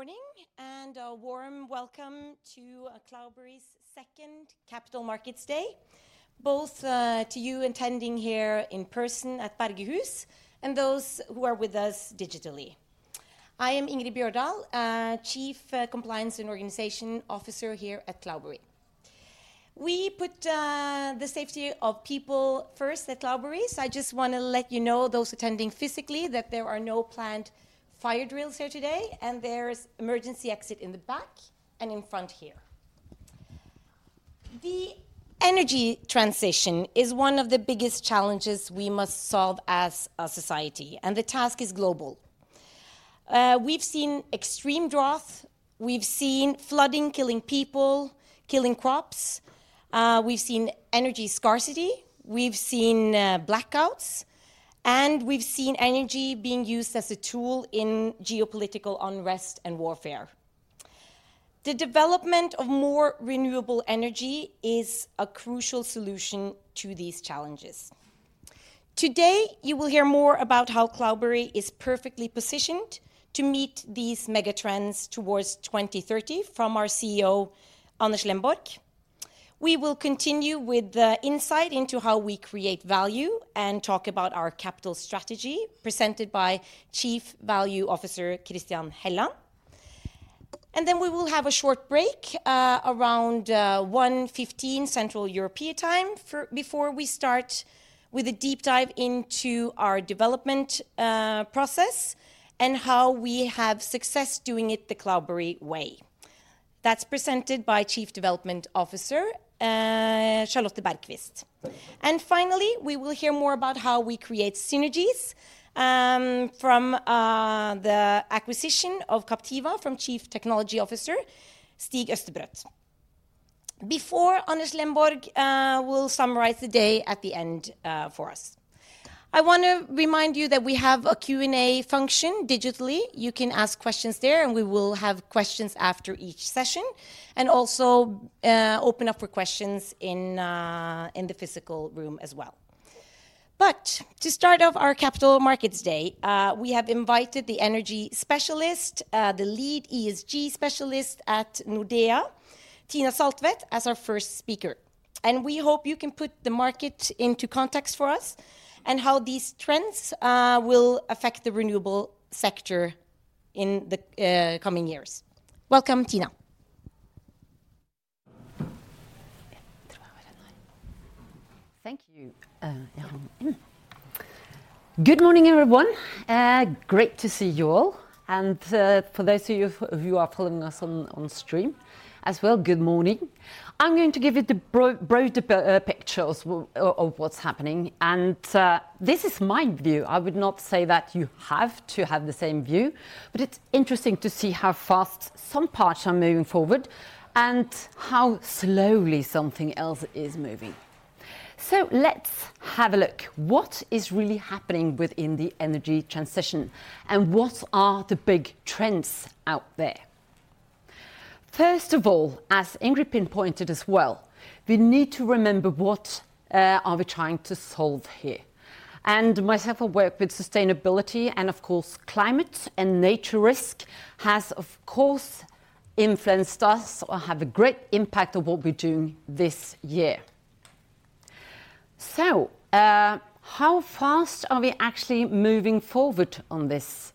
Good morning, and a warm welcome to Cloudberry's second Capital Markets Day, both to you attending here in person at Bergehus, and those who are with us digitally. I am Ingrid Bjørdal, Chief Compliance and Organization Officer here at Cloudberry. We put the safety of people first at Cloudberry, so I just want to let you know, those attending physically, that there are no planned fire drills here today, and there's emergency exit in the back and in front here. The energy transition is one of the biggest challenges we must solve as a society, and the task is global. We've seen extreme drought, we've seen flooding, killing people, killing crops, we've seen energy scarcity, we've seen blackouts, and we've seen energy being used as a tool in geopolitical unrest and warfare. The development of more renewable energy is a crucial solution to these challenges. Today, you will hear more about how Cloudberry is perfectly positioned to meet these megatrends towards 2030 from our CEO, Anders Lenborg. We will continue with the insight into how we create value, and talk about our capital strategy, presented by Chief Value Officer Christian Helland. And then we will have a short break around 1:15 Central European time before we start with a deep dive into our development process, and how we have success doing it the Cloudberry way. That's presented by Chief Development Officer Charlotte Bergqvist. And finally, we will hear more about how we create synergies from the acquisition of Captiva, from Chief Technology Officer Stig Østebrøt. Before Anders Lenborg will summarize the day at the end for us. I want to remind you that we have a Q&A function digitally. You can ask questions there, and we will have questions after each session, and also, open up for questions in, in the physical room as well. But to start off our Capital Markets Day, we have invited the energy specialist, the lead ESG specialist at Nordea, Thina Saltvedt, as our first speaker. And we hope you can put the market into context for us, and how these trends, will affect the renewable sector in the, coming years. Welcome, Thina. Thank you, good morning, everyone. Great to see you all, and, for those of you who are following us on stream as well, good morning. I'm going to give you the broader pictures of what's happening, and this is my view. I would not say that you have to have the same view, but it's interesting to see how fast some parts are moving forward, and how slowly something else is moving. Let's have a look. What is really happening within the energy transition, and what are the big trends out there? First of all, as Ingrid pinpointed as well, we need to remember what are we trying to solve here? Myself, I work with sustainability, and of course, climate and nature risk has, of course, influenced us or have a great impact on what we're doing this year. So, how fast are we actually moving forward on this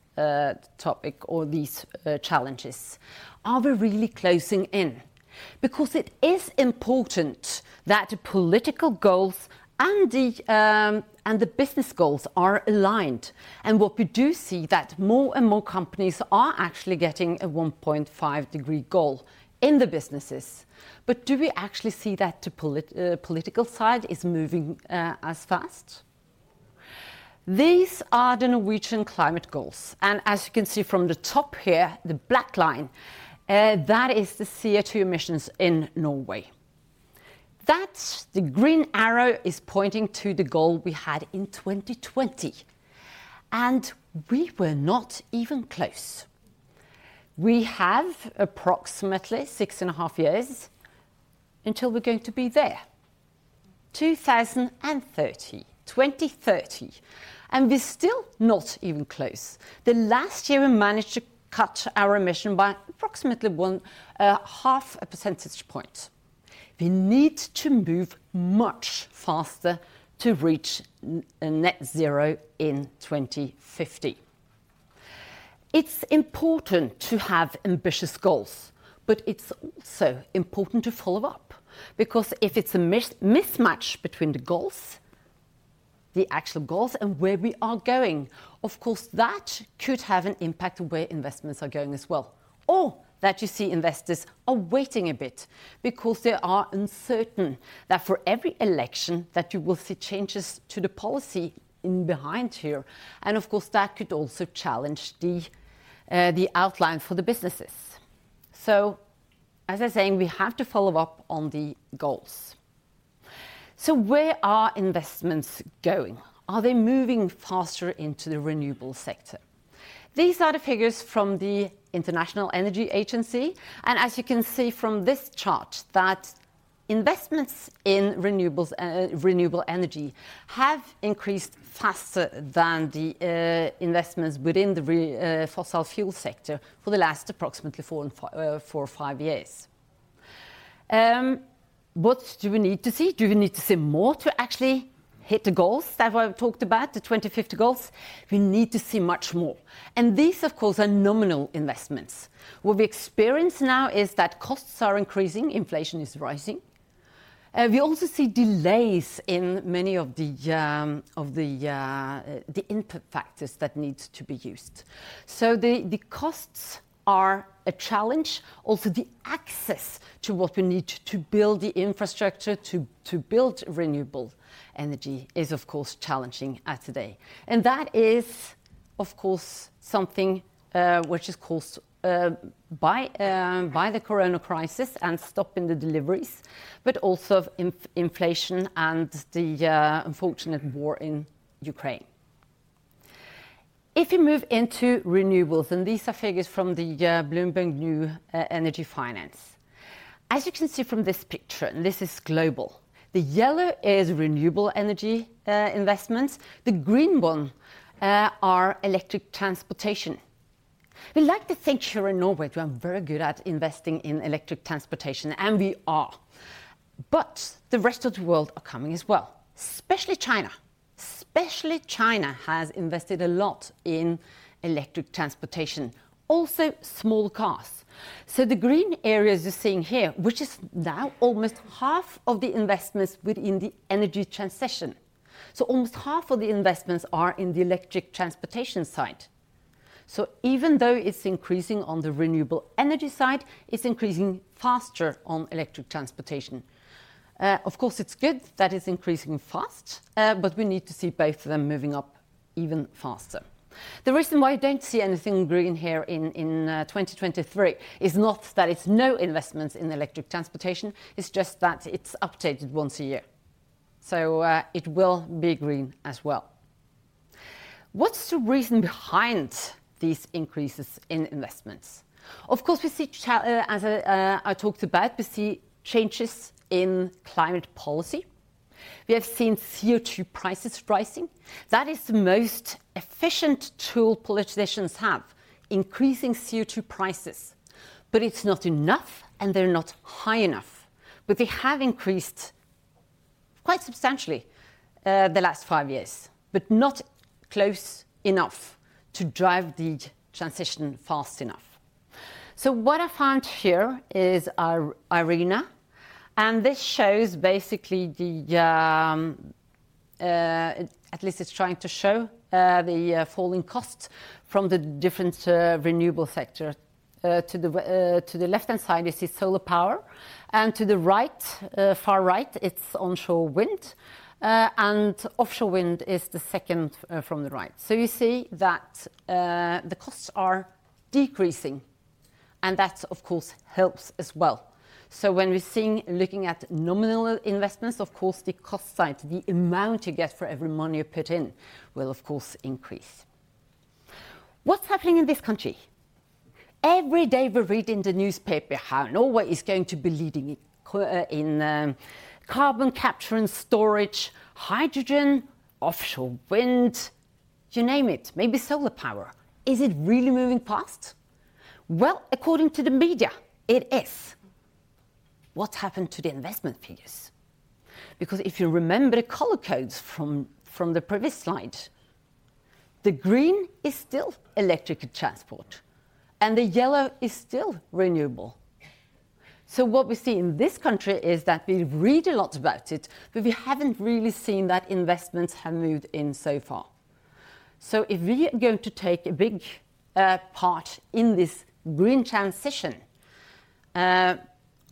topic or these challenges? Are we really closing in? Because it is important that political goals and the, and the business goals are aligned. And what we do see that more and more companies are actually getting a 1.5-degree goal in the businesses. But do we actually see that the polit- political side is moving, as fast? These are the Norwegian climate goals, and as you can see from the top here, the black line, that is the CO2 emissions in Norway. That, the green arrow, is pointing to the goal we had in 2020, and we were not even close. We have approximately 6.5 years until we're going to be there, 2030, 2030, and we're still not even close. The last year, we managed to cut our emission by approximately 0.5 percentage point. We need to move much faster to reach net zero in 2050. It's important to have ambitious goals, but it's also important to follow up, because if it's a mismatch between the goals, the actual goals, and where we are going, of course, that could have an impact on where investments are going as well. Or that you see investors are waiting a bit because they are uncertain that for every election that you will see changes to the policy in behind here, and of course, that could also challenge the outline for the businesses. So, as I was saying, we have to follow up on the goals. So, where are investments going? Are they moving faster into the renewable sector? These are the figures from the International Energy Agency, and as you can see from this chart, investments in renewables, renewable energy have increased faster than the investments within the fossil fuel sector for the last approximately four or five years. What do we need to see? Do we need to see more to actually hit the goals that I've talked about, the 2050 goals? We need to see much more, and these, of course, are nominal investments. What we experience now is that costs are increasing, inflation is rising. We also see delays in many of the input factors that needs to be used. So, the costs are a challenge. Also, the access to what we need to build the infrastructure to build renewable energy is, of course, challenging as today. And that is, of course, something which is caused by the corona crisis and stop in the deliveries, but also of inflation and the unfortunate war in Ukraine. If you move into renewables, and these are figures from the Bloomberg New Energy Finance. As you can see from this picture, and this is global, the yellow is renewable energy investments. The green one are electric transportation. We like to think here in Norway that we are very good at investing in electric transportation, and we are, but the rest of the world are coming as well, especially China. Especially China has invested a lot in electric transportation, also small cars. So, the green areas you're seeing here, which is now almost half of the investments within the energy transition, so almost half of the investments are in the electric transportation side. So, even though it's increasing on the renewable energy side, it's increasing faster on electric transportation. Of course, it's good that it's increasing fast, but we need to see both of them moving up even faster. The reason why you don't see anything green here in 2023 is not that it's no investments in electric transportation, it's just that it's updated once a year, so it will be green as well. What's the reason behind these increases in investments? Of course, we see, as I talked about, we see changes in climate policy. We have seen CO2 prices rising. That is the most efficient tool politicians have, increasing CO2 prices, but it's not enough, and they're not high enough. But they have increased quite substantially, the last five years, but not close enough to drive the transition fast enough. So, what I found here is IRENA, and this shows basically the. At least it's trying to show, the falling costs from the different renewable sector. To the left-hand side, you see solar power, and to the right, far right, its onshore wind, and offshore wind is the second, from the right. So, you see that, the costs are decreasing, and that, of course, helps as well. So, when we're seeing, looking at nominal investments, of course, the cost side, the amount you get for every money you put in, will of course increase. What's happening in this country? Every day, we read in the newspaper how Norway is going to be leading in carbon capture and storage, hydrogen, offshore wind, you name it, maybe solar power. Is it really moving fast? Well, according to the media, it is. What happened to the investment figures? Because if you remember the color codes from the previous slide, the green is still electric transport and the yellow is still renewable. So, what we see in this country is that we read a lot about it, but we haven't really seen that investments have moved in so far. So, if we are going to take a big part in this green transition,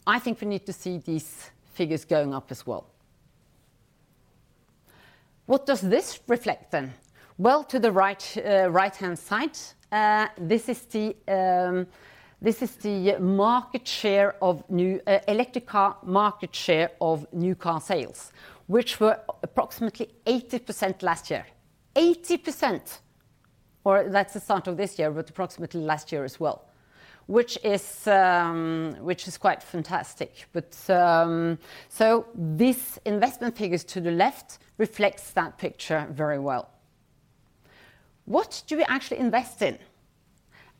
I think we need to see these figures going up as well. What does this reflect then? Well, to the right, right-hand side, this is the market share of new electric car market share of new car sales, which were approximately 80% last year. 80%, or that's the start of this year, but approximately last year as well, which is quite fantastic. But so, this investment figures to the left reflects that picture very well. What do we actually invest in?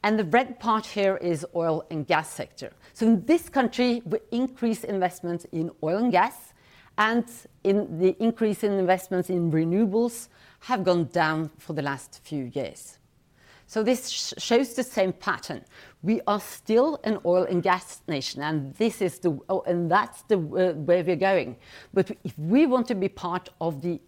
And the red part here is oil and gas sector. So, in this country, we increase investment in oil and gas, and in the increase in investments in renewables have gone down for the last few years. So, this shows the same pattern. We are still an oil and gas nation, and this is the oil and that's the way where we're going. But if we want to be part of the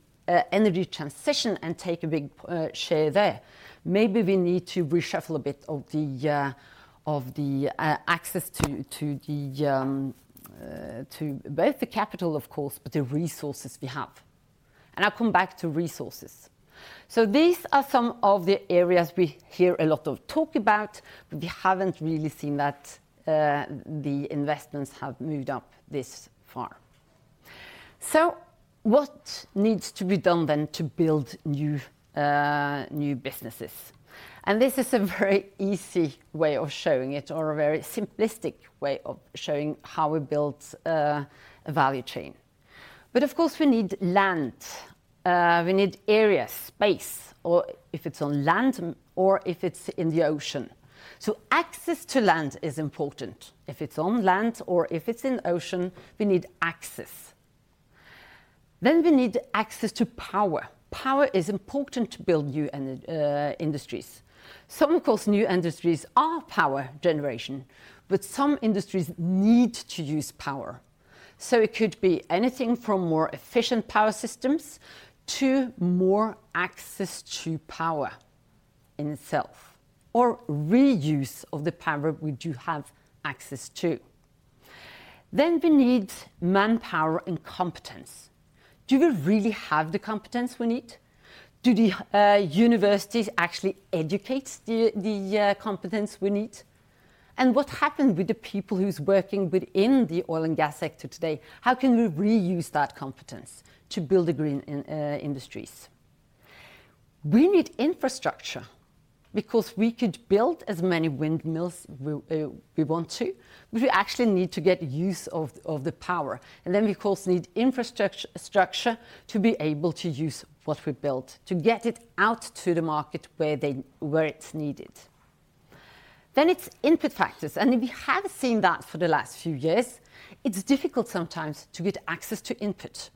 energy transition and take a big share there, maybe we need to reshuffle a bit of the access to both the capital, of course, but the resources we have. And I'll come back to resources. So, these are some of the areas we hear a lot of talk about, but we haven't really seen that the investments have moved up this far. So, what needs to be done then to build new businesses? And this is a very easy way of showing it, or a very simplistic way of showing how we build a value chain. But of course, we need land, we need area, space, or if it's on land, or if it's in the ocean. So, access to land is important. If it's on land or if it's in ocean, we need access. Then we need access to power. Power is important to build new industries. Some, of course, new industries are power generation, but some industries need to use power. So, it could be anything from more efficient power systems to more access to power in itself, or reuse of the power we do have access to. Then we need manpower and competence. Do we really have the competence we need? Do the universities actually educate the competence we need? And what happened with the people who's working within the oil and gas sector today? How can we reuse that competence to build a green in industries? We need infrastructure, because we could build as many windmills we want to, but we actually need to get use of the power. And then we, of course, need infrastructure to be able to use what we built, to get it out to the market where it's needed. Then it's input factors, and we have seen that for the last few years. It's difficult sometimes to get access to input.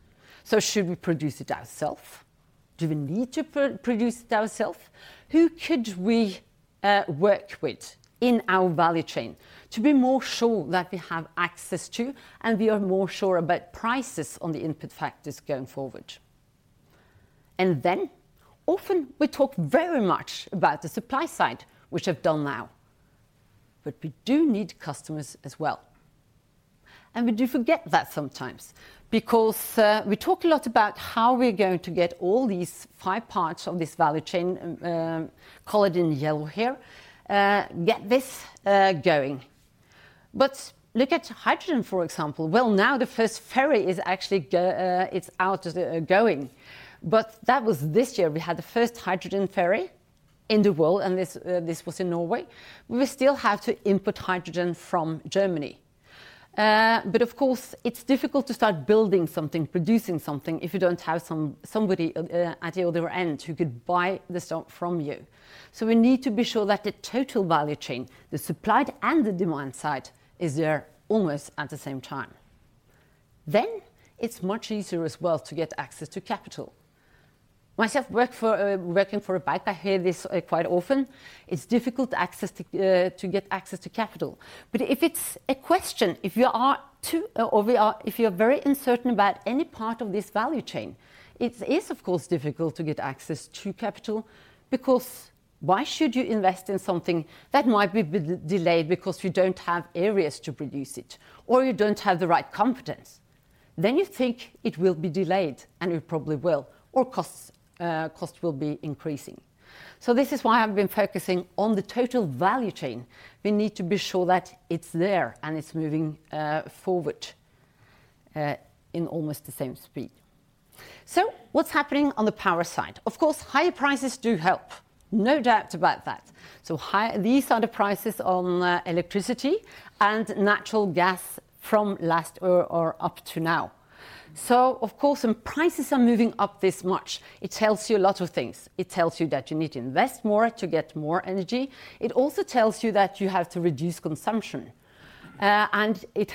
So, should we produce it ourselves? Do we need to produce it ourselves? Who could we work with in our value chain to be more sure that we have access to, and we are more sure about prices on the input factors going forward? And then, often we talk very much about the supply side, which I've done now. But we do need customers as well, and we do forget that sometimes, because we talk a lot about how we're going to get all these five parts of this value chain, call it in yellow here, get this, going. But look at hydrogen, for example. Well, now the first ferry is actually going. But that was this year, we had the first hydrogen ferry in the world, and this, this was in Norway. We still have to input hydrogen from Germany. But of course, it's difficult to start building something, producing something, if you don't have somebody, at the other end who could buy the stock from you. So, we need to be sure that the total value chain, the supply and the demand side, is there almost at the same time. Then, it's much easier as well to get access to capital. Myself, working for a bank, I hear this quite often, it's difficult to get access to capital. But if it's a question, if you are to, or we are... If you're very uncertain about any part of this value chain, it is, of course, difficult to get access to capital because why should you invest in something that might be delayed because you don't have areas to produce it, or you don't have the right competence? Then you think it will be delayed, and it probably will, or costs will be increasing. So, this is why I've been focusing on the total value chain. We need to be sure that it's there and it's moving forward in almost the same speed. So, what's happening on the power side? Of course, high prices do help. No doubt about that. So high—these are the prices on electricity and natural gas from last up to now. So of course, when prices are moving up this much, it tells you a lot of things. It tells you that you need to invest more to get more energy. It also tells you that you have to reduce consumption. And it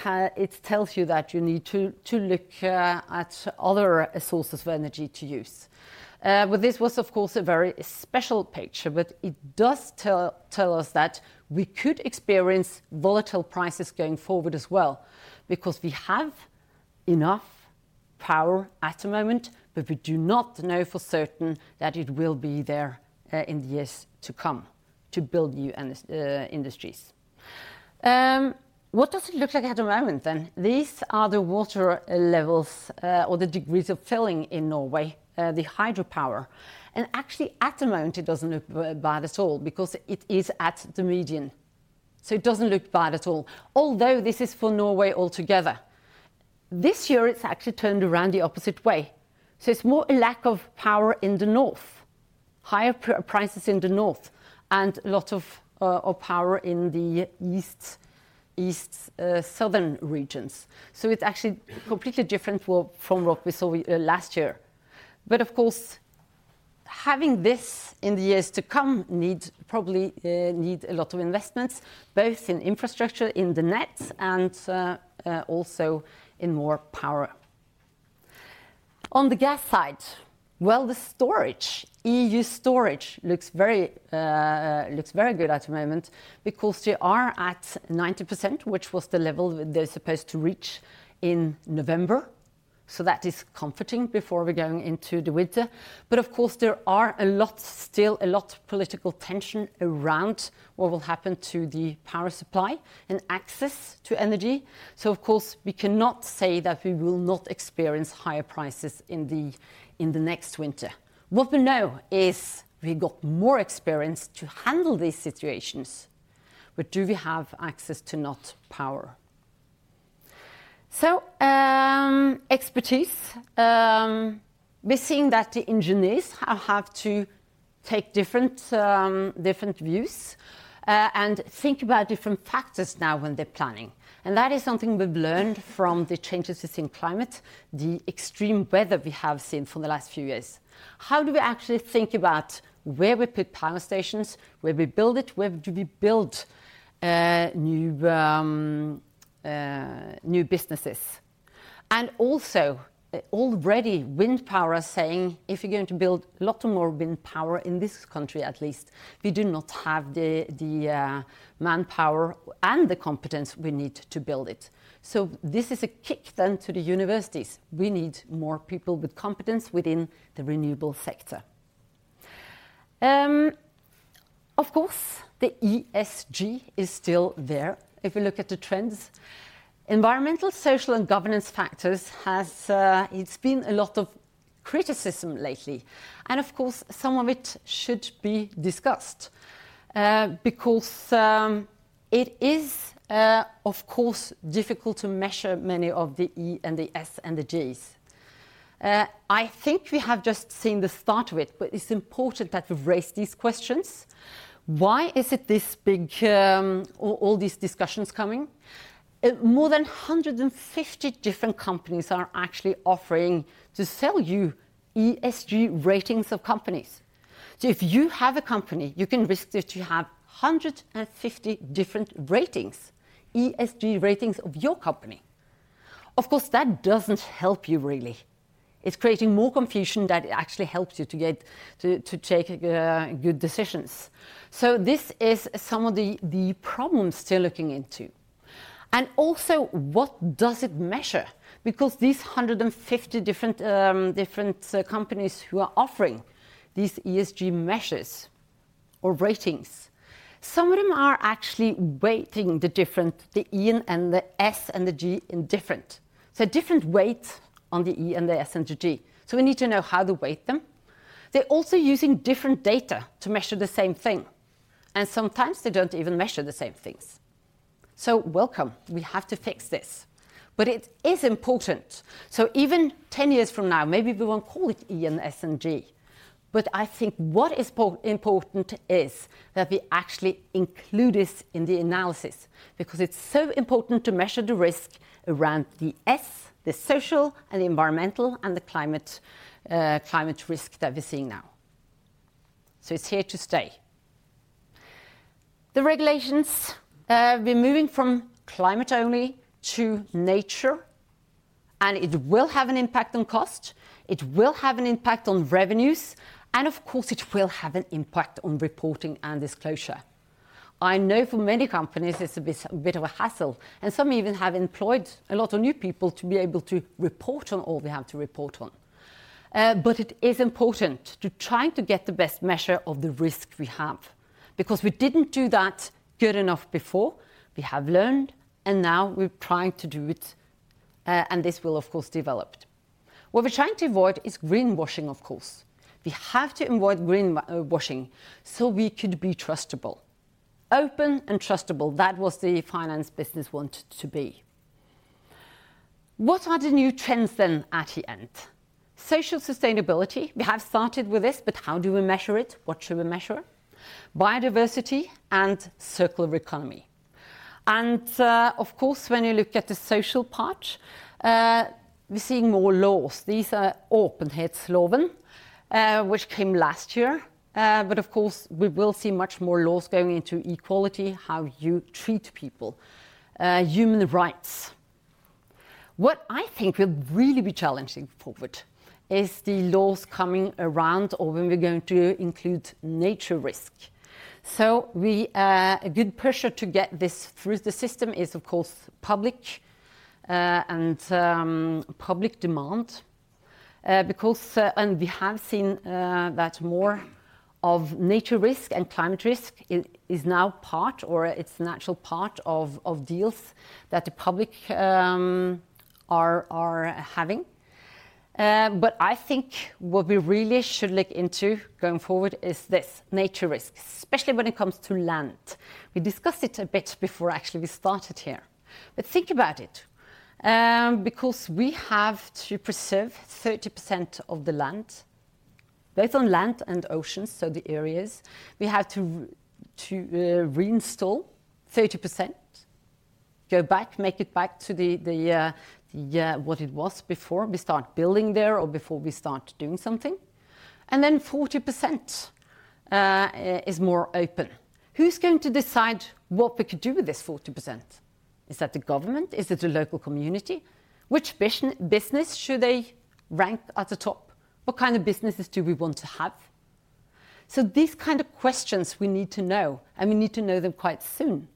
tells you that you need to look at other sources of energy to use. But this was, of course, a very special picture, but it does tell, tell us that we could experience volatile prices going forward as well, because we have enough power at the moment, but we do not know for certain that it will be there in the years to come to build new industries. What does it look like at the moment then? These are the water levels, or the degrees of filling in Norway, the hydropower. And actually, at the moment, it doesn't look bad at all because it is at the median, so it doesn't look bad at all. Although, this is for Norway altogether. This year, it's actually turned around the opposite way, so it's more a lack of power in the north, higher prices in the north, and a lot of power in the east, southern regions. So, it's actually completely different from what we saw last year. But of course, having this in the years to come needs, probably, need a lot of investments, both in infrastructure, in the net, and also in more power. On the gas side, well, the storage, EU storage, looks very good at the moment because they are at 90%, which was the level they're supposed to reach in November. So, that is comforting before we're going into the winter. But of course, there are a lot, still a lot of political tension around what will happen to the power supply and access to energy. So of course, we cannot say that we will not experience higher prices in the, in the next winter. What we know is we got more experience to handle these situations. But do we have access to not power? So, expertise. We're seeing that the engineers are have to take different, different views, and think about different factors now when they're planning, and that is something we've learned from the changes we see in climate, the extreme weather we have seen for the last few years. How do we actually think about where we put power stations, where we build it, where do we build new businesses? Wind power are saying if you're going to build a lot more wind power in this country, at least, we do not have the manpower and the competence we need to build it. So, this is a kick then to the universities. We need more people with competence within the renewable sector. Of course, the ESG is still there if we look at the trends. Environmental, social, and governance factors has. It's been a lot of criticism lately, and of course, some of it should be discussed, because it is, of course, difficult to measure many of the E and the S and the Gs. I think we have just seen the start of it, but it's important that we've raised these questions. Why is it this big, or all these discussions coming? More than 150 different companies are actually offering to sell you ESG ratings of companies. So, if you have a company, you can risk that you have 150 different ratings, ESG ratings of your company. Of course, that doesn't help you really. It's creating more confusion than it actually helps you to get to, to take good decisions. So, this is some of the problems we're looking into. And also, what does it measure? Because these 150 different companies who are offering these ESG measures or ratings, some of them are actually weighting the different, the E and the S and the G in different. So different weight on the E and the S and the G. So, we need to know how to weight them. They're also using different data to measure the same thing, and sometimes they don't even measure the same things. So welcome, we have to fix this. But it is important. So even 10 years from now, maybe we won't call it E and S and G, but I think what is important is that we actually include this in the analysis, because it's so important to measure the risk around the S, the social, and the environmental, and the climate, climate risk that we're seeing now. So, it's here to stay. The regulations, we're moving from climate only to nature, and it will have an impact on cost, it will have an impact on revenues, and of course, it will have an impact on reporting and disclosure. I know for many companies, it's a bit, a bit of a hassle, and some even have employed a lot of new people to be able to report on all they have to report on. But it is important to trying to get the best measure of the risk we have, because we didn't do that good enough before. We have learned, and now we're trying to do it, and this will, of course, developed. What we're trying to avoid is greenwashing, of course. We have to avoid greenwashing, so we could be trustable. Open and trustable, that was the finance business want to be. What are the new trends then at the end? Social sustainability, we have started with this, but how do we measure it? What should we measure? Biodiversity and circular economy. Of course, when you look at the social part, we're seeing more laws. These are Åpenhetsloven, which came last year. But of course, we will see much more laws going into equality, how you treat people, human rights. What I think will really be challenging forward is the laws coming around or when we're going to include nature risk. So, a good pressure to get this through the system is, of course, public, and public demand, because... We have seen that more of nature risk and climate risk is now part or it's natural part of deals that the public are having. But I think what we really should look into going forward is this nature risk, especially when it comes to land. We discussed it a bit before, actually we started here. But think about it, because we have to preserve 30% of the land, both on land and oceans, so the areas. We have to reinstall 30%, go back, make it back to what it was before we start building there or before we start doing something. And then 40% is more open. Who's going to decide what we could do with this 40%? Is it the government? Is it the local community? Which business should they rank at the top? What kind of businesses do we want to have? So, these kinds of questions we need to know, and we need to know them quite soon,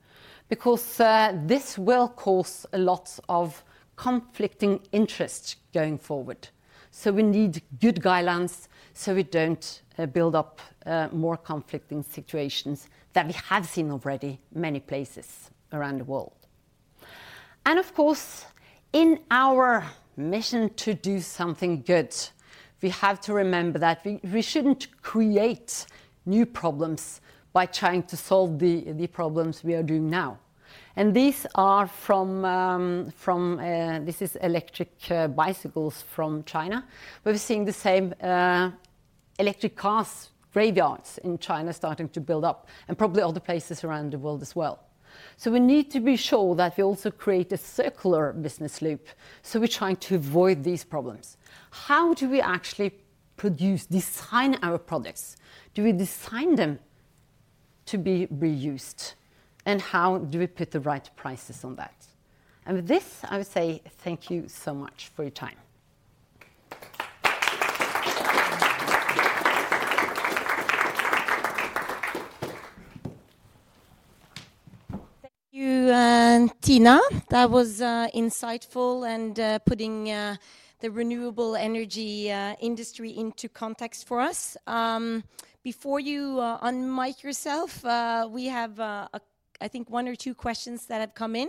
because this will cause a lot of conflicting interests going forward. We need good guidelines, so we don't build up more conflicting situations that we have seen already many places around the world. And of course, in our mission to do something good, we have to remember that we shouldn't create new problems by trying to solve the problems we are doing now. And these are from, from this is electric bicycles from China. We're seeing the same electric cars graveyards in China starting to build up, and probably other places around the world as well. So, we need to be sure that we also create a circular business loop, so we're trying to avoid these problems. How do we actually produce, design our products? Do we design them to be reused, and how do we put the right prices on that? With this, I would say thank you so much for your time. Thank you, Thina. That was insightful and putting the renewable energy industry into context for us. Before you unmic yourself, we have, I think, one or two questions that have come in.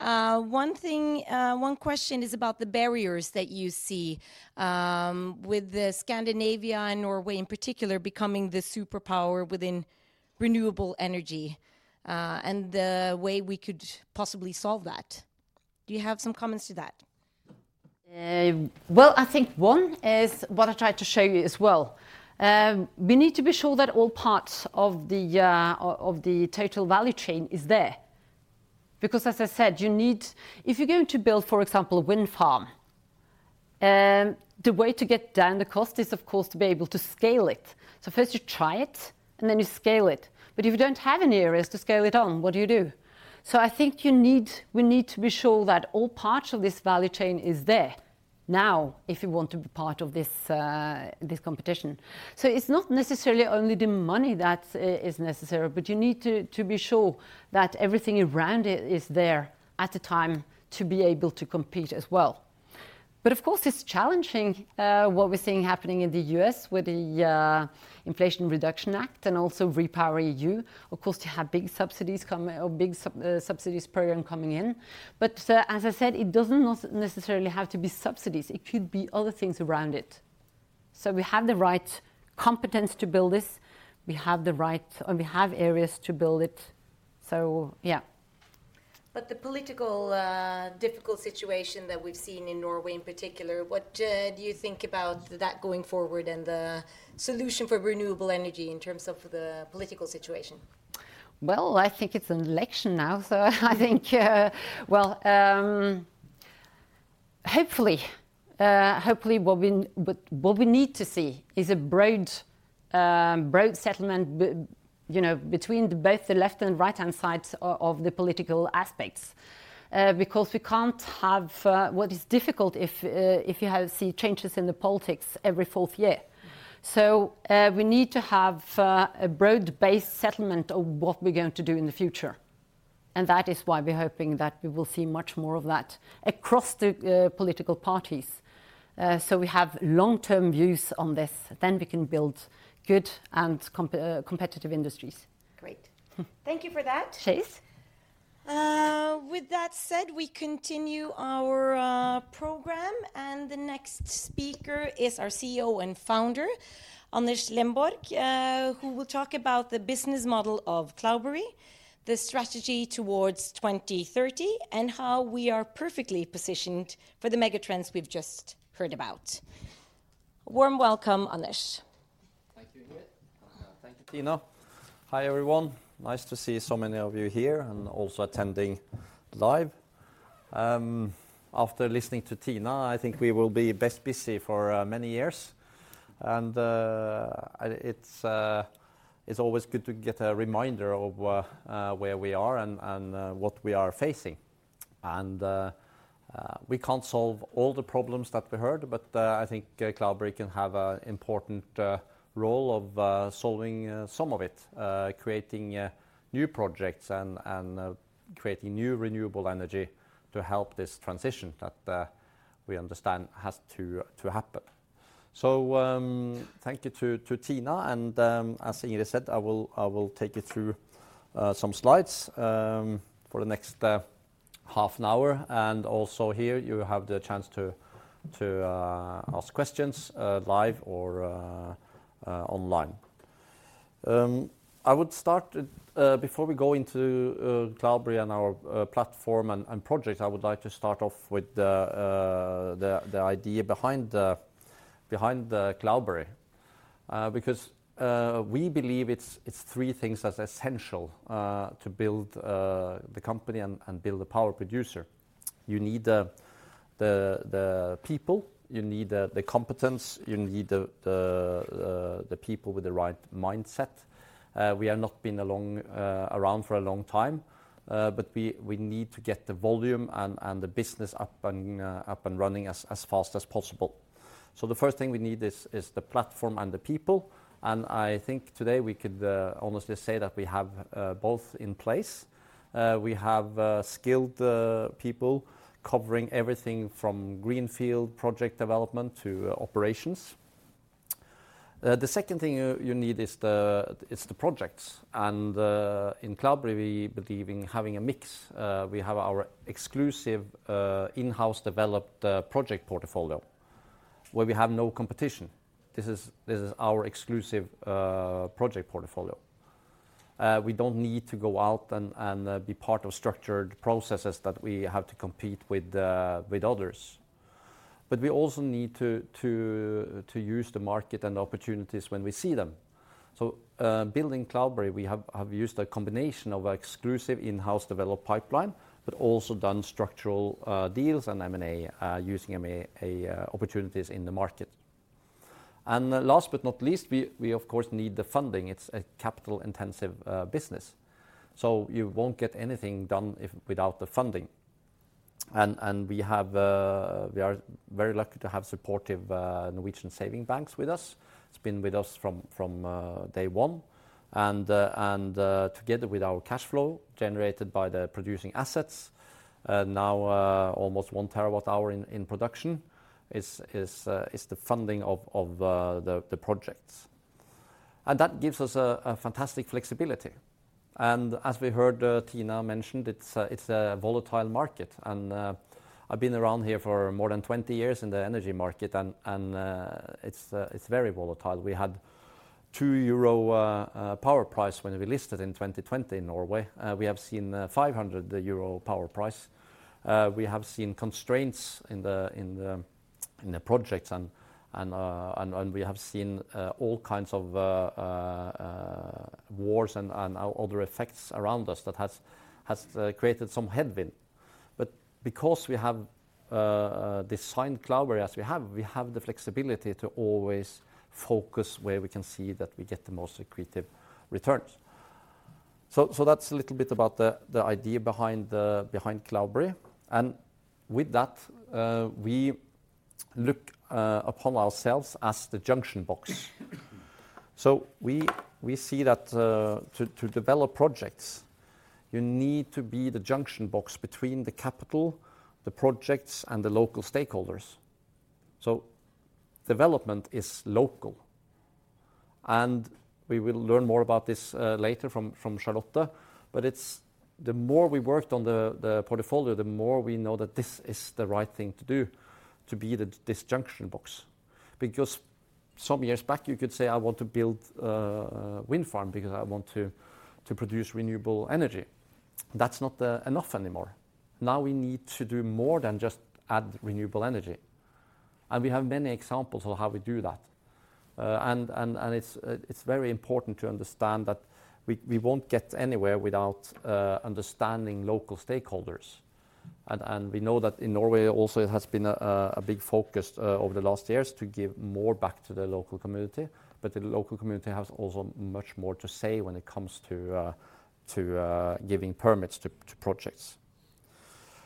One thing... one question is about the barriers that you see with the Scandinavia and Norway in particular, becoming the superpower within renewable energy, and the way we could possibly solve that. Do you have some comments to that? Well, I think one is what I tried to show you as well. We need to be sure that all parts of the, of the total value chain is there. Because as I said, you need- if you're going to build, for example, a wind farm, the way to get down the cost is, of course, to be able to scale it. So, first, you try it, and then you scale it. But if you don't have any areas to scale it on, what do you do? So, I think you need, we need to be sure that all parts of this value chain is there now, if you want to be part of this, this competition. So, it's not necessarily only the money that is necessary, but you need to be sure that everything around it is there at the time to be able to compete as well. But of course, it's challenging, what we're seeing happening in the U.S. with the Inflation Reduction Act and also REPowerEU. Of course, to have big subsidies come, or big subsidies program coming in. But as I said, it doesn't necessarily have to be subsidies, it could be other things around it. So, we have the right competence to build this. We have the right, and we have areas to build it. So yeah. But the political, difficult situation that we've seen in Norway in particular, what do you think about that going forward, and the solution for renewable energy in terms of the political situation? Well, I think it's an election now, so I think, well, hopefully, hopefully what we, what we need to see is a broad, broad settlement, you know, between both the left and right-hand sides of, of the political aspects. Because we can't have, what is difficult if, if you have, see changes in the politics every fourth year. So, we need to have, a broad-based settlement of what we're going to do in the future, and that is why we're hoping that we will see much more of that across the political parties, so we have long-term views on this, then we can build good and competitive industries. Great. Hmm. Thank you for that. Cheers. With that said, we continue our program, and the next speaker is our CEO and founder, Anders Lenborg, who will talk about the business model of Cloudberry, the strategy towards 2030, and how we are perfectly positioned for the megatrends we've just heard about. Warm welcome, Anders. Thank you, Ingrid. Thank you, Thina. Hi, everyone. Nice to see so many of you here and also attending live. After listening to Thina, I think we will be best busy for many years. It's always good to get a reminder of where we are and what we are facing. We can't solve all the problems that we heard, but I think Cloudberry can have an important role of solving some of it creating new projects and creating new renewable energy to help this transition that we understand has to happen. So, thank you to Thina, and as Ingrid said, I will take you through some slides for the next half an hour. And also here, you have the chance to ask questions live or online. I would start with, before we go into Cloudberry and our platform and project, I would like to start off with the idea behind Cloudberry. Because we believe it's three things that's essential to build the company and build a power producer. You need the people, you need the competence, you need the people with the right mindset. We have not been around for a long time, but we need to get the volume and the business up and running as fast as possible. So, the first thing we need is the platform and the people, and I think today we could honestly say that we have both in place. We have skilled people covering everything from greenfield project development to operations. The second thing you need is the projects. And in Cloudberry, we believe in having a mix. We have our exclusive in-house developed project portfolio, where we have no competition. This is our exclusive project portfolio. We don't need to go out and be part of structured processes that we have to compete with others. But we also need to use the market and opportunities when we see them. So, building Cloudberry, we have used a combination of exclusive in-house developed pipeline, but also done structural deals and M&A, using M&A opportunities in the market. And last but not least, we of course need the funding. It's a capital-intensive business, so you won't get anything done if without the funding. And we are very lucky to have supportive Norwegian savings banks with us. It's been with us from day one. And together with our cash flow, generated by the producing assets, now almost 1 TWh in production, is the funding of the projects. And that gives us a fantastic flexibility. And as we heard, Thina mention, it's a volatile market, and I've been around here for more than 20 years in the energy market, and it's very volatile. We had 2 euro power price when we listed in 2020 in Norway. We have seen 500 euro power price. We have seen constraints in the projects, and we have seen all kinds of wars and other effects around us that has created some headwind. But because we have designed Cloudberry as we have, we have the flexibility to always focus where we can see that we get the most accretive returns. So, that's a little bit about the idea behind Cloudberry. And with that, we look upon ourselves as the junction box. So, we see that, to develop projects, you need to be the junction box between the capital, the projects, and the local stakeholders. So, development is local, and we will learn more about this later from Charlotte. But it's... the more we worked on the portfolio, the more we know that this is the right thing to do, to be this junction box. Because some years back, you could say, "I want to build a wind farm because I want to produce renewable energy." That's not enough anymore. Now, we need to do more than just add renewable energy, and we have many examples of how we do that. It's very important to understand that we won't get anywhere without understanding local stakeholders. We know that in Norway also, it has been a big focus over the last years to give more back to the local community. But the local community has also much more to say when it comes to giving permits to projects.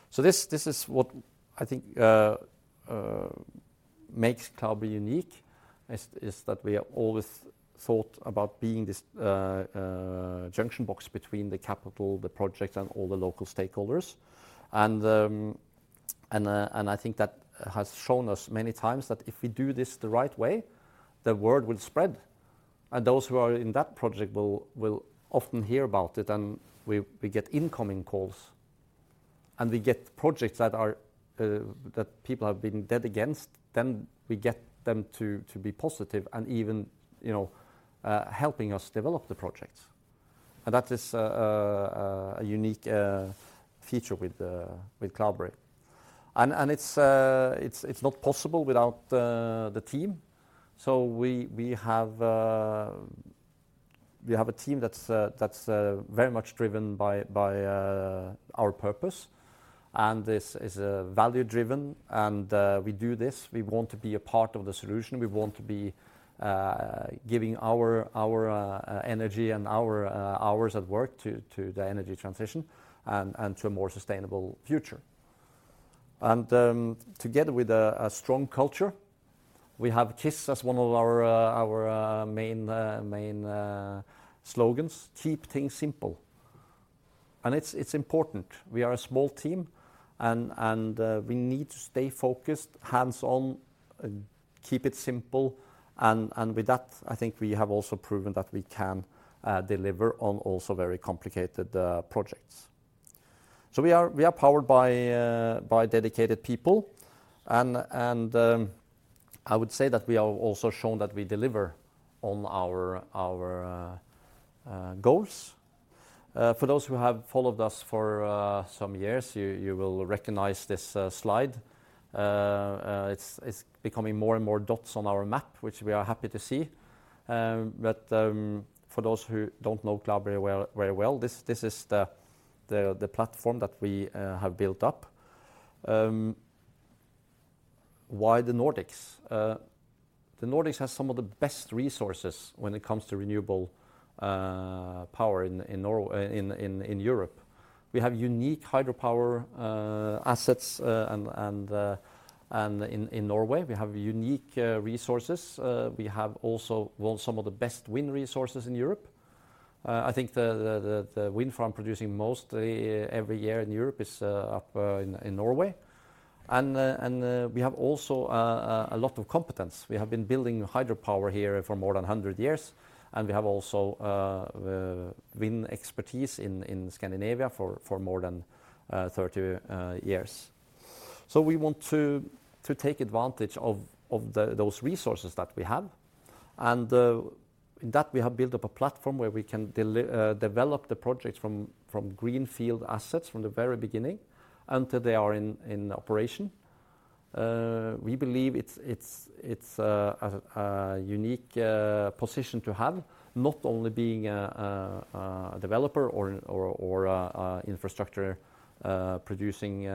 So, this is what I think makes Cloudberry unique, is that we have always thought about being this junction box between the capital, the project, and all the local stakeholders. And I think that has shown us many times that if we do this the right way, the word will spread, and those who are in that project will, will often hear about it, and we, we get incoming calls. And we get projects that are, that people have been dead against, then we get them to, to be positive and even, you know, helping us develop the projects. And that is, a unique, feature with, with Cloudberry. And, and it's, it's, it's not possible without, the team. So, we have a team that's, that's, very much driven by, by, our purpose, and this is, value-driven, and we do this. We want to be a part of the solution. We want to be giving our energy and our hours at work to the energy transition and to a more sustainable future. Together with a strong culture, we have KISS as one of our main slogans, Keep Things Simple. It's important. We are a small team, and we need to stay focused, hands-on, and keep it simple, and with that, I think we have also proven that we can deliver on also very complicated projects. We are powered by dedicated people, and I would say that we have also shown that we deliver on our goals. For those who have followed us for some years, you will recognize this slide. It's becoming more and more dots on our map, which we are happy to see. But, for those who don't know Cloudberry very well, this is the platform that we have built up. Why the Nordics? The Nordics has some of the best resources when it comes to renewable power in Europe. We have unique hydropower assets, and in Norway, we have unique resources. We have also some of the best wind resources in Europe. I think the wind farm producing mostly every year in Europe is up in Norway. And we have also a lot of competence. We have been building hydropower here for more than 100 years, and we have also wind expertise in Scandinavia for more than 30 years. So, we want to take advantage of those resources that we have. And in that, we have built up a platform where we can develop the projects from greenfield assets from the very beginning until they are in operation. We believe it's a unique position to have, not only being a developer or a infrastructure producing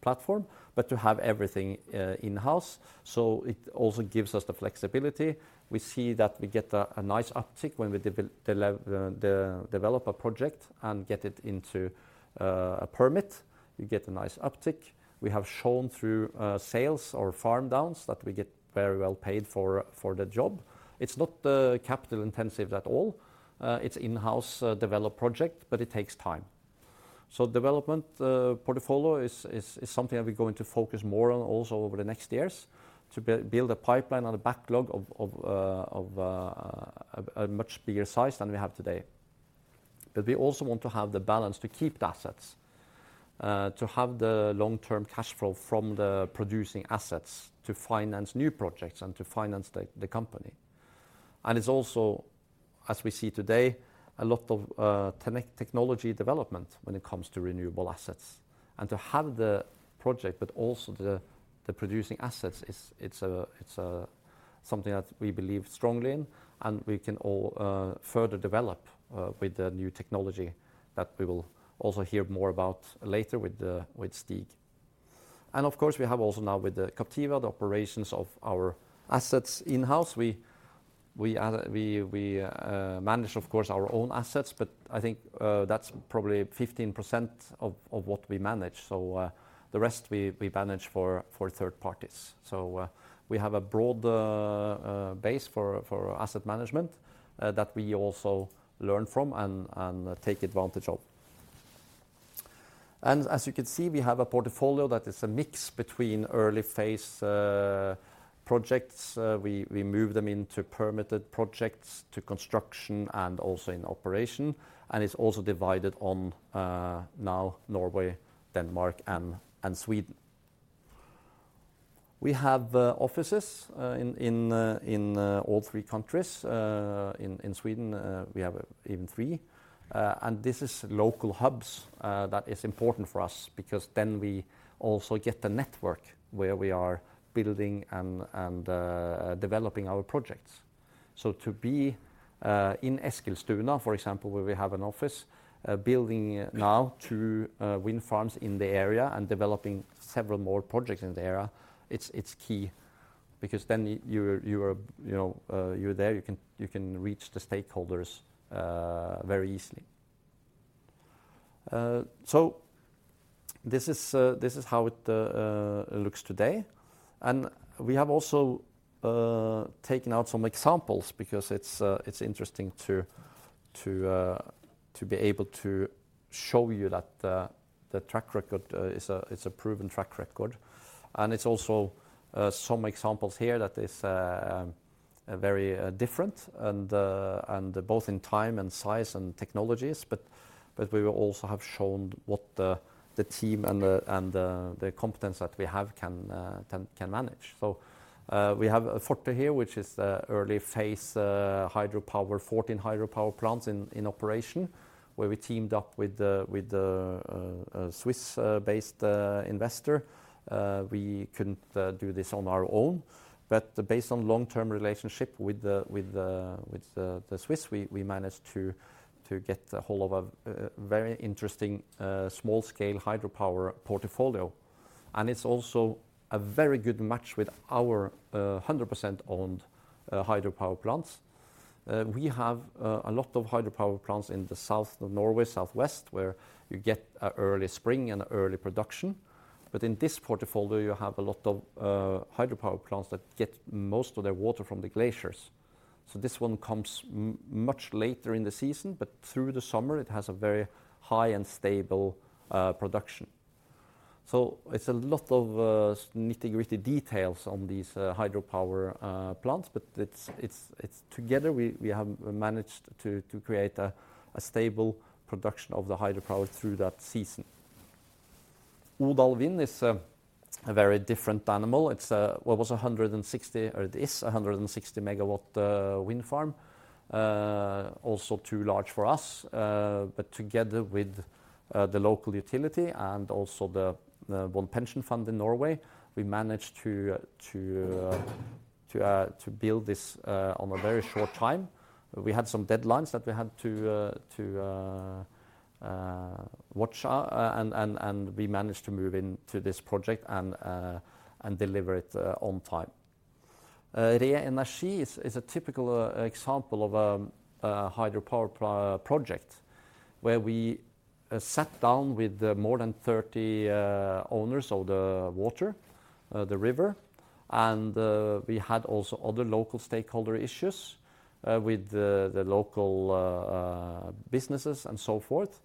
platform, but to have everything in-house. So, it also gives us the flexibility. We see that we get a nice uptick when we develop a project and get it into a permit. We get a nice uptick. We have shown through sales or farm downs that we get very well paid for the job. It's not capital intensive at all. It's in-house developed project, but it takes time. So development portfolio is something that we're going to focus more on also over the next years, to build a pipeline and a backlog of a much bigger size than we have today. But we also want to have the balance to keep the assets, to have the long-term cash flow from the producing assets, to finance new projects and to finance the company. And it's also, as we see today, a lot of technology development when it comes to renewable assets. To have the project, but also the producing assets, it's something that we believe strongly in, and we can all further develop with the new technology that we will also hear more about later with Stig. And of course, we have also now with the Captiva the operations of our assets in-house. We manage, of course, our own assets, but I think that's probably 15% of what we manage. So, the rest we manage for third parties. So, we have a broad base for asset management that we also learn from and take advantage of. And as you can see, we have a portfolio that is a mix between early phase projects. We move them into permitted projects, to construction, and also in operation, and it's also divided on now Norway, Denmark, and Sweden. We have offices in all three countries. In Sweden, we have even three. And this is local hubs that is important for us because then we also get the network where we are building and developing our projects. So, to be in Eskilstuna, for example, where we have an office, building now two wind farms in the area and developing several more projects in the area, it's key because then you, you're there, you know, you're there, you can reach the stakeholders very easily. So, this is how it looks today. We have also taken out some examples because it's interesting to be able to show you that the track record is a proven track record. It's also some examples here that is very different and both in time and size and technologies, but we will also have shown what the team and the competence that we have can manage. So, we have Forte here, which is a early phase hydropower, 14 hydropower plants in operation, where we teamed up with the Swiss-based investor. We couldn't do this on our own, but based on long-term relationship with the Swiss, we managed to get a hold of a very interesting small-scale hydropower portfolio. And it's also a very good match with our 100% owned hydropower plants. We have a lot of hydropower plants in the south of Norway, southwest, where you get a early spring and early production. But in this portfolio, you have a lot of hydropower plants that get most of their water from the glaciers. So, this one comes much later in the season, but through the summer, it has a very high and stable production. It's a lot of nitty-gritty details on these hydropower plants, but together, we have managed to create a stable production of the hydropower through that season. Odal Vind is a very different animal. It's what was 160, or it is 160 MW wind farm. Also, too large for us, but together with the local utility and also the one pension fund in Norway, we managed to build this on a very short time. We had some deadlines that we had to watch out, and we managed to move into this project and deliver it on time. Reie is a typical example of a hydropower project, where we sat down with more than 30 owners of the water, the river, and we had also other local stakeholder issues with the local businesses and so forth,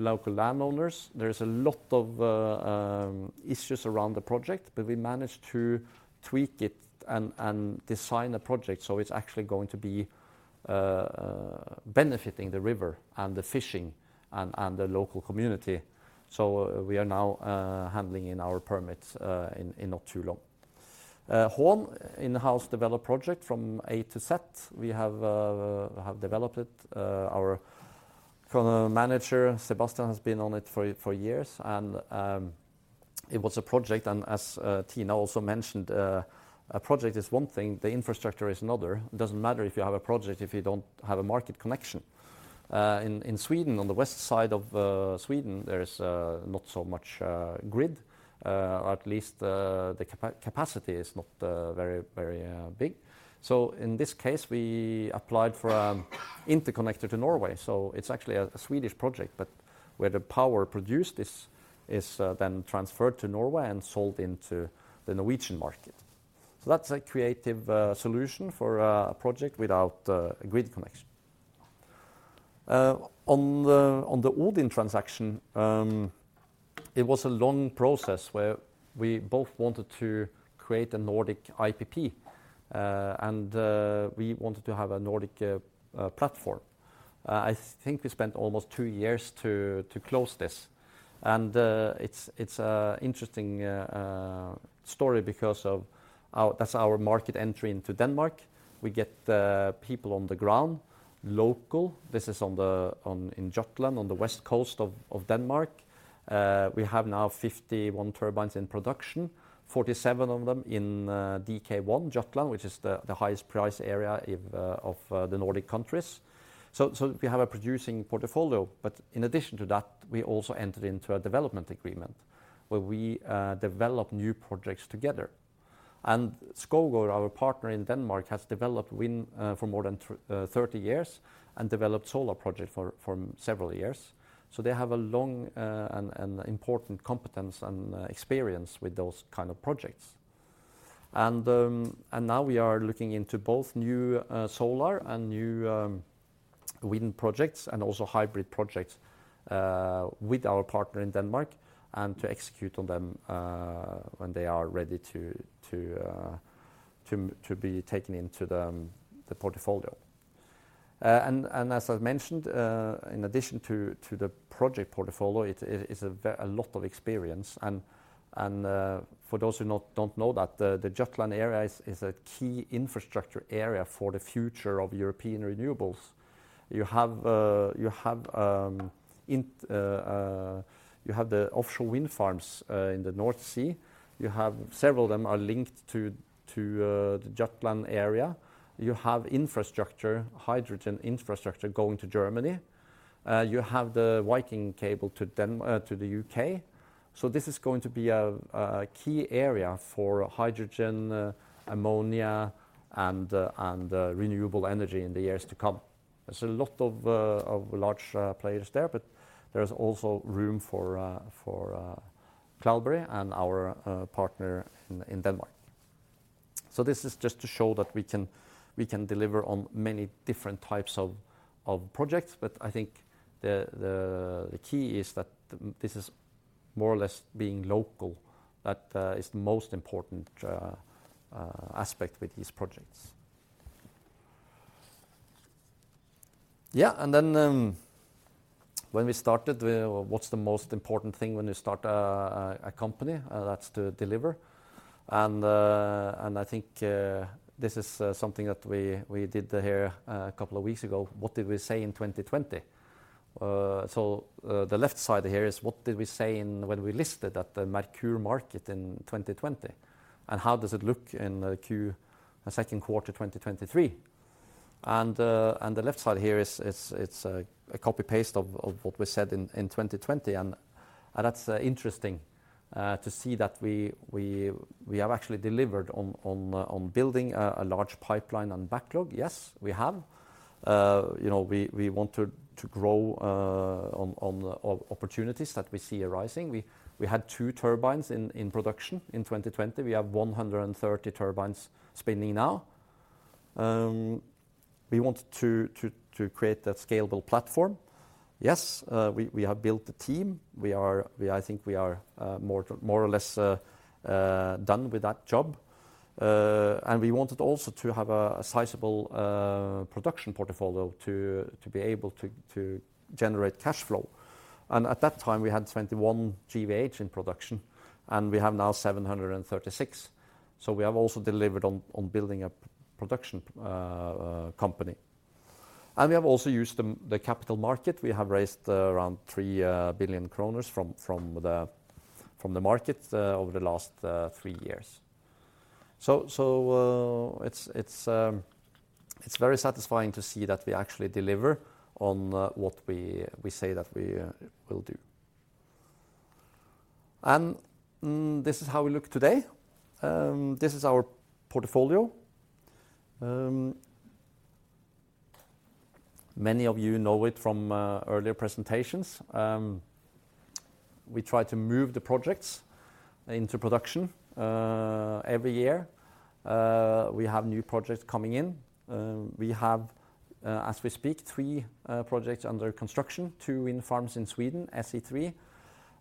local landowners. There is a lot of issues around the project, but we managed to tweak it and design a project, so it's actually going to be benefiting the river and the fishing and the local community. So, we are now handling in our permits in not too long. Hån, in-house developed project from A to Z. We have developed it. Our manager, Sebastian, has been on it for years, and it was a project, and as Thina also mentioned, a project is one thing, the infrastructure is another. It doesn't matter if you have a project, if you don't have a market connection. In Sweden, on the west side of Sweden, there is not so much grid. At least, the capacity is not very big. So, in this case, we applied for an interconnector to Norway. So, it's actually a Swedish project, but where the power produced is then transferred to Norway and sold into the Norwegian market. So, that's a creative solution for a project without a grid connection. On the Odin transaction, it was a long process where we both wanted to create a Nordic IPP, and we wanted to have a Nordic platform. I think we spent almost two years to close this. It's an interesting story because of our... That's our market entry into Denmark. We get the people on the ground, local. This is on, in Jutland, on the west coast of Denmark. We have now 51 turbines in production, 47 of them in DK1, Jutland, which is the highest price area of the Nordic countries. We have a producing portfolio, but in addition to that, we also entered into a development agreement, where we develop new projects together. Skovgaard, our partner in Denmark, has developed wind for more than 30 years and developed solar project for several years. So, they have a long and important competence and experience with those kinds of projects. And now we are looking into both new solar and new wind projects, and also hybrid projects with our partner in Denmark, and to execute on them when they are ready to be taken into the portfolio. And as I've mentioned, in addition to the project portfolio, it is a lot of experience. And for those who don't know that the Jutland area is a key infrastructure area for the future of European renewables. You have the offshore wind farms in the North Sea. You have several of them are linked to the Jutland area. You have infrastructure, hydrogen infrastructure going to Germany. You have the Viking cable to the U.K. So, this is going to be a key area for hydrogen, ammonia, and renewable energy in the years to come. There's a lot of large players there, but there's also room for Cloudberry and our partner in Denmark. So, this is just to show that we can deliver on many different types of projects, but I think the key is that this is more or less being local. That is the most important aspect with these projects. Yeah, and then, when we started, what's the most important thing when you start a company? That's to deliver. And I think this is something that we did here a couple of weeks ago. What did we say in 2020? So, the left side here is what we said when we listed at the Merkur Market in 2020, and how does it look in Q2 2023? And the left side here is, it's a copy-paste of what we said in 2020, and that's interesting to see that we have actually delivered on building a large pipeline and backlog. Yes, we have. You know, we want to grow on opportunities that we see arising. We had 2 turbines in production in 2020. We have 130 turbines spinning now. We want to create that scalable platform. Yes, we have built the team. We are, I think we are more or less done with that job. And we wanted also to have a sizable production portfolio to be able to generate cash flow. And at that time, we had 21 GWh in production, and we have now 736. So, we have also delivered on building a production company. And we have also used the capital market. We have raised around 3 billion kroner from the market over the last 3 years. It's very satisfying to see that we actually deliver on what we say that we will do. This is how we look today. This is our portfolio. Many of you know it from earlier presentations. We try to move the projects into production. Every year, we have new projects coming in. As we speak, we have three projects under construction, two wind farms in Sweden, SE3,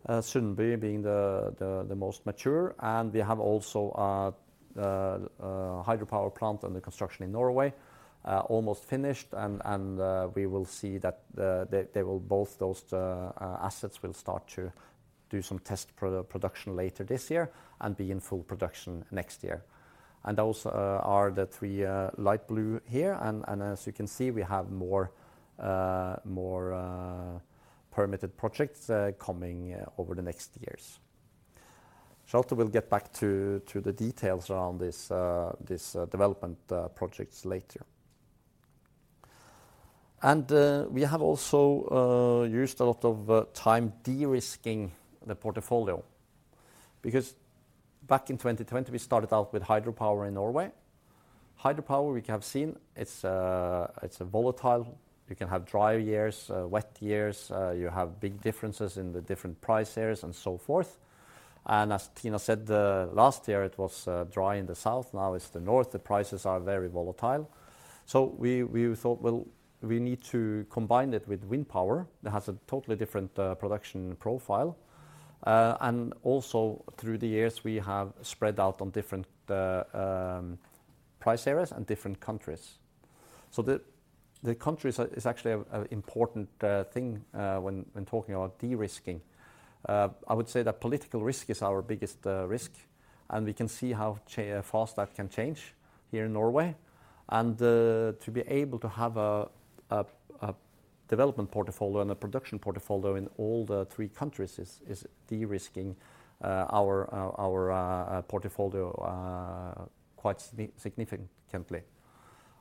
Sundby being the most mature, and we have also the hydropower plant under construction in Norway, almost finished. We will see that they will... Both those assets will start to do some test production later this year and be in full production next year. And those are the three light blue here. And as you can see, we have more permitted projects coming over the next years. Lotta will get back to the details around this development projects later. And we have also used a lot of time de-risking the portfolio, because back in 2020, we started out with hydropower in Norway. Hydropower, we have seen, it's a volatile. You can have dry years, wet years, you have big differences in the different price areas, and so forth. And as Thina said, the last year it was dry in the south, now it's the north. The prices are very volatile. So, we thought, well, we need to combine it with wind power. That has a totally different production profile. And also, through the years, we have spread out on different price areas and different countries. So, the countries are actually an important thing when talking about de-risking. I would say that political risk is our biggest risk, and we can see how fast that can change here in Norway. And to be able to have a development portfolio and a production portfolio in all the three countries is de-risking our portfolio quite significantly,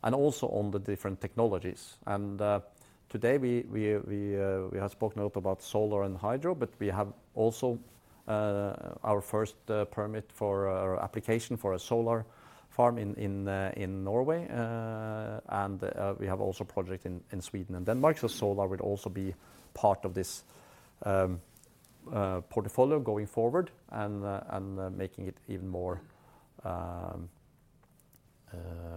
and also on the different technologies. And today, we have spoken a lot about solar and hydro, but we have also our first permit for, or application for, a solar farm in Norway. We have also project in Sweden and Denmark. So solar will also be part of this portfolio going forward and making it even more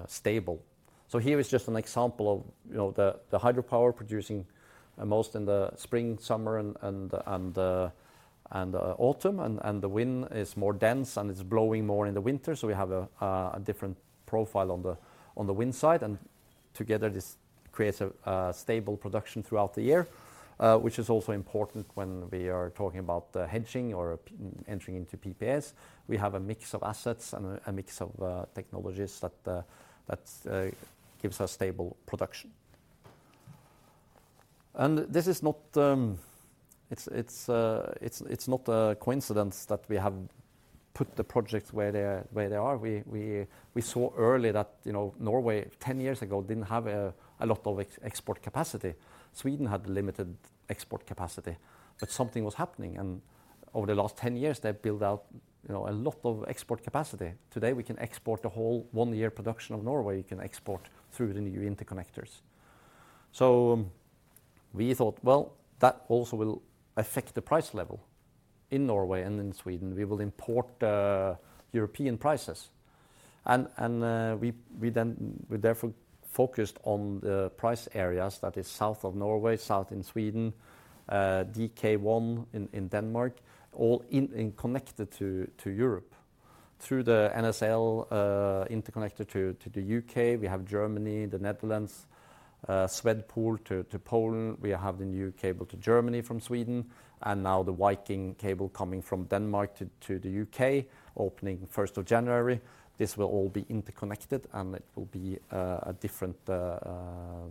stable. So, here is just an example of, you know, the hydropower producing most in the spring, summer, and autumn, and the wind is more dense, and it's blowing more in the winter. So, we have a different profile on the wind side, and together, this creates a stable production throughout the year, which is also important when we are talking about the hedging or entering into PPAs. We have a mix of assets and a mix of technologies that gives us stable production. This is not, it's not a coincidence that we have put the projects where they are, where they are. We saw early that, you know, Norway, 10 years ago, didn't have a lot of export capacity. Sweden had limited export capacity, but something was happening, and over the last 10 years, they've built out, you know, a lot of export capacity. Today, we can export the whole one-year production of Norway. We can export through the new interconnectors. So, we thought, well, that also will affect the price level in Norway and in Sweden. We will import European prices. We therefore focused on the price areas that is south of Norway, south in Sweden, DK1 in Denmark, all in and connected to Europe. Through the NSL interconnector to the U.K., we have Germany, the Netherlands, SwePol to Poland. We have the new cable to Germany from Sweden, and now the Viking Link coming from Denmark to the UK, opening first of January. This will all be interconnected, and it will be a different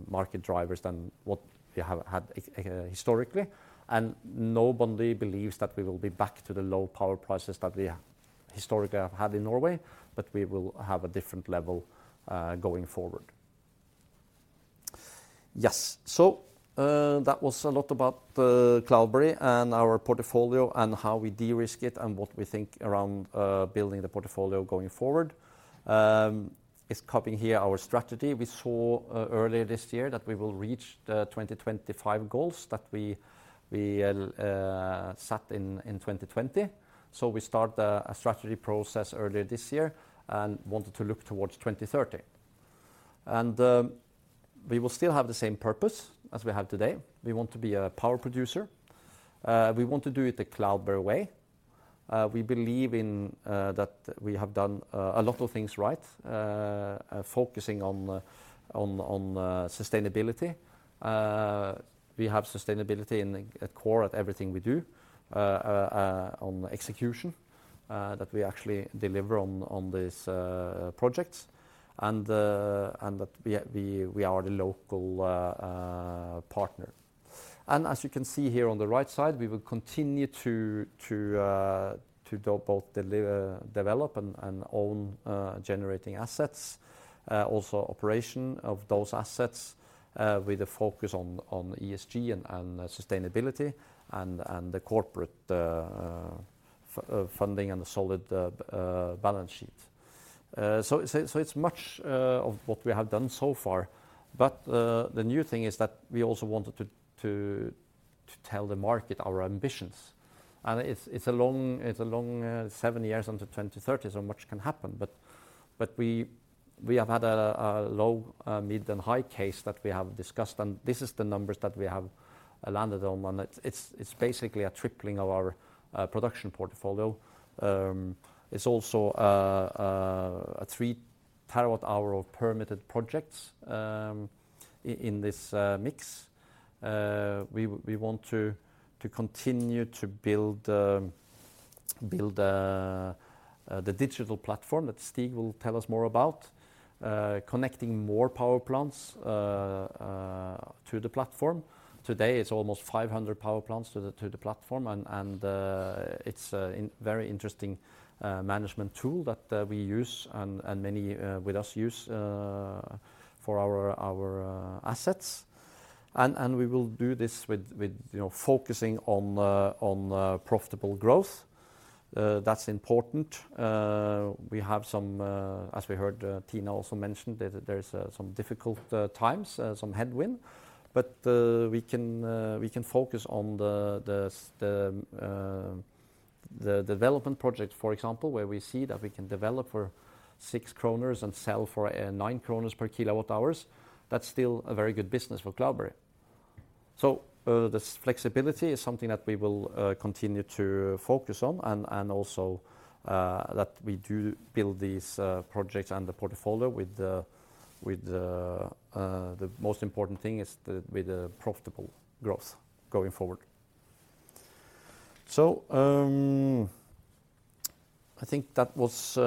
market driver than what we have had historically. And nobody believes that we will be back to the low power prices that we historically have had in Norway, but we will have a different level going forward. Yes. So, that was a lot about Cloudberry and our portfolio and how we de-risk it and what we think around building the portfolio going forward. It's covering here our strategy. We saw earlier this year that we will reach the 2025 goals that we set in 2020. So, we start a strategy process earlier this year and wanted to look towards 2030. We will still have the same purpose as we have today. We want to be a power producer. We want to do it the Cloudberry way. We believe in that we have done a lot of things right focusing on sustainability. We have sustainability in the at core of everything we do on execution that we actually deliver on these projects and that we are the local partner. As you can see here on the right side, we will continue to... To do both deliver, develop, and own generating assets. Also, operation of those assets with a focus on ESG and sustainability, and the corporate funding and the solid balance sheet. So, it's much of what we have done so far, but the new thing is that we also wanted to tell the market our ambitions. And it's a long 7 years until 2030, so much can happen. But we have had a low, mid, and high case that we have discussed, and this is the numbers that we have landed on. And it's basically a tripling of our production portfolio. It's also a 3 TWh of permitted projects in this mix. We want to continue to build the digital platform that Stig will tell us more about. Connecting more power plants to the platform. Today, it's almost 500 power plants to the platform, and it's a very interesting management tool that we use and many with us use for our assets. And we will do this with, you know, focusing on profitable growth. That's important. We have some, as we heard, Thina also mentions, there is some difficult times, some headwind. But we can focus on the development project, for example, where we see that we can develop for 6 kroner and sell for 9 kroner per kWh. That's still a very good business for Cloudberry. So, this flexibility is something that we will continue to focus on, and also that we do build these projects and the portfolio with the most important thing is the profitable growth going forward. So, I think that was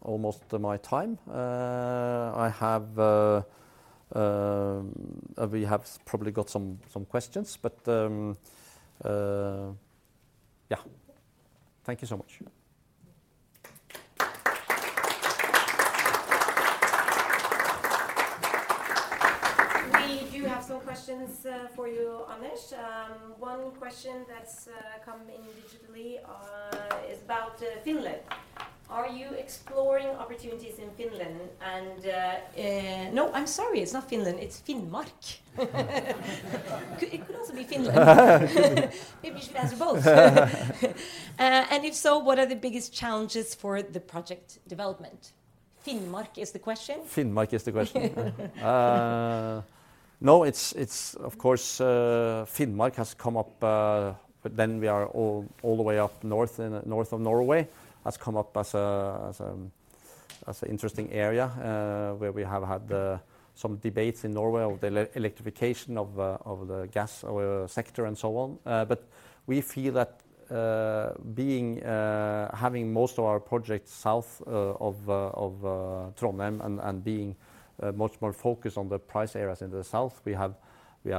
almost my time. We have probably got some questions, but yeah. Thank you so much. We do have some questions for you, Anders. One question that's come in digitally is about Finland. Are you exploring opportunities in Finland? No, I'm sorry, it's not Finland, it's Finnmark. It could also be Finland. Maybe you should answer both. And if so, what are the biggest challenges for the project development? Finnmark is the question. Finnmark is the question. No, it's of course Finnmark has come up, but then we are all the way up north, in north of Norway, has come up as an interesting area, where we have had some debates in Norway of the electrification of the gas sector and so on. But we feel that, being having most of our projects south of Trondheim and being much more focused on the price areas in the south, we have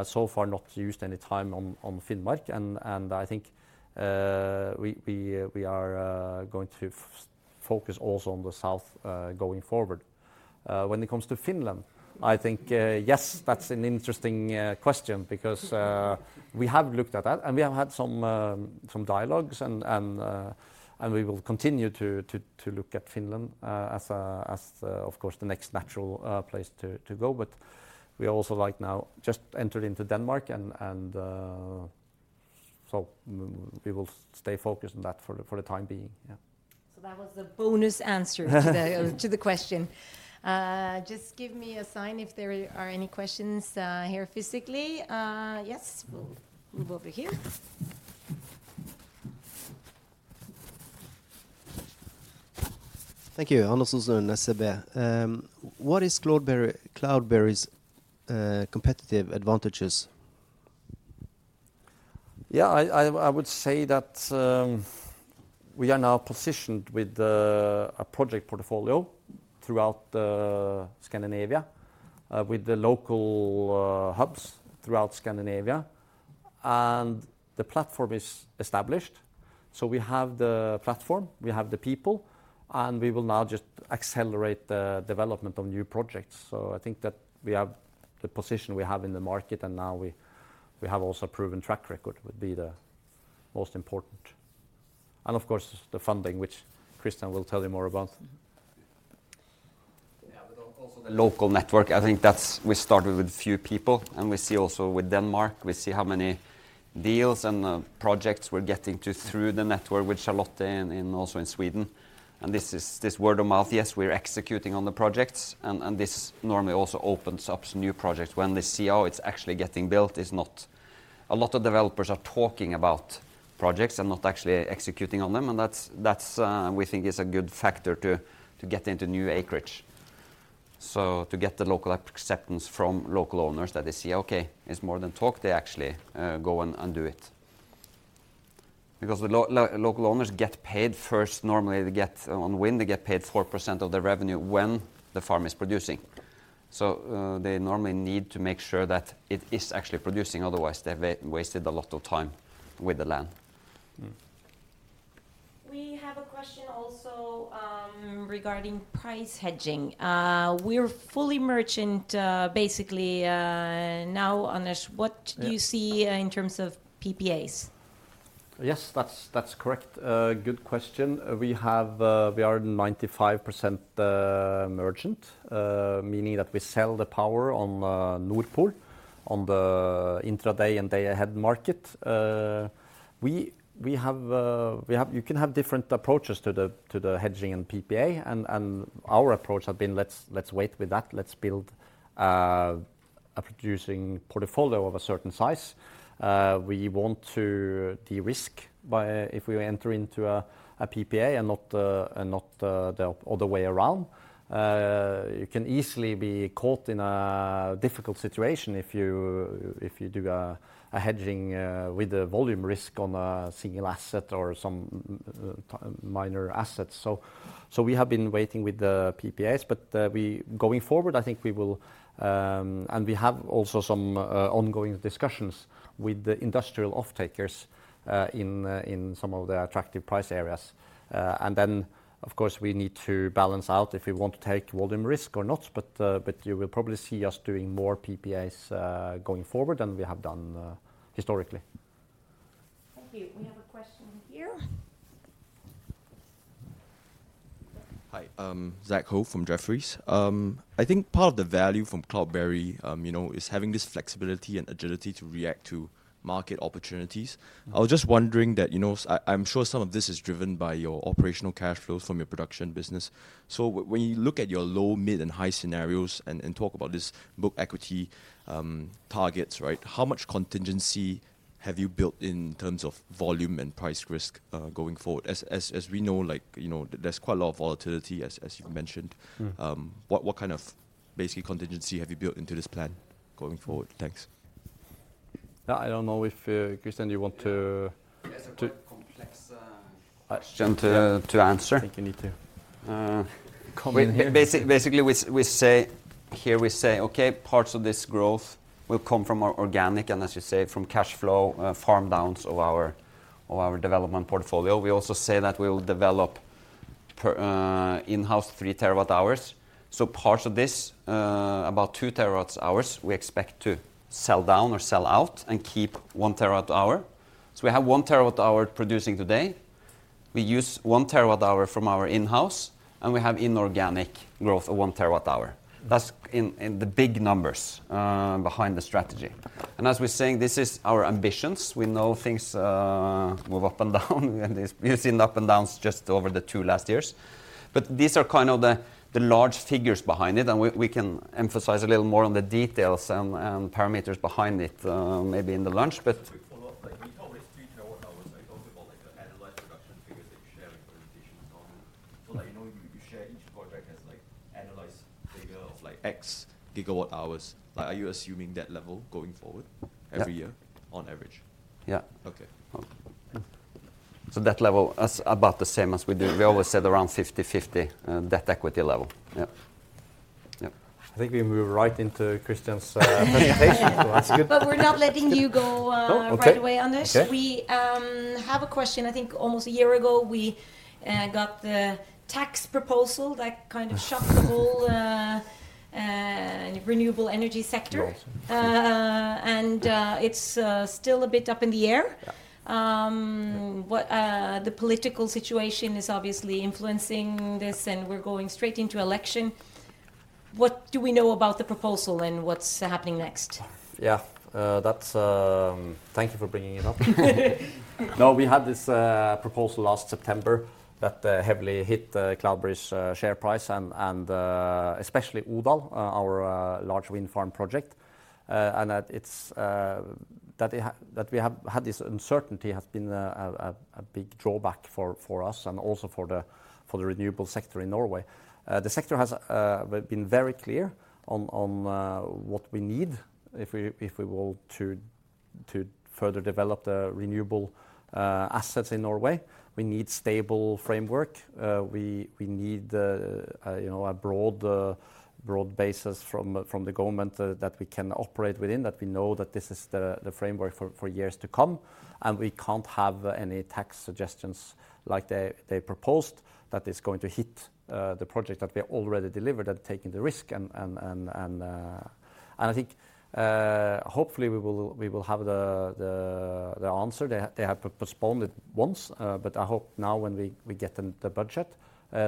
so far not used any time on Finnmark. And I think we are going to focus also on the south, going forward. When it comes to Finland, I think yes, that's an interesting question because we have looked at that, and we have had some dialogues, and we will continue to look at Finland as a, of course, the next natural place to go. But we also, like now, just entered into Denmark, and so we will stay focused on that for the time being. Yeah. So that was a bonus answer to the question. Just give me a sign if there are any questions here physically. Yes, we'll move over here. Thank you. Anders Rosen, SEB. What is Cloudberry, Cloudberry's, competitive advantages? Yeah, I would say that we are now positioned with a project portfolio throughout Scandinavia with the local hubs throughout Scandinavia. And the platform is established, so we have the platform, we have the people, and we will now just accelerate the development of new projects. So, I think that we have the position we have in the market, and now we have also proven track record, would be the most important. And of course, the funding, which Christian will tell you more about. Yeah, but also the local network. I think that's... We started with a few people, and we see also with Denmark, we see how many deals and projects we're getting through the network with Charlotte and in, also in Sweden. And this is, this word of mouth, yes, we're executing on the projects, and this normally also opens up new projects when they see how it's actually getting built. It's not a lot of developers are talking about projects and not actually executing on them, and that's, we think is a good factor to get into new acreage. So, to get the local acceptance from local owners that they see, okay, it's more than talk, they actually go and do it. Because the local owners get paid first. Normally, they get, on wind, they get paid 4% of the revenue when the farm is producing.... so, they normally need to make sure that it is actually producing, otherwise they've wasted a lot of time with the land. We have a question also regarding price hedging. We're fully merchant, basically, now, Anders, what- Yeah... do you see, in terms of PPAs? Yes, that's correct. A good question. We are 95% merchant, meaning that we sell the power on Nord Pool, on the intra-day and day-ahead market. You can have different approaches to the hedging and PPA, and our approach have been let's wait with that. Let's build a producing portfolio of a certain size. We want to de-risk by if we enter into a PPA and not the other way around. You can easily be caught in a difficult situation if you do a hedging with a volume risk on a single asset or some minor assets. So, we have been waiting with the PPAs, but going forward, I think we will. We have also some ongoing discussions with the industrial off takers in some of the attractive price areas. Then, of course, we need to balance out if we want to take volume risk or not, but you will probably see us doing more PPAs going forward than we have done historically. Thank you. We have a question here. Hi, Zack Ho from Jefferies. I think part of the value from Cloudberry, you know, is having this flexibility and agility to react to market opportunities. Mm. I was just wondering that, you know, I, I'm sure some of this is driven by your operational cash flows from your production business. So, when you look at your low, mid, and high scenarios and talk about this book equity targets, right? How much contingency have you built in terms of volume and price risk going forward? As we know, like, you know, there's quite a lot of volatility, as you mentioned. Mm. What kind of basically contingency have you built into this plan going forward? Thanks. Yeah, I don't know if Christian, you want to- Yes, it's a quite complex question to answer. I think you need to come in here. We basically, we say. Here we say, "Okay, parts of this growth will come from our organic," and as you say, from cash flow, farm downs of our, of our development portfolio. We also say that we will develop our in-house 3 TWh. So, parts of this, about 2 TWh, we expect to sell down or sell out and keep 1 TWh. So, we have 1 TWh producing today. We use 1 TWh from our in-house, and we have inorganic growth of 1 TWh. Mm. That's in the big numbers behind the strategy. As we're saying, this is our ambitions. We know things move up and down, and we've seen the up and downs just over the two last years. But these are kind of the large figures behind it, and we can emphasize a little more on the details and parameters behind it, maybe in the lunch, but- Quick follow-up. Like, when you talk about 3 terawatt-hours, I thought about, like, the analyzed production figures that you share in presentations on. So, like, you know, you share each project has, like, analyzed figure of, like, X gigawatt-hours. Like, are you assuming that level going forward? Yeah... every year on average? Yeah. Okay. That level is about the same as we do. We always said around 50/50 debt equity level. Yeah. Yep. I think we move right into Christian's presentation, so that's good. But we're not letting you go. Oh, okay... right away, Anders. Okay. We have a question. I think almost a year ago, we got the tax proposal that kind of shocked the whole renewable energy sector. Yes. It's still a bit up in the air. Yeah. The political situation is obviously influencing this, and we're going straight into election. What do we know about the proposal, and what's happening next? Yeah. That's... Thank you for bringing it up. No, we had this proposal last September that heavily hit Cloudberry's share price and, especially Odal, our large wind farm project. And that it - that we have had this uncertainty has been a big drawback for us and also for the renewable sector in Norway. The sector has been very clear on what we need if we want to further develop the renewable assets in Norway. We need stable framework. We need, you know, a broad basis from the government that we can operate within, that we know that this is the framework for years to come. We can't have any tax suggestions like they proposed that is going to hit the project that we already delivered and taken the risk. I think hopefully we will have the answer. They have postponed it once, but I hope now when we get the budget,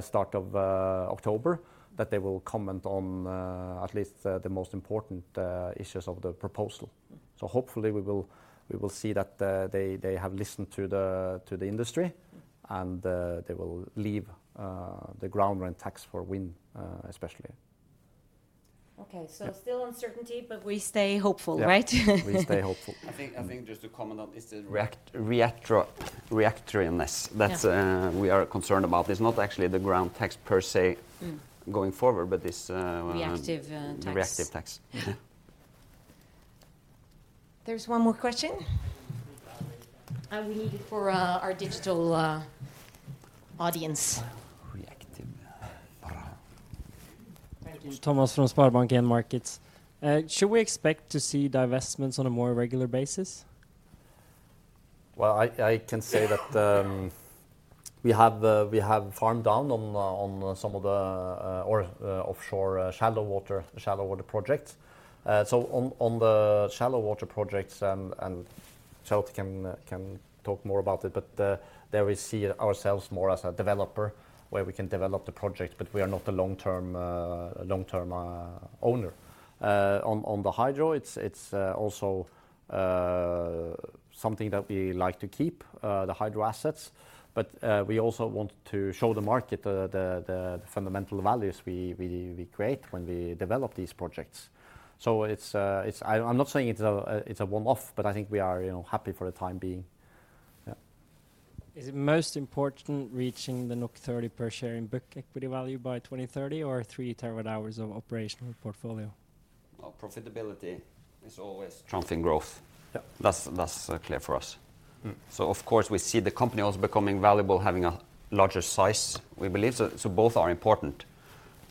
start of October, that they will comment on at least the most important issues of the proposal. Mm. So hopefully we will, we will see that they have listened to the industry, and they will leave the ground rent tax for wind, especially. Okay, so still uncertainty, but we stay hopeful, right? Yeah, we stay hopeful. I think just to comment on is the reactiveness. Yeah... that we are concerned about. It's not actually the ground tax per se- Mm... going forward, but this, Reactive, tax. Reactive tax. Yeah.... There's one more question. We need it for our digital audience. Reactive. Thank you. Thomas from SpareBank 1 Markets. Should we expect to see divestments on a more regular basis? Well, I can say that we have farmed down on some of the offshore shallow water projects. So on the shallow water projects, and Lotta can talk more about it, but there we see ourselves more as a developer, where we can develop the project, but we are not a long-term owner. On the hydro, it's also something that we like to keep the hydro assets, but we also want to show the market the fundamental values we create when we develop these projects. So, it's. I'm not saying it's a one-off, but I think we are, you know, happy for the time being. Yeah. Is it most important reaching the 30 per share in book equity value by 2030 or 3 TWh of operational portfolio? Well, profitability is always trumping growth. Yeah. That's clear for us. Mm. So of course, we see the company also becoming valuable, having a larger size, we believe. So both are important.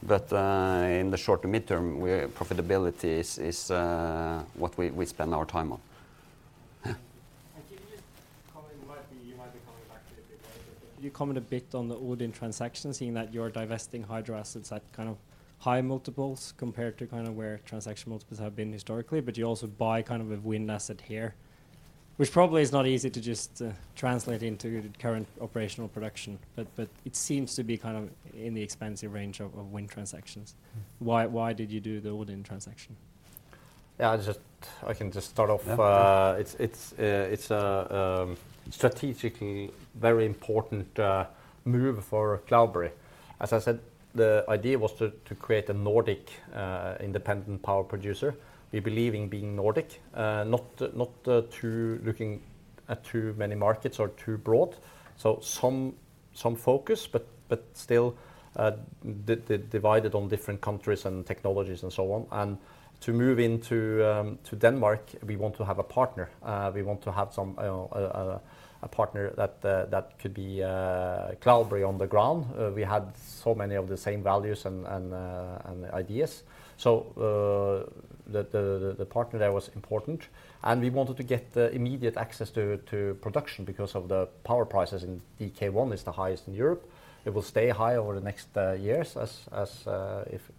But in the short to mid-term, profitability is what we spend our time on. Yeah. Can you comment? You might be coming back to it a bit later, but you commented a bit on the Odin transaction, seeing that you're divesting hydro assets at kind of high multiples compared to kind of where transaction multiples have been historically, but you also buy kind of a wind asset here, which probably is not easy to just translate into current operational production. But it seems to be kind of in the expensive range of wind transactions. Why did you do the Odin transaction? Yeah, I just... I can just start off. Yeah. It's a strategically very important move for Cloudberry. As I said, the idea was to create a Nordic independent power producer. We believe in being Nordic, not too looking at too many markets or too broad. So, some focus, but still divided on different countries and technologies and so on. To move into Denmark, we want to have a partner. We want to have a partner that could be Cloudberry on the ground. We had so many of the same values and ideas. So, the partner there was important, and we wanted to get the immediate access to production because of the power prices in DK1 is the highest in Europe. It will stay high over the next years, as if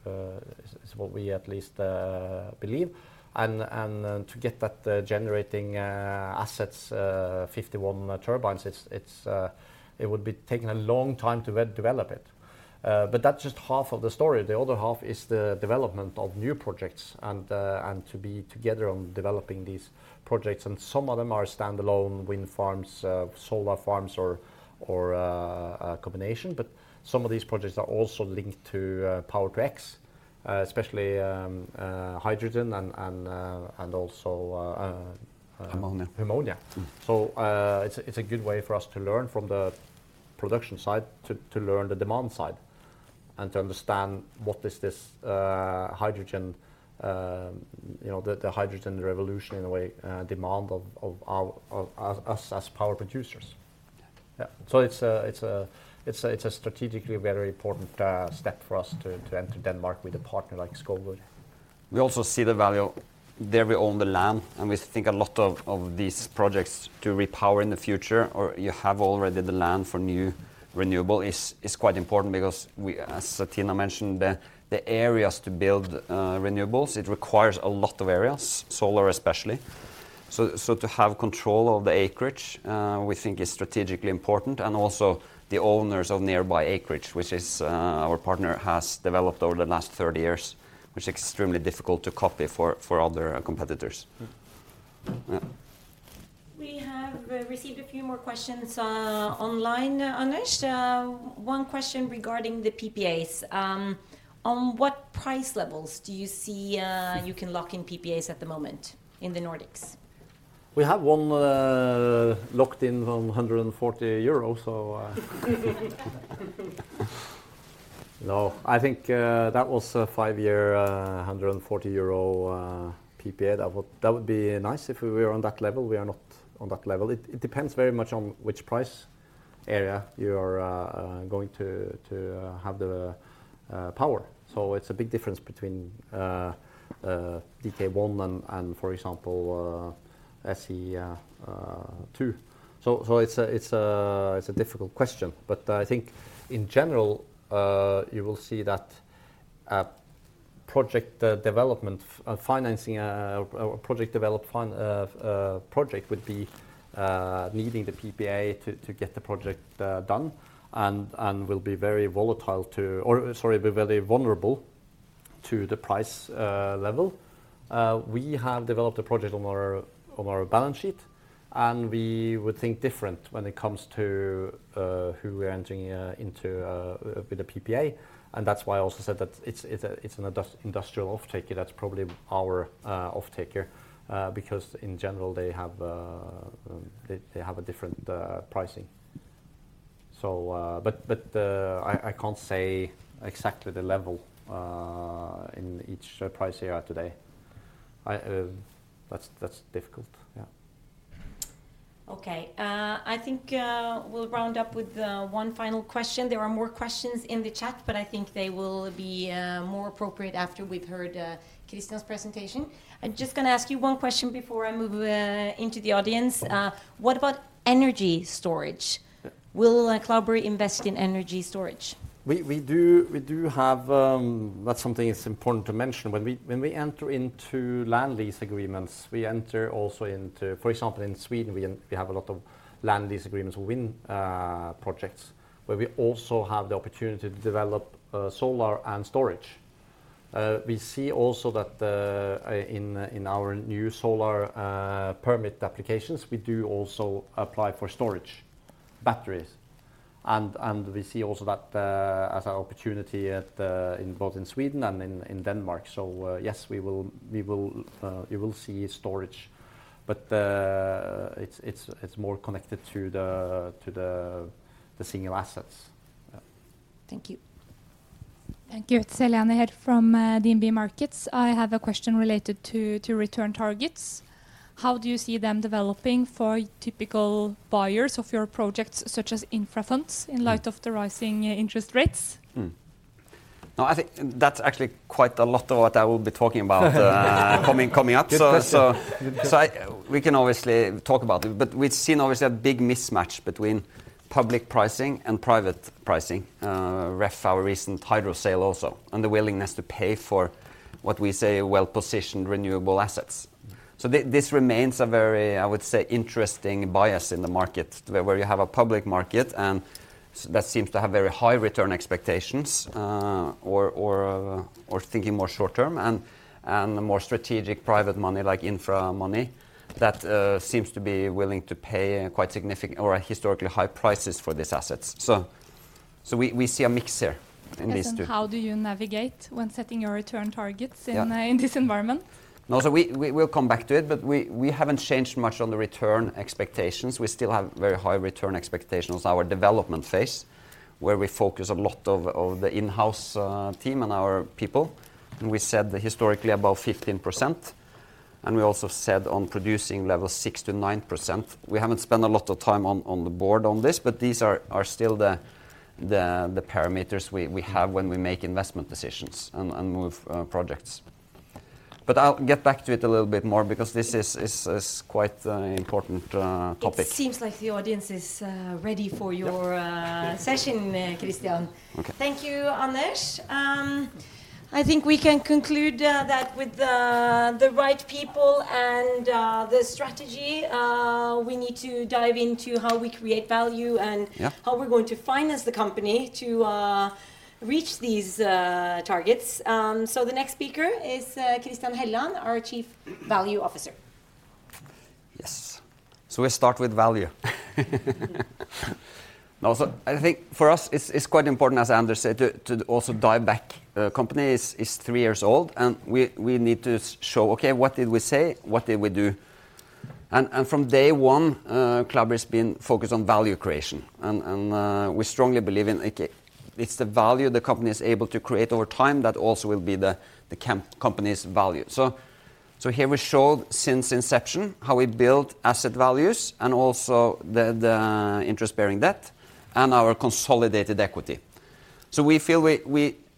is what we at least believe. And to get that generating assets, 51 turbines, it's it would be taking a long time to develop it. But that's just half of the story. The other half is the development of new projects and to be together on developing these projects. And some of them are standalone wind farms, solar farms, or a combination. But some of these projects are also linked to Power-to-X, especially hydrogen and also. Ammonia... ammonia. Mm. It's a good way for us to learn from the production side, to learn the demand side, and to understand what this hydrogen is, you know, the hydrogen revolution in a way, demand of our – of us, as power producers. Yeah. So, it's a strategically very important step for us to enter Denmark with a partner like Skovgaard. We also see the value. There we own the land, and we think a lot of these projects to repower in the future, or you have already the land for new renewable is quite important because we, as Thina mentioned, the areas to build renewables, it requires a lot of areas, solar especially. So, to have control of the acreage, we think is strategically important, and also the owners of nearby acreage, which is our partner has developed over the last 30 years, which is extremely difficult to copy for other competitors. Mm. Yeah. We have received a few more questions online, Anish. One question regarding the PPAs. On what price levels do you see you can lock in PPAs at the moment in the Nordics? We have one locked in from 140 euros so. No, I think that was a five-year 140 euro PPA. That would, that would be nice if we were on that level. We are not on that level. It, it depends very much on which price area you are going to, to have the power. So, it's a big difference between DK1 and for example, SE2. So, it's a difficult question, but I think in general you will see that project development financing or project would be needing the PPA to, to get the project done, and, and will be very volatile to or, sorry, be very vulnerable to the price level. We have developed a project on our balance sheet, and we would think different when it comes to who we are entering into with a PPA. And that's why I also said that it's an industrial offtaker that's probably our offtaker because in general, they have a different pricing.... but I can't say exactly the level in each price area today. That's difficult. Yeah. Okay. I think we'll round up with one final question. There are more questions in the chat, but I think they will be more appropriate after we've heard Christian's presentation. I'm just gonna ask you one question before I move into the audience. Okay. What about energy storage? Yeah. Will Cloudberry invest in energy storage? We do have. That's something that's important to mention. When we enter into land lease agreements, we enter also into, for example, in Sweden, we have a lot of land lease agreements with wind projects, where we also have the opportunity to develop solar and storage. We see also that in our new solar permit applications, we do also apply for storage, batteries. And we see also that as an opportunity in both Sweden and Denmark. So, yes, you will see storage, but it's more connected to the single assets. Yeah. Thank you. Thank you. It's Helene here from DNB Markets. I have a question related to return targets. How do you see them developing for typical buyers of your projects, such as infra funds, in light of the rising interest rates? No, I think that's actually quite a lot of what I will be talking about coming up. Good question. We can obviously talk about it, but we've seen obviously a big mismatch between public pricing and private pricing, ref our recent hydro sale also, and the willingness to pay for what we see as well-positioned renewable assets. So, this remains a very, I would say, interesting bias in the market, where you have a public market, and that seems to have very high return expectations, or thinking more short term, and the more strategic private money, like infra money, that seems to be willing to pay quite significant or historically high prices for these assets. So, we see a mix here in these two. Yes, and how do you navigate when setting your return targets? Yeah... in this environment? No, so we'll come back to it, but we haven't changed much on the return expectations. We still have very high return expectations on our development phase, where we focus a lot of the in-house team and our people. And we said historically about 15%, and we also said on producing level, 6%-9%. We haven't spent a lot of time on the board on this, but these are still the parameters we have when we make investment decisions and move projects. But I'll get back to it a little bit more because this is quite an important topic. It seems like the audience is ready for your- Yeah... session, Christian. Okay. Thank you, Anders. I think we can conclude that with the right people and the strategy, we need to dive into how we create value- Yeah... and how we're going to finance the company to reach these targets. So, the next speaker is Christian Helland, our Chief Value Officer. Yes. So, we start with value. Now, so I think for us, it's quite important, as Anders said, to also dive back. The company is three years old, and we need to show, okay, what did we say? What did we do? And from day one, Cloudberry has been focused on value creation, and we strongly believe in, like, it's the value the company is able to create over time that also will be the company's value. So, here we showed since inception how we built asset values and also the interest-bearing debt and our consolidated equity. So, we feel we,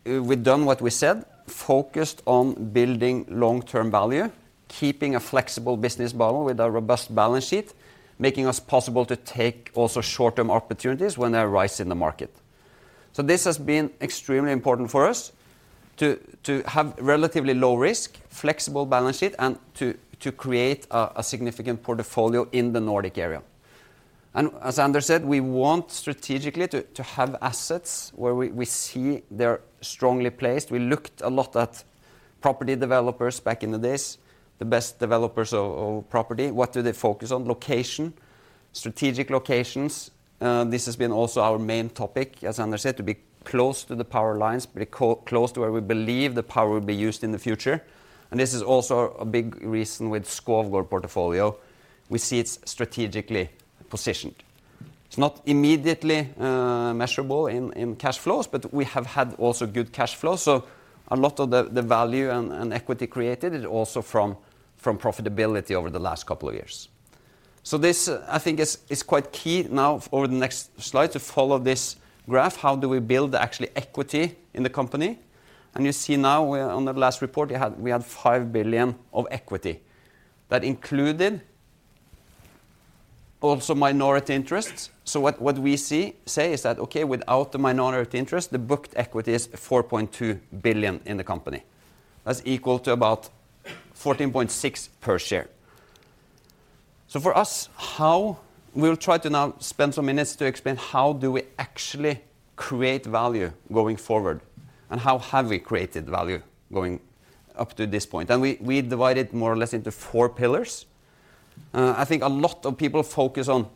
we've done what we said, focused on building long-term value, keeping a flexible business model with a robust balance sheet, making us possible to take also short-term opportunities when they arise in the market. So, this has been extremely important for us to have relatively low risk, flexible balance sheet, and to create a significant portfolio in the Nordic area. And as Anders said, we want strategically to have assets where we see they're strongly placed. We looked a lot at property developers back in the days, the best developers of property. What do they focus on? Location, strategic locations, this has been also our main topic, as Anders said, to be close to the power lines, be close to where we believe the power will be used in the future. And this is also a big reason with Skovgaard portfolio. We see it's strategically positioned. It's not immediately measurable in cash flows, but we have had also good cash flow. So, a lot of the, the value and, and equity created is also from, from profitability over the last couple of years. So, this, I think, is, is quite key now over the next slide to follow this graph. How do we build the actual equity in the company? And you see now, we, on the last report, we had, we had 5 billion of equity. That included also minority interests. So, what, what we see, say is that, okay, without the minority interest, the booked equity is 4.2 billion in the company. That's equal to about 14.6 per share. So, for us, how... We'll try to now spend some minutes to explain: how do we actually create value going forward? And how have we created value going up to this point? And we, we divide it more or less into four pillars. I think a lot of people focus on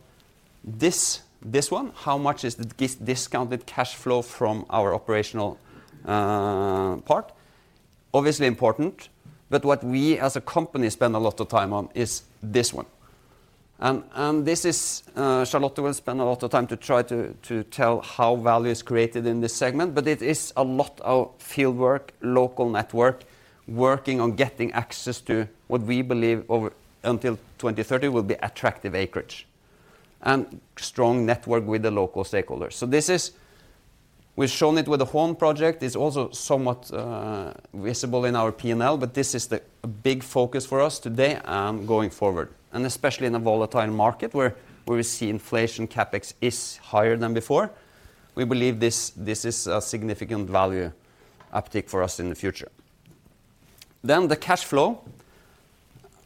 this, this one, how much is discounted cash flow from our operational part?... obviously important, but what we as a company spend a lot of time on is this one. And this is, Charlotte will spend a lot of time to try to tell how value is created in this segment, but it is a lot of field work, local network, working on getting access to what we believe over until 2030 will be attractive acreage, and strong network with the local stakeholders. So, this is, we've shown it with the Hån project, it's also somewhat visible in our P&L, but this is a big focus for us today, going forward. Especially in a volatile market where, where we see inflation, CapEx is higher than before, we believe this, this is a significant value uptick for us in the future. The cash flow,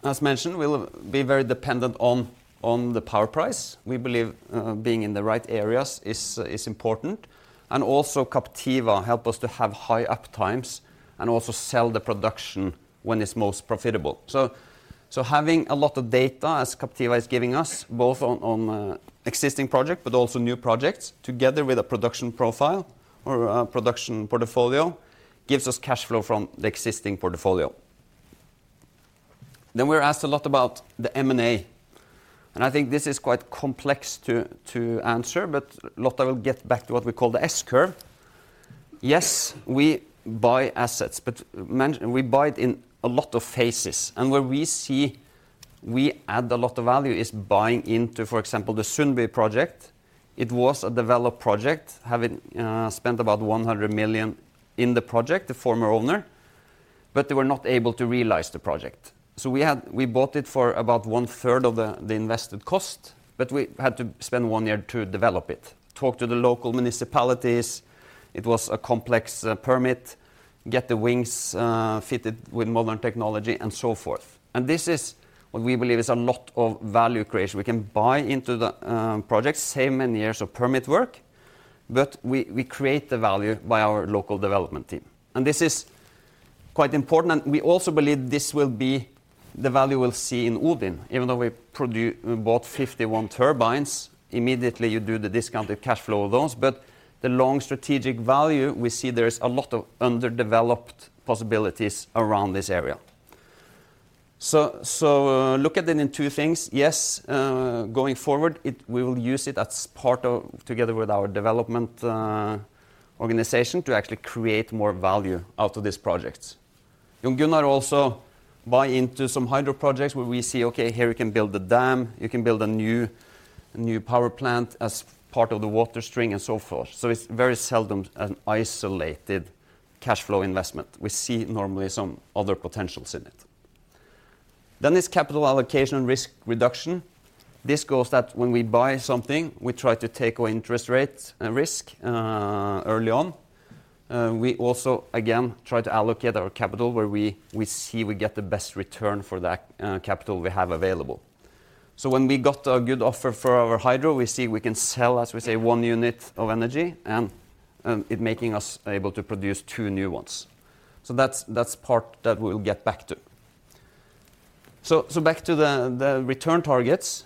as mentioned, will be very dependent on, on the power price. We believe, being in the right areas is, is important, and also Captiva helps us to have high uptimes and also sell the production when it's most profitable. So, having a lot of data, as Captiva is giving us, both on, on existing projects, but also new projects, together with a production profile or a production portfolio, gives us cash flow from the existing portfolio. We're asked a lot about the M&A, and I think this is quite complex to, to answer, but Lotta will get back to what we call the S-curve. Yes, we buy assets, but man, we buy it in a lot of phases. Where we see we add a lot of value is buying into, for example, the Sundby project. It was a developed project, having spent about 100 million in the project, the former owner, but they were not able to realize the project. We bought it for about one third of the invested cost, but we had to spend one year to develop it, talk to the local municipalities, it was a complex permit, get the wings fitted with modern technology, and so forth. This is what we believe is a lot of value creation. We can buy into the projects, save many years of permit work, but we create the value by our local development team. This is quite important, and we also believe this will be the value we'll see in Odin. Even though we bought 51 turbines, immediately you do the discounted cash flow of those, but the long strategic value, we see there is a lot of underdeveloped possibilities around this area. So, look at it in two things. Yes, going forward, we will use it as part of, together with our development organization, to actually create more value out of these projects. We also buy into some hydro projects where we see, okay, here we can build a dam, you can build a new power plant as part of the water string and so forth. So, it's very seldom an isolated cash flow investment. We see normally some other potentials in it. Then there's capital allocation and risk reduction. This goes that when we buy something, we try to take our interest rate and risk early on. We also, again, try to allocate our capital where we see we get the best return for that capital we have available. So, when we got a good offer for our hydro, we see we can sell, as we say, 1 unit of energy, and it making us able to produce 2 new ones. So, that's part that we'll get back to. So back to the return targets.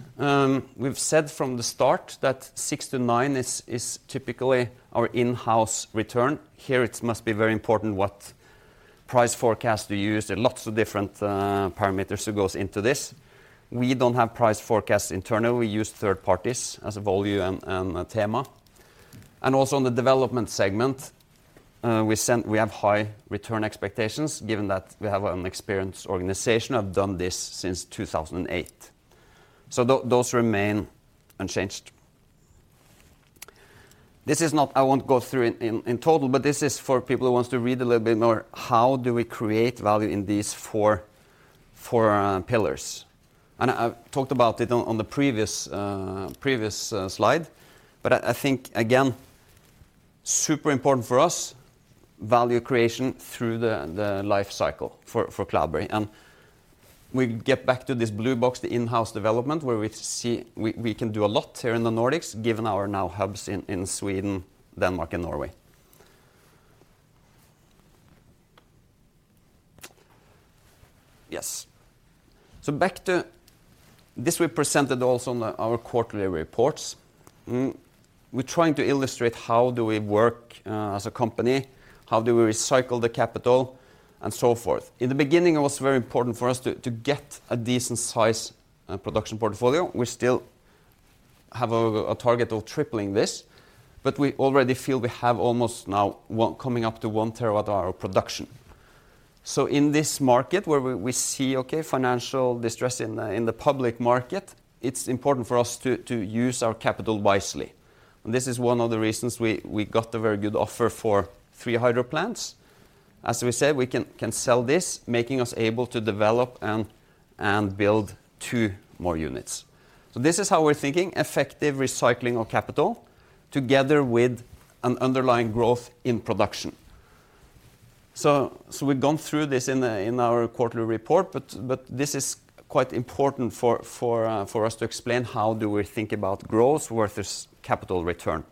We've said from the start that 6-9 is typically our in-house return. Here, it must be very important what price forecast we use. There are lots of different parameters that goes into this. We don't have price forecasts internally. We use third parties as Volue and Thema. And also in the development segment, we have high return expectations, given that we have an experienced organization, have done this since 2008. So those remain unchanged. This is not... I won't go through it in total, but this is for people who wants to read a little bit more, how do we create value in these four pillars? And I talked about it on the previous slide, but I think, again, super important for us, value creation through the life cycle for Cloudberry. And we get back to this blue box, the in-house development, where we see we can do a lot here in the Nordics, given our now hubs in Sweden, Denmark, and Norway. Yes. So back to this, we presented also on our quarterly reports. Mm, we're trying to illustrate how we work as a company, how we recycle the capital, and so forth. In the beginning, it was very important for us to get a decent size production portfolio. We still have a target of tripling this, but we already feel we have almost now one coming up to one terawatt hour of production. So, in this market, where we see, okay, financial distress in the public market, it's important for us to use our capital wisely. And this is one of the reasons we got a very good offer for 3 hydro plants. As we said, we can sell this, making us able to develop and build 2 more units. So, this is how we're thinking, effective recycling of capital, together with an underlying growth in production. So, we've gone through this in our quarterly report, but this is quite important for us to explain how we think about growth versus capital return.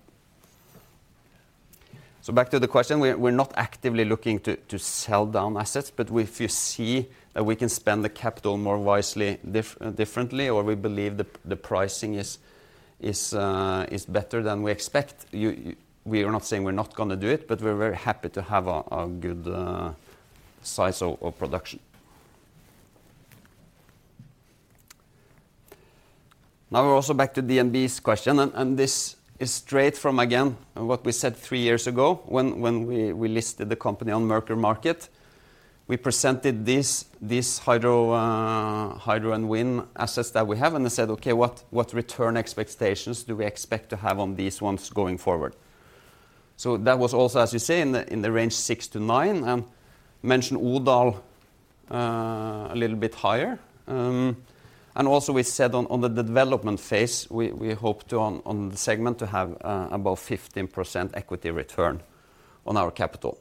So back to the question, we're not actively looking to sell down assets, but if you see that we can spend the capital more wisely, differently, or we believe the pricing is better than we expect, we are not saying we're not gonna do it, but we're very happy to have a good size of production. Now we're also back to DNB's question, and this is straight from, again, what we said three years ago when we listed the company on Merkur Market. We presented this hydro and wind assets that we have, and they said, "Okay, what return expectations do we expect to have on these ones going forward?" So that was also, as you say, in the range 6-9, and mentioned Odal a little bit higher. And also we said on the development phase, we hope to, on the segment, to have about 15% equity return on our capital.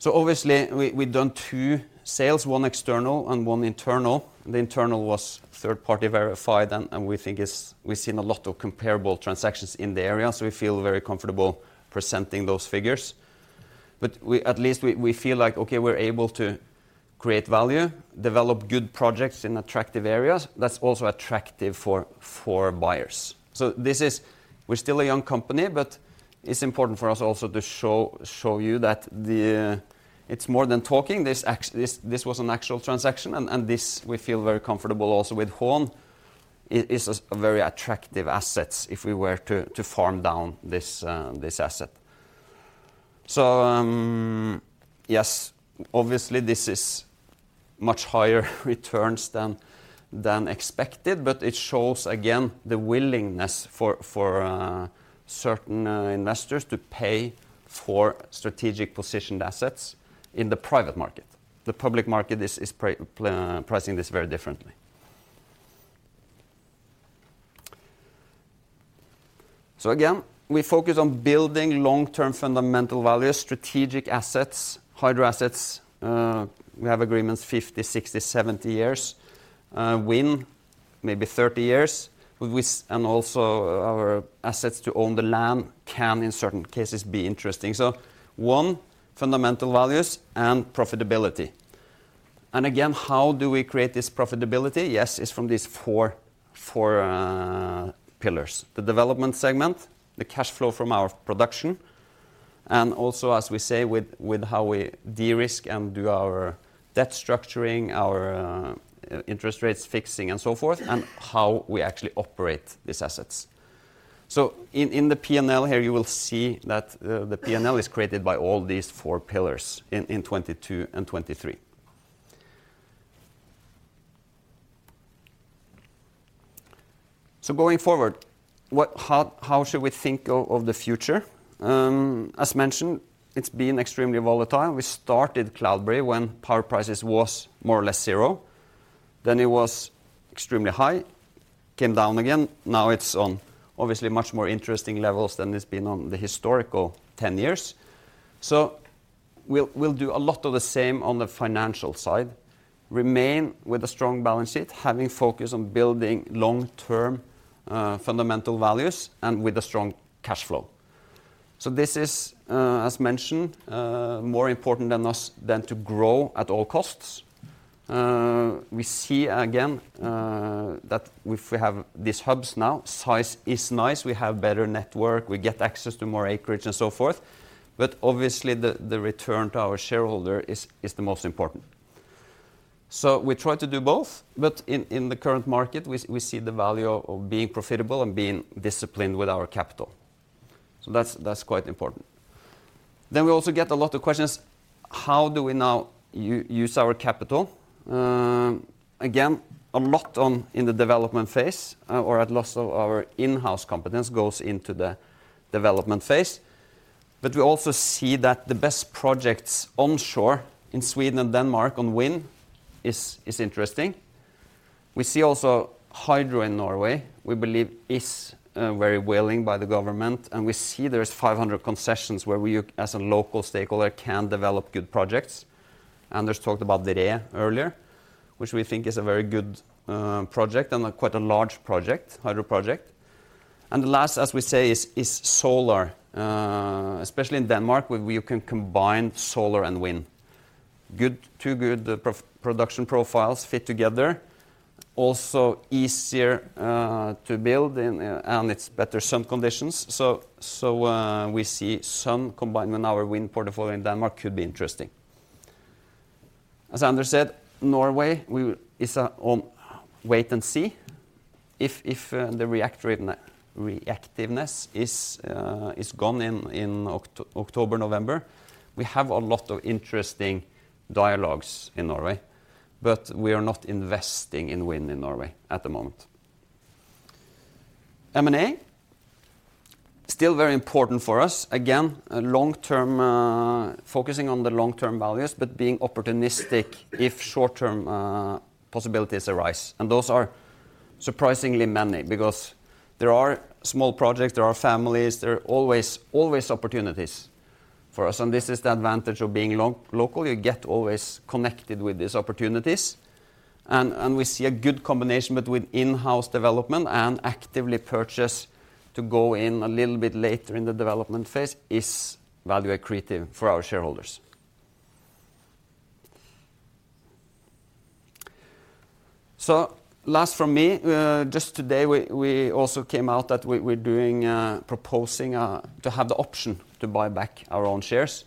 So obviously, we've done two sales, one external and one internal. The internal was third-party verified, and we think is... We've seen a lot of comparable transactions in the area, so we feel very comfortable presenting those figures. But we, at least we feel like, okay, we're able to create value, develop good projects in attractive areas, that's also attractive for buyers. So, this is we're still a young company, but it's important for us also to show you that the It's more than talking. This this was an actual transaction, and this, we feel very comfortable also with Hån. It's a very attractive assets if we were to farm down this this asset. So, yes, obviously, this is much higher returns than expected, but it shows again, the willingness for certain investors to pay for strategic positioned assets in the private market. The public market is pricing this very differently. So again, we focus on building long-term fundamental value, strategic assets, hydro assets. We have agreements 50, 60, 70 years. Wind, maybe 30 years, with which, and also our assets to own the land can, in certain cases, be interesting. So, one, fundamental values and profitability. And again, how do we create this profitability? Yes, it's from these four pillars: the development segment, the cash flow from our production, and also, as we say, with how we de-risk and do our debt structuring, our interest rates fixing, and so forth, and how we actually operate these assets. So, in the P&L here, you will see that the P&L is created by all these four pillars in 2022 and 2023. So, going forward, how should we think of the future? As mentioned, it's been extremely volatile. We started Cloudberry when power prices was more or less zero. Then it was extremely high, came down again. Now it's on obviously much more interesting levels than it's been on the historical 10 years. So, we'll do a lot of the same on the financial side, remain with a strong balance sheet, having focus on building long-term fundamental values and with a strong cash flow. So, this is, as mentioned, more important than to grow at all costs. We see again that if we have these hubs now, size is nice, we have better network, we get access to more acreage, and so forth, but obviously, the return to our shareholder is the most important. So, we try to do both, but in the current market, we see the value of being profitable and being disciplined with our capital. So, that's quite important. Then we also get a lot of questions, how do we now use our capital? Again, a lot on, in the development phase, or at least of our in-house competence goes into the development phase. But we also see that the best projects onshore in Sweden and Denmark on wind is interesting. We see also hydro in Norway, we believe is very willing by the government, and we see there is 500 concessions where we, as a local stakeholder, can develop good projects. Anders talked about the Varea earlier, which we think is a very good project and quite a large project, hydro project. And the last, as we say, is solar. Especially in Denmark, where we can combine solar and wind. Good, two good production profiles fit together. Also, easier to build and its better sun conditions. So, we see some combined in our wind portfolio in Denmark could be interesting. As Anders said, Norway, we is on wait and see. If the reactiveness is gone in October, November, we have a lot of interesting dialogues in Norway, but we are not investing in wind in Norway at the moment. M&A, still very important for us. Again, long term, focusing on the long-term values, but being opportunistic if short-term possibilities arise. And those are surprisingly many, because there are small projects, there are families, there are always, always opportunities for us, and this is the advantage of being local. You get always connected with these opportunities, and we see a good combination, but with in-house development and actively purchase to go in a little bit later in the development phase is value accretive for our shareholders. So, last from me, just today, we also came out that we're proposing to have the option to buy back our own shares.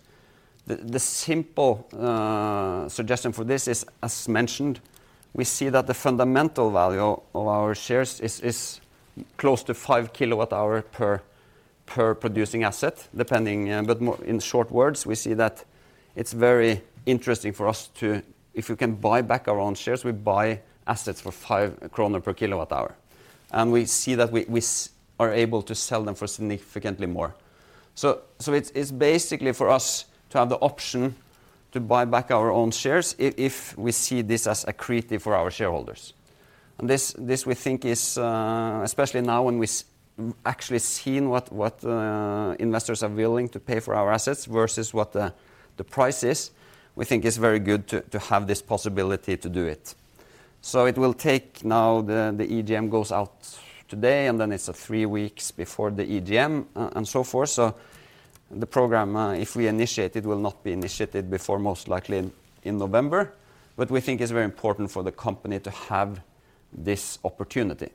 The simple suggestion for this is, as mentioned, we see that the fundamental value of our shares is close to 5 per kWh per producing asset, depending, but in short words, we see that it's very interesting for us to... If we can buy back our own shares, we buy assets for 5 kroner per kWh, and we see that we are able to sell them for significantly more. So, it's basically for us to have the option to buy back our own shares if we see this as accretive for our shareholders. This we think is especially now when we've actually seen what investors are willing to pay for our assets versus what the price is. We think it's very good to have this possibility to do it. So, the EGM goes out today, and then it's three weeks before the EGM and so forth. So, the program, if we initiate it, will not be initiated before most likely in November. But we think it's very important for the company to have this opportunity.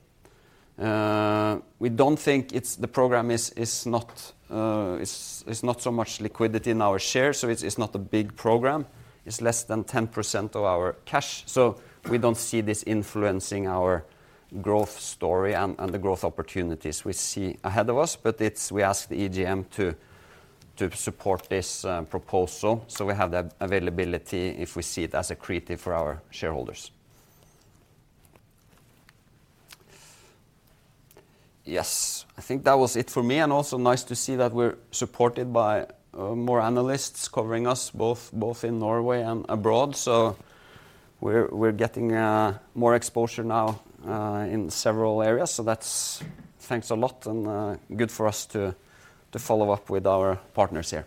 We don't think it's... The program is not so much liquidity in our shares, so it's not a big program. It's less than 10% of our cash, so we don't see this influencing our growth story and the growth opportunities we see ahead of us. But it's – we ask the EGM to support this proposal, so we have the availability if we see it as accretive for our shareholders. Yes, I think that was it for me, and also nice to see that we're supported by more analysts covering us, both in Norway and abroad. So, we're getting more exposure now in several areas. So that's... Thanks a lot, and good for us to follow up with our partners here.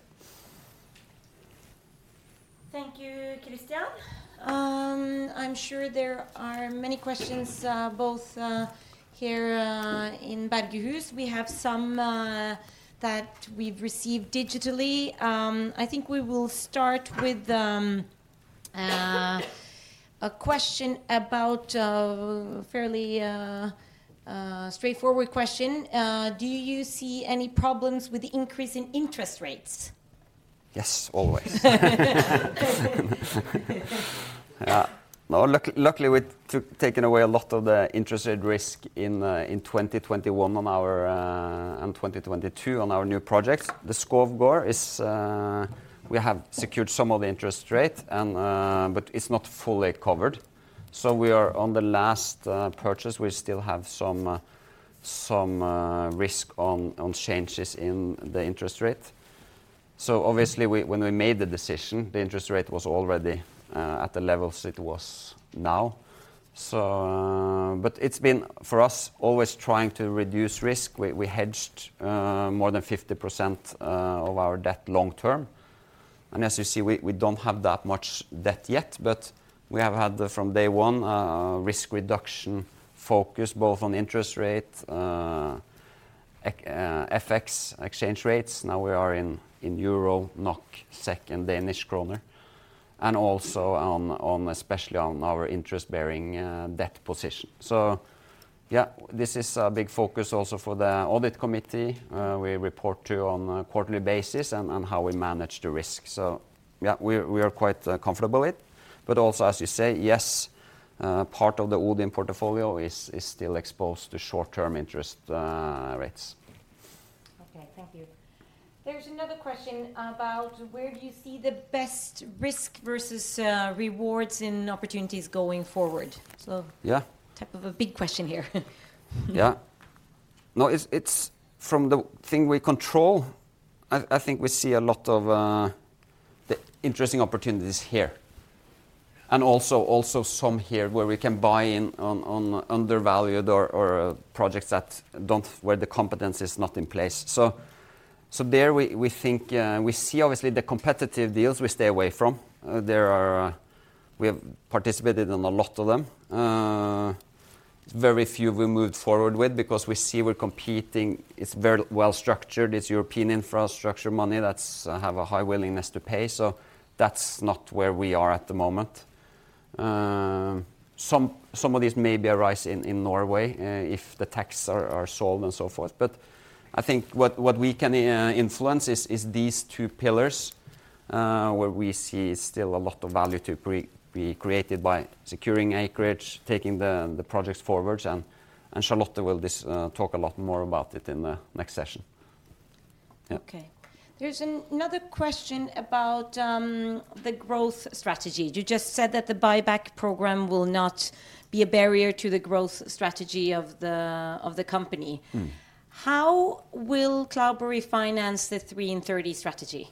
Thank you, Christian. I'm sure there are many questions, both here in Bergehus. We have some that we've received digitally. I think we will start with a question about a fairly straightforward question. Do you see any problems with the increase in interest rates? Yes, always. Yeah. No, luckily, we taken away a lot of the interest rate risk in 2021 on our and 2022 on our new projects. The Skovgaard is, we have secured some of the interest rate, and but it's not fully covered. So we are on the last purchase. We still have some risk on changes in the interest rate. So obviously, when we made the decision, the interest rate was already at the levels it was now. So, but it's been, for us, always trying to reduce risk. We hedged more than 50% of our debt long term. And as you see, we don't have that much debt yet, but we have had, from day one, a risk reduction focus, both on interest rate, FX, exchange rates. Now we are in euro, NOK, SEK, and Danish kroner, and also on, especially on our interest-bearing debt position. So yeah, this is a big focus also for the audit committee we report to on a quarterly basis and how we manage the risk. So yeah, we're quite comfortable with, but also, as you say, yes, part of the Odin portfolio is still exposed to short-term interest rates. Okay, thank you. There's another question about: where do you see the best risk versus, rewards and opportunities going forward? So- Yeah ... type of a big question here. Yeah. No, it's from the thing we control. I think we see a lot of the interesting opportunities here and also some here where we can buy in on undervalued or projects that don't, where the competence is not in place. So, there we think we see obviously the competitive deals we stay away from. There are... We have participated in a lot of them. Very few we moved forward with because we see we're competing; it's very well structured. It's European infrastructure money that's have a high willingness to pay, so that's not where we are at the moment. Some of these may arise in Norway if the taxes are solved and so forth. But I think what we can influence is these two pillars, where we see still a lot of value to be created by securing acreage, taking the projects forward, and Charlotte will talk a lot more about it in the next session. Yeah. Okay. There's another question about the growth strategy. You just said that the buyback program will not be a barrier to the growth strategy of the company. Mm. How will Cloudberry finance the Three in Thirty strategy?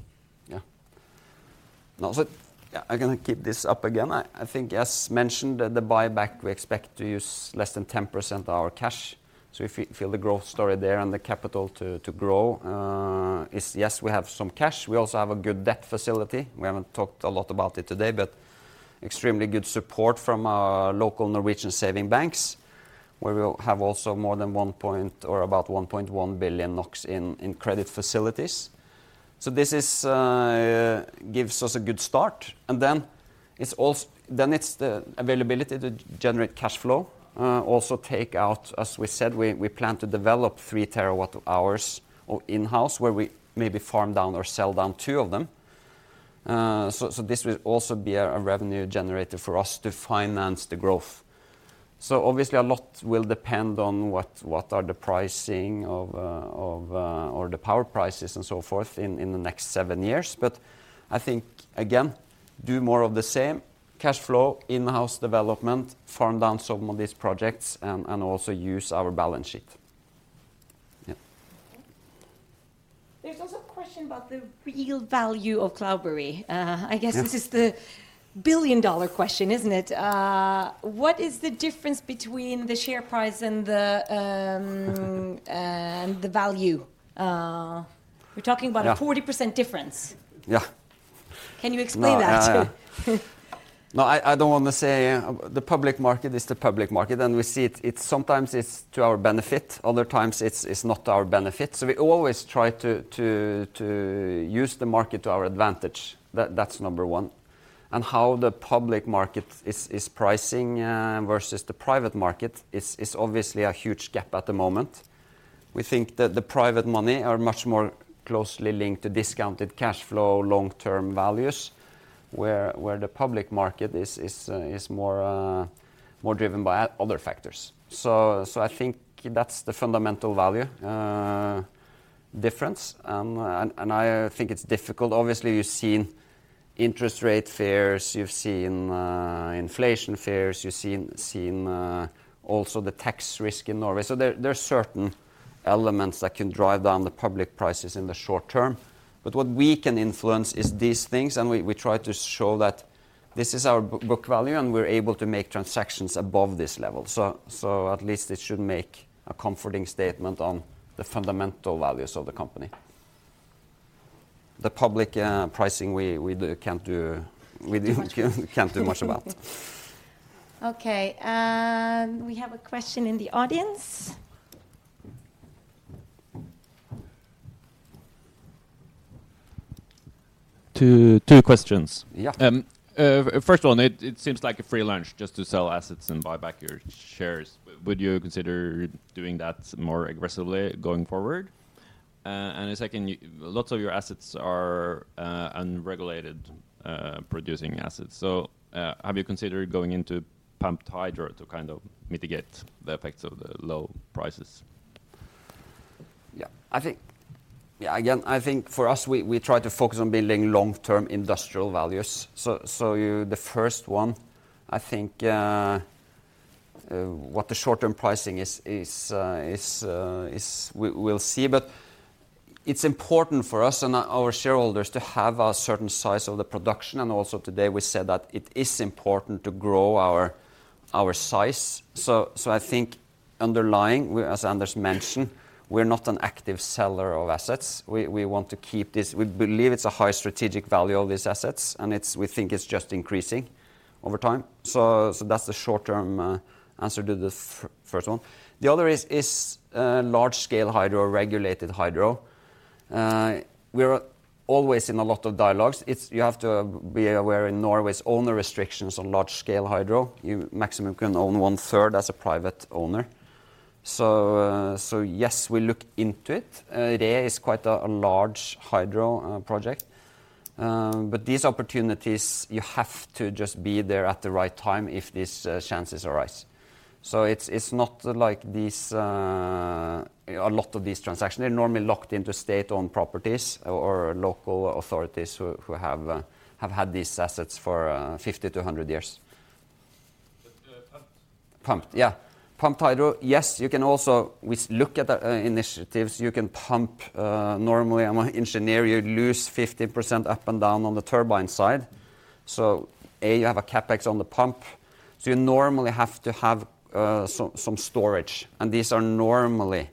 Yeah. Now, so I'm gonna keep this up again. I think, as mentioned, the buyback, we expect to use less than 10% of our cash. So, if you feel the growth story there and the capital to grow is, yes, we have some cash. We also have a good debt facility. We haven't talked a lot about it today, but extremely good support from our local Norwegian saving banks, where we will have also more than 1.0 or about 1.1 billion NOK in credit facilities. So, this gives us a good start, and then it's the availability to generate cash flow. Also take out, as we said, we plan to develop 3 TWh of in-house, where we maybe farm down or sell down two of them. So, this will also be a revenue generator for us to finance the growth. So obviously, a lot will depend on what are the pricing of or the power prices and so forth in the next seven years. But I think, again, do more of the same: cash flow, in-house development, farm down some of these projects, and also use our balance sheet. Yeah. There's also a question about the real value of Cloudberry. Yeah I guess this is the billion-dollar question, isn't it? What is the difference between the share price and the, and the value? We're talking about- Yeah... a 40% difference. Yeah. Can you explain that? No, I don't want to say... The public market is the public market, and we see it, it's sometimes to our benefit, other times it's not to our benefit. So we always try to use the market to our advantage. That's number one. And how the public market is pricing versus the private market is obviously a huge gap at the moment. We think that the private money are much more closely linked to discounted cash flow, long-term values, where the public market is more driven by other factors. So I think that's the fundamental value difference. And I think it's difficult. Obviously, you've seen interest rate fears, you've seen inflation fears, you've seen also the tax risk in Norway. So there, there are certain elements that can drive down the public prices in the short term. But what we can influence is these things, and we, we try to show that this is our book value, and we're able to make transactions above this level. So, so at least it should make a comforting statement on the fundamental values of the company. The public pricing, we, we do... can't do- Too much... we can't do much about. Okay, we have a question in the audience. 2 questions. Yeah. First of all, it seems like a free lunch just to sell assets and buy back your shares. Would you consider doing that more aggressively going forward? And the second, lots of your assets are unregulated producing assets. So, have you considered going into pumped hydro to kind of mitigate the effects of the low prices? Yeah. I think, again, I think for us, we try to focus on building long-term industrial values. So, you... The first one, I think, what the short-term pricing is, we'll see. But it's important for us and our shareholders to have a certain size of the production, and also today we said that it is important to grow our size. So, I think underlying, as Anders mentioned, we're not an active seller of assets. We want to keep this. We believe it's a high strategic value of these assets, and it's—we think it's just increasing over time. So, that's the short-term answer to the first one. The other is large-scale hydro, regulated hydro. We are always in a lot of dialogues. It's... You have to be aware of Norway's ownership restrictions on large-scale hydro. You maximum can own one third as a private owner. So, so yes, we look into it. Reie is quite a, a large hydro project. But these opportunities, you have to just be there at the right time if these, chances arise. So it's, it's not like these... a lot of these transactions, they're normally locked into state-owned properties or local authorities who, who have, have had these assets for, 50-100 years. But, pumped? Pumped. Yeah. Pumped hydro, yes, you can also. We look at initiatives. You can pump, normally, I'm an engineer, you lose 15% up and down on the turbine side. So, A, you have a CapEx on the pump, so you normally have to have some storage, and these are normally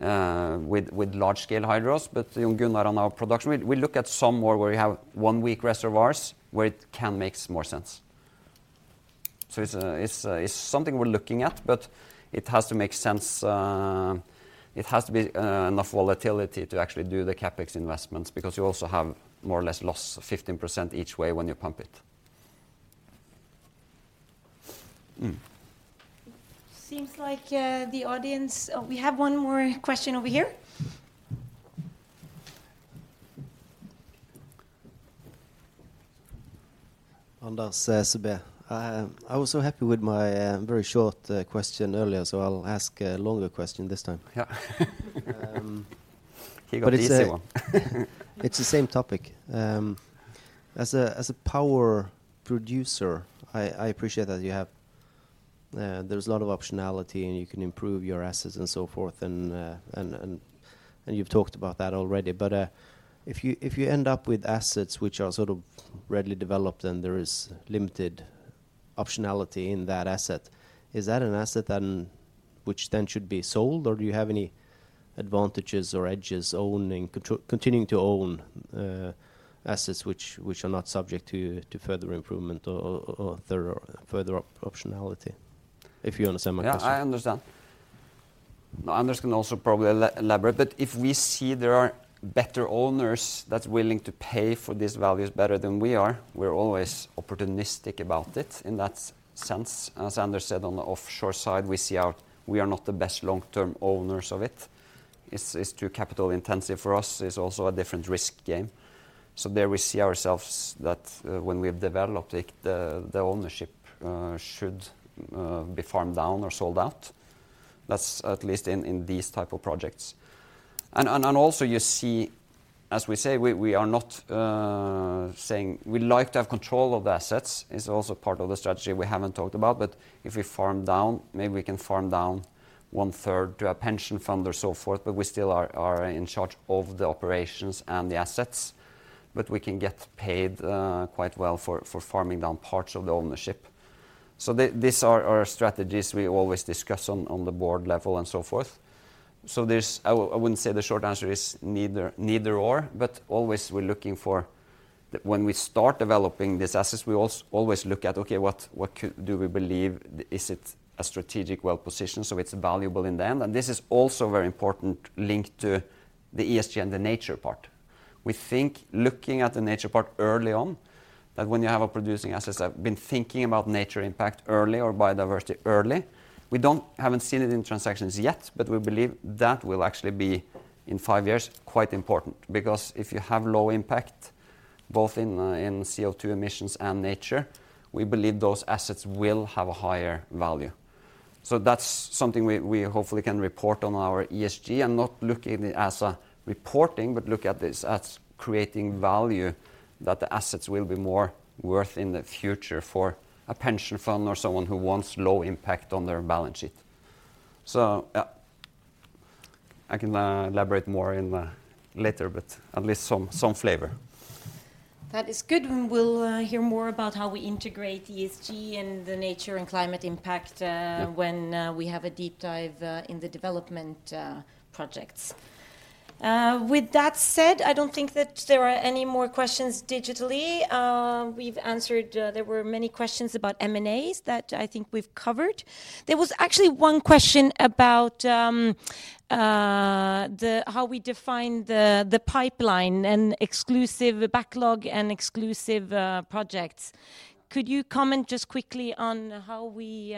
with large-scale hydros. But on Gunnar on our production, we look at some more where we have one-week reservoirs, where it can make more sense. So, it's something we're looking at, but it has to make sense. It has to be enough volatility to actually do the CapEx investments, because you also have more or less loss of 15% each way when you pump it. Mm. Seems like, the audience... We have one more question over here. Anders Rosen. I was so happy with my very short question earlier, so I'll ask a longer question this time. Yeah. He got an easy one. It's the same topic. As a power producer, I appreciate that you have, there's a lot of optionality, and you can improve your assets and so forth, and you've talked about that already. But, if you end up with assets which are sort of readily developed and there is limited optionality in that asset, is that an asset then, which then should be sold, or do you have any advantages or edges owning, continuing to own, assets which are not subject to further improvement or there are further optionality? If you understand my question. Yeah, I understand. Anders can also probably elaborate, but if we see there are better owners that's willing to pay for these values better than we are, we're always opportunistic about it in that sense. As Anders said, on the offshore side, we see we are not the best long-term owners of it. It's too capital intensive for us. It's also a different risk game. So there we see ourselves that when we've developed it, the ownership should be farmed down or sold out. That's at least in these type of projects. And also, you see, as we say, we are not saying. We like to have control of the assets. It's also part of the strategy we haven't talked about. But if we farm down, maybe we can farm down one third to a pension fund or so forth, but we still are in charge of the operations and the assets. But we can get paid quite well for farming down parts of the ownership. So, these are our strategies we always discuss on the board level and so forth. So, there's I wouldn't say the short answer is neither, neither or, but always we're looking for when we start developing these assets, we always look at, okay, what do we believe? Is it a strategic well position, so it's valuable in the end? And this is also very important link to the ESG and the nature part. We think looking at the nature part early on, that when you have a producing asset, I've been thinking about nature impact early or biodiversity early. We don't haven't seen it in transactions yet, but we believe that will actually be, in five years, quite important. Because if you have low impact, both in, in CO₂ emissions and nature, we believe those assets will have a higher value. So that's something we, we hopefully can report on our ESG and not looking it as a reporting, but look at this as creating value, that the assets will be more worth in the future for a pension fund or someone who wants low impact on their balance sheet. So, yeah, I can elaborate more in the later, but at least some, some flavor. That is good, and we'll hear more about how we integrate ESG and the nature and climate impact, when we have a deep dive in the development projects. With that said, I don't think that there are any more questions digitally. We've answered, there were many questions about M&As that I think we've covered. There was actually one question about the how we define the pipeline and exclusive backlog and exclusive projects. Could you comment just quickly on how we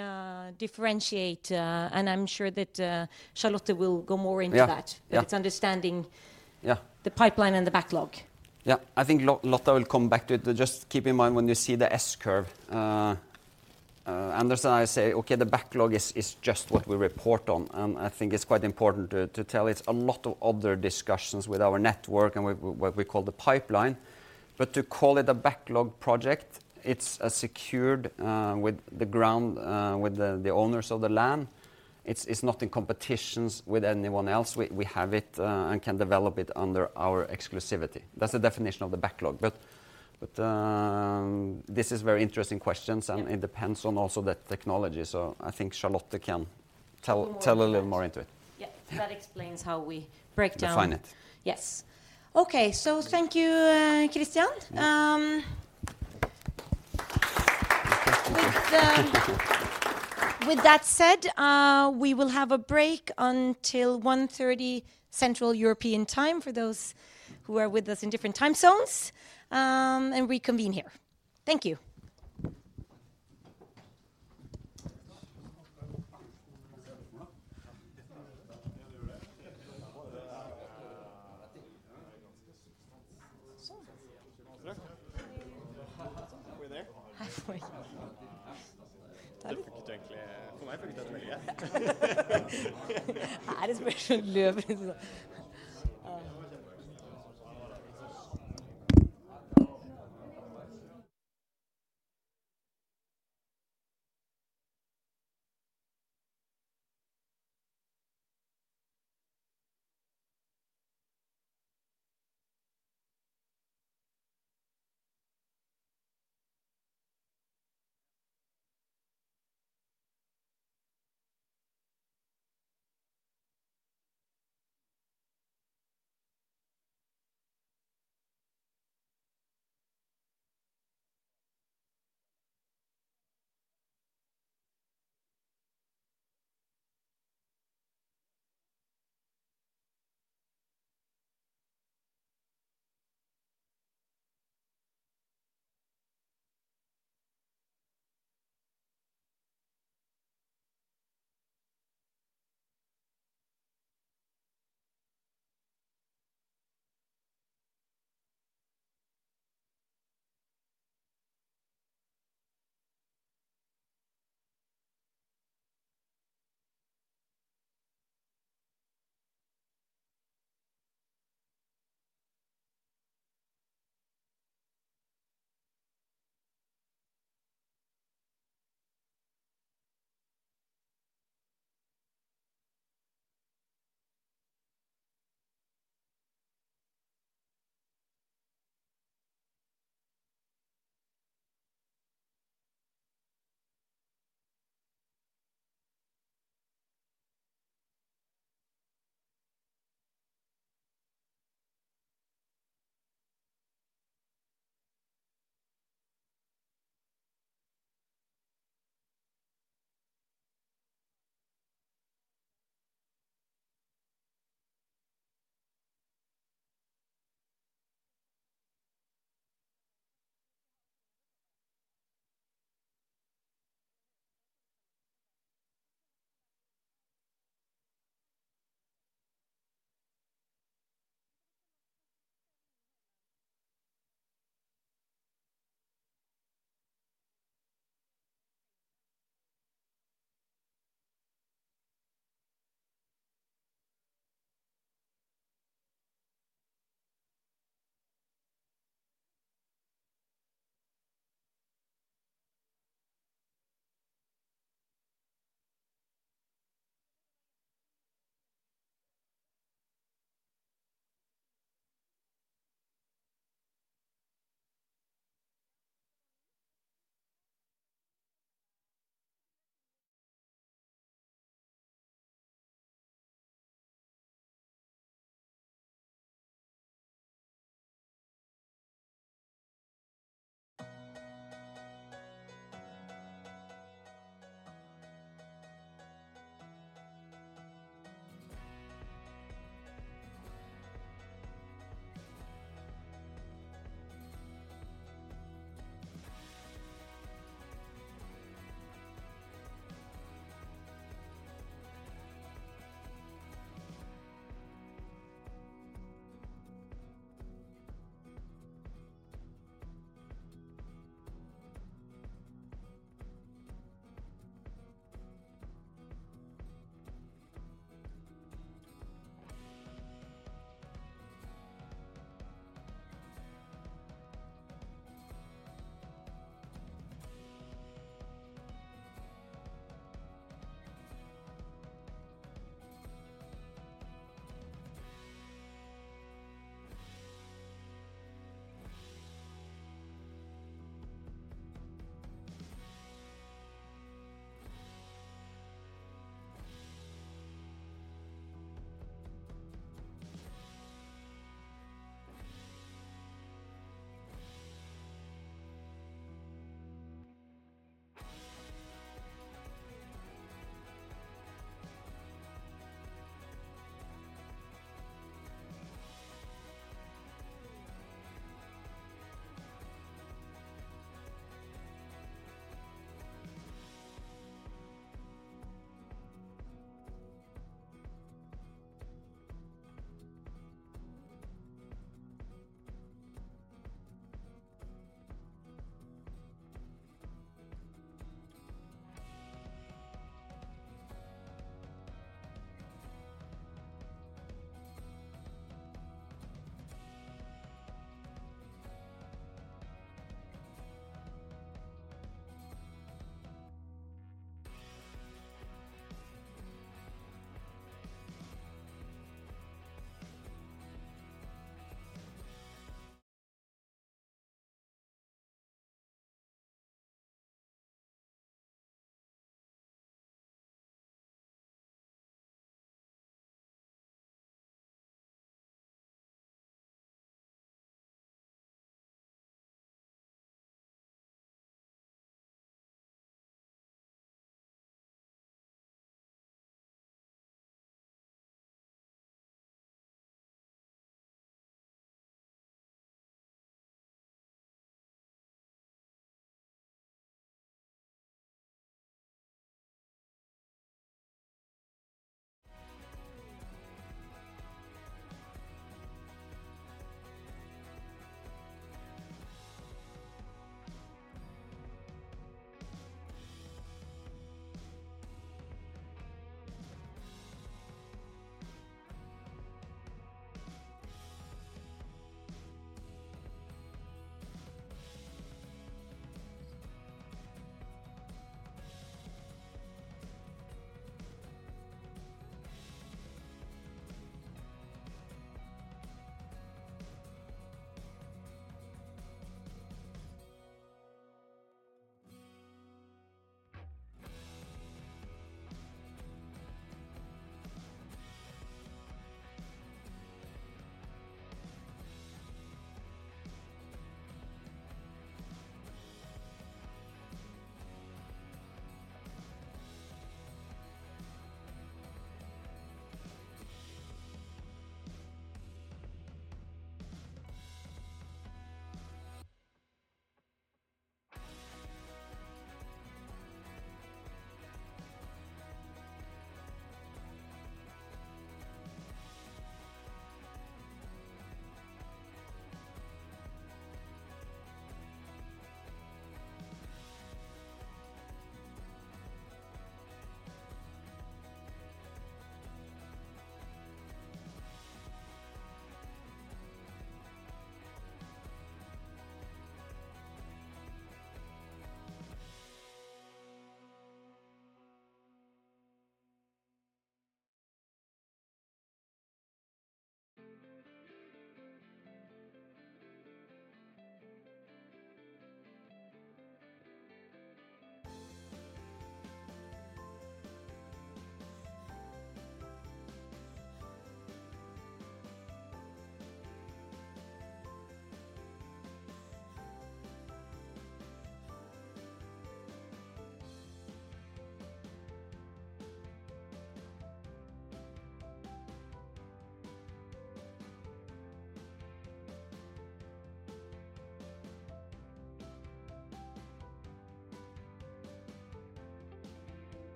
differentiate, and I'm sure that Charlotte will go more into that? Yeah, yeah. It's understanding- Yeah. the pipeline and the backlog. Yeah. I think Lotta will come back to it. Just keep in mind when you see the S-curve, Anders and I say, "Okay, the backlog is just what we report on." And I think it's quite important to tell it's a lot of other discussions with our network and with what we call the pipeline. But to call it a backlog project, it's a secured with the ground with the owners of the land. It's not in competitions with anyone else. We have it and can develop it under our exclusivity. That's the definition of the backlog. But this is very interesting questions, and it depends on also the technology. So, I think Charlotte can tell- More about it. Tell a little more into it. Yeah, that explains how we break down- Define it. Yes. Okay. So thank you, Christian. With that said, we will have a break until 1:30 P.M. Central European Time for those who are with us in different time zones, and reconvene here. Thank you.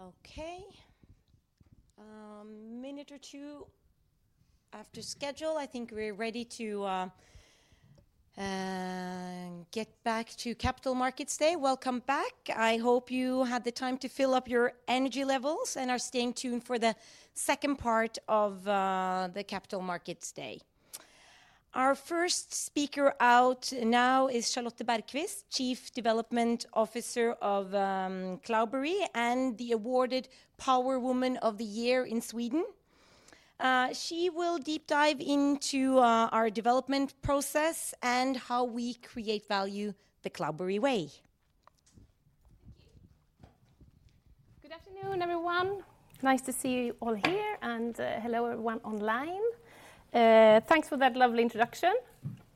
Okay, minute or two after schedule, I think we're ready to get back to Capital Markets Day. Welcome back. I hope you had the time to fill up your energy levels and are staying tuned for the second part of the Capital Markets Day. Our first speaker out now is Charlotte Bergqvist, Chief Development Officer of Cloudberry, and the awarded Power Woman of the Year in Sweden. She will deep dive into our development process and how we create value the Cloudberry way. Thank you. Good afternoon, everyone. Nice to see you all here, and hello, everyone online. Thanks for that lovely introduction.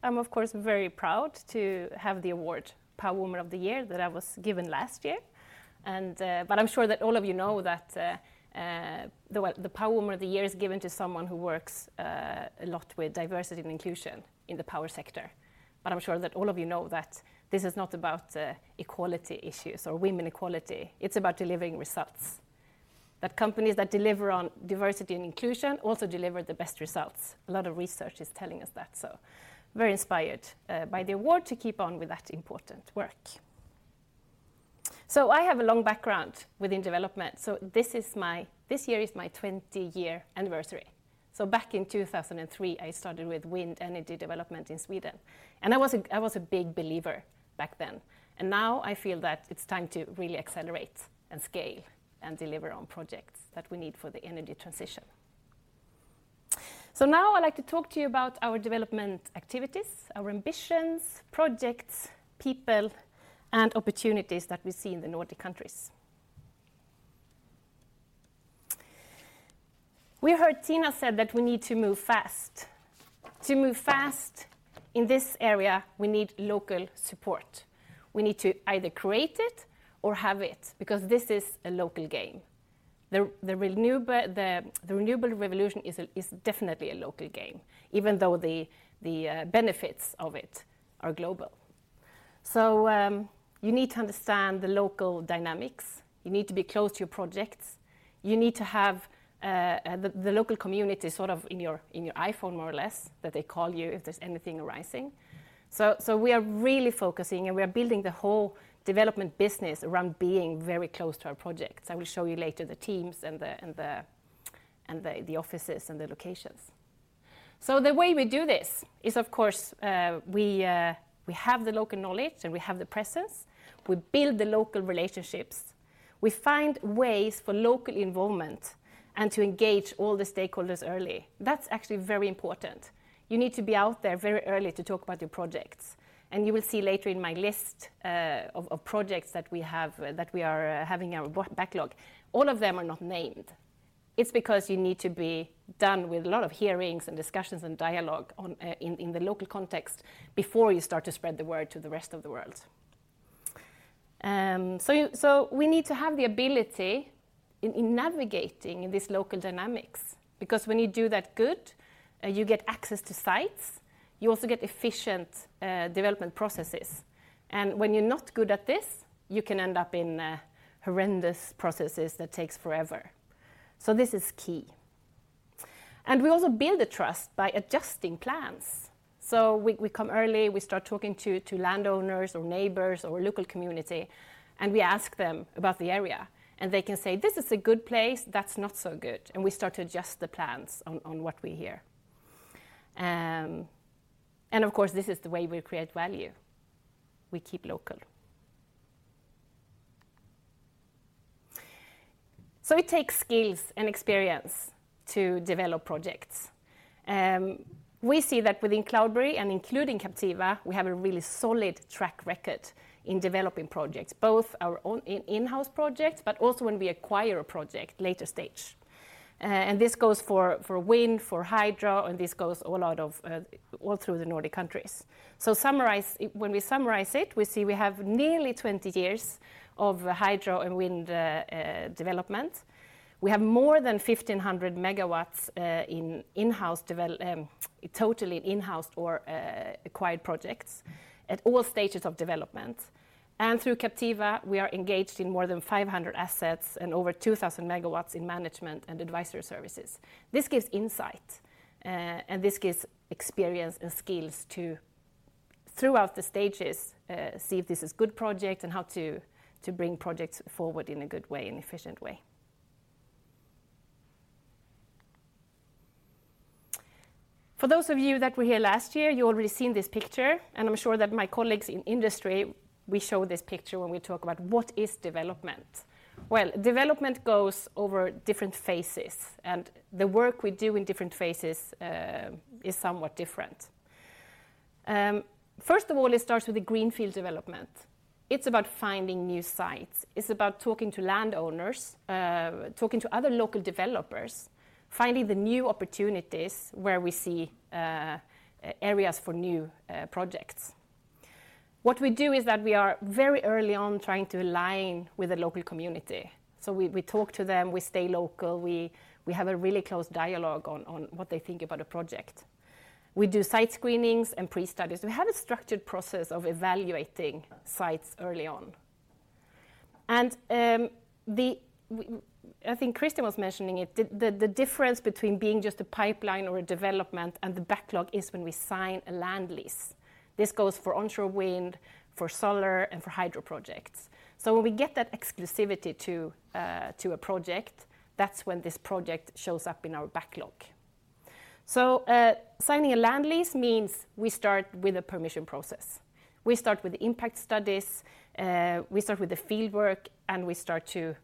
I'm of course very proud to have the award, Power Woman of the Year, that I was given last year. But I'm sure that all of you know that the Power Woman of the Year is given to someone who works a lot with diversity and inclusion in the power sector. But I'm sure that all of you know that this is not about equality issues or women equality, it's about delivering results. That companies that deliver on diversity and inclusion also deliver the best results. A lot of research is telling us that, so very inspired by the award to keep on with that important work. So, I have a long background within development. So, this year is my 20-year anniversary. So back in 2003, I started with wind energy development in Sweden, and I was a big believer back then. Now I feel that it's time to really accelerate and scale and deliver on projects that we need for the energy transition. So, now I'd like to talk to you about our development activities, our ambitions, projects, people, and opportunities that we see in the Nordic countries. We heard Thina said that we need to move fast. To move fast in this area, we need local support. We need to either create it or have it, because this is a local game. The renewable revolution is definitely a local game, even though the benefits of it are global. So, you need to understand the local dynamics, you need to be close to your projects, you need to have the local community sort of in your iPhone, more or less, that they call you if there's anything arising. So, so we are really focusing, and we are building the whole development business around being very close to our projects. I will show you later the teams and the offices and the locations. So, the way we do this is, of course, we have the local knowledge, and we have the presence. We build the local relationships. We find ways for local involvement and to engage all the stakeholders early. That's actually very important. You need to be out there very early to talk about your projects, and you will see later in my list of projects that we have, that we are having our backlog, all of them are not named. It's because you need to be done with a lot of hearings and discussions and dialogue in the local context before you start to spread the word to the rest of the world. So, we need to have the ability in navigating in these local dynamics, because when you do that good, you get access to sites, you also get efficient development processes. And when you're not good at this, you can end up in horrendous processes that takes forever. So, this is key. And we also build the trust by adjusting plans. So, we come early, we start talking to landowners or neighbors or local community, and we ask them about the area, and they can say, "This is a good place, that's not so good." And we start to adjust the plans on what we hear. And of course, this is the way we create value. We keep local. So, it takes skills and experience to develop projects. We see that within Cloudberry and including Captiva, we have a really solid track record in developing projects, both our own in-house projects, but also when we acquire a project later stage. And this goes for wind, for hydro, and this goes all out of all through the Nordic countries. So, summarize- when we summarize it, we see we have nearly 20 years of hydro and wind development. We have more than 1,500 MW in-house development, totally in-house or acquired projects at all stages of development. Through Captiva, we are engaged in more than 500 assets and over 2,000 MW in management and advisory services. This gives insight, and this gives experience and skills to, throughout the stages, see if this is good project, and how to bring projects forward in a good way and efficient way. For those of you that were here last year, you already seen this picture, and I'm sure that my colleagues in industry, we show this picture when we talk about what is development? Well, development goes over different phases, and the work we do in different phases is somewhat different. First of all, it starts with the greenfield development. It's about finding new sites. It's about talking to landowners, talking to other local developers, finding the new opportunities where we see areas for new projects. What we do is that we are very early on trying to align with the local community. So, we talk to them, we stay local, we have a really close dialogue on what they think about a project. We do site screenings and pre-studies. We have a structured process of evaluating sites early on. I think Christian was mentioning it, the difference between being just a pipeline or a development and the backlog is when we sign a land lease. This goes for onshore wind, for solar, and for hydro projects. So, when we get that exclusivity to a project, that's when this project shows up in our backlog. Signing a land lease means we start with a permission process. We start with impact studies, we start with the field work, and we start to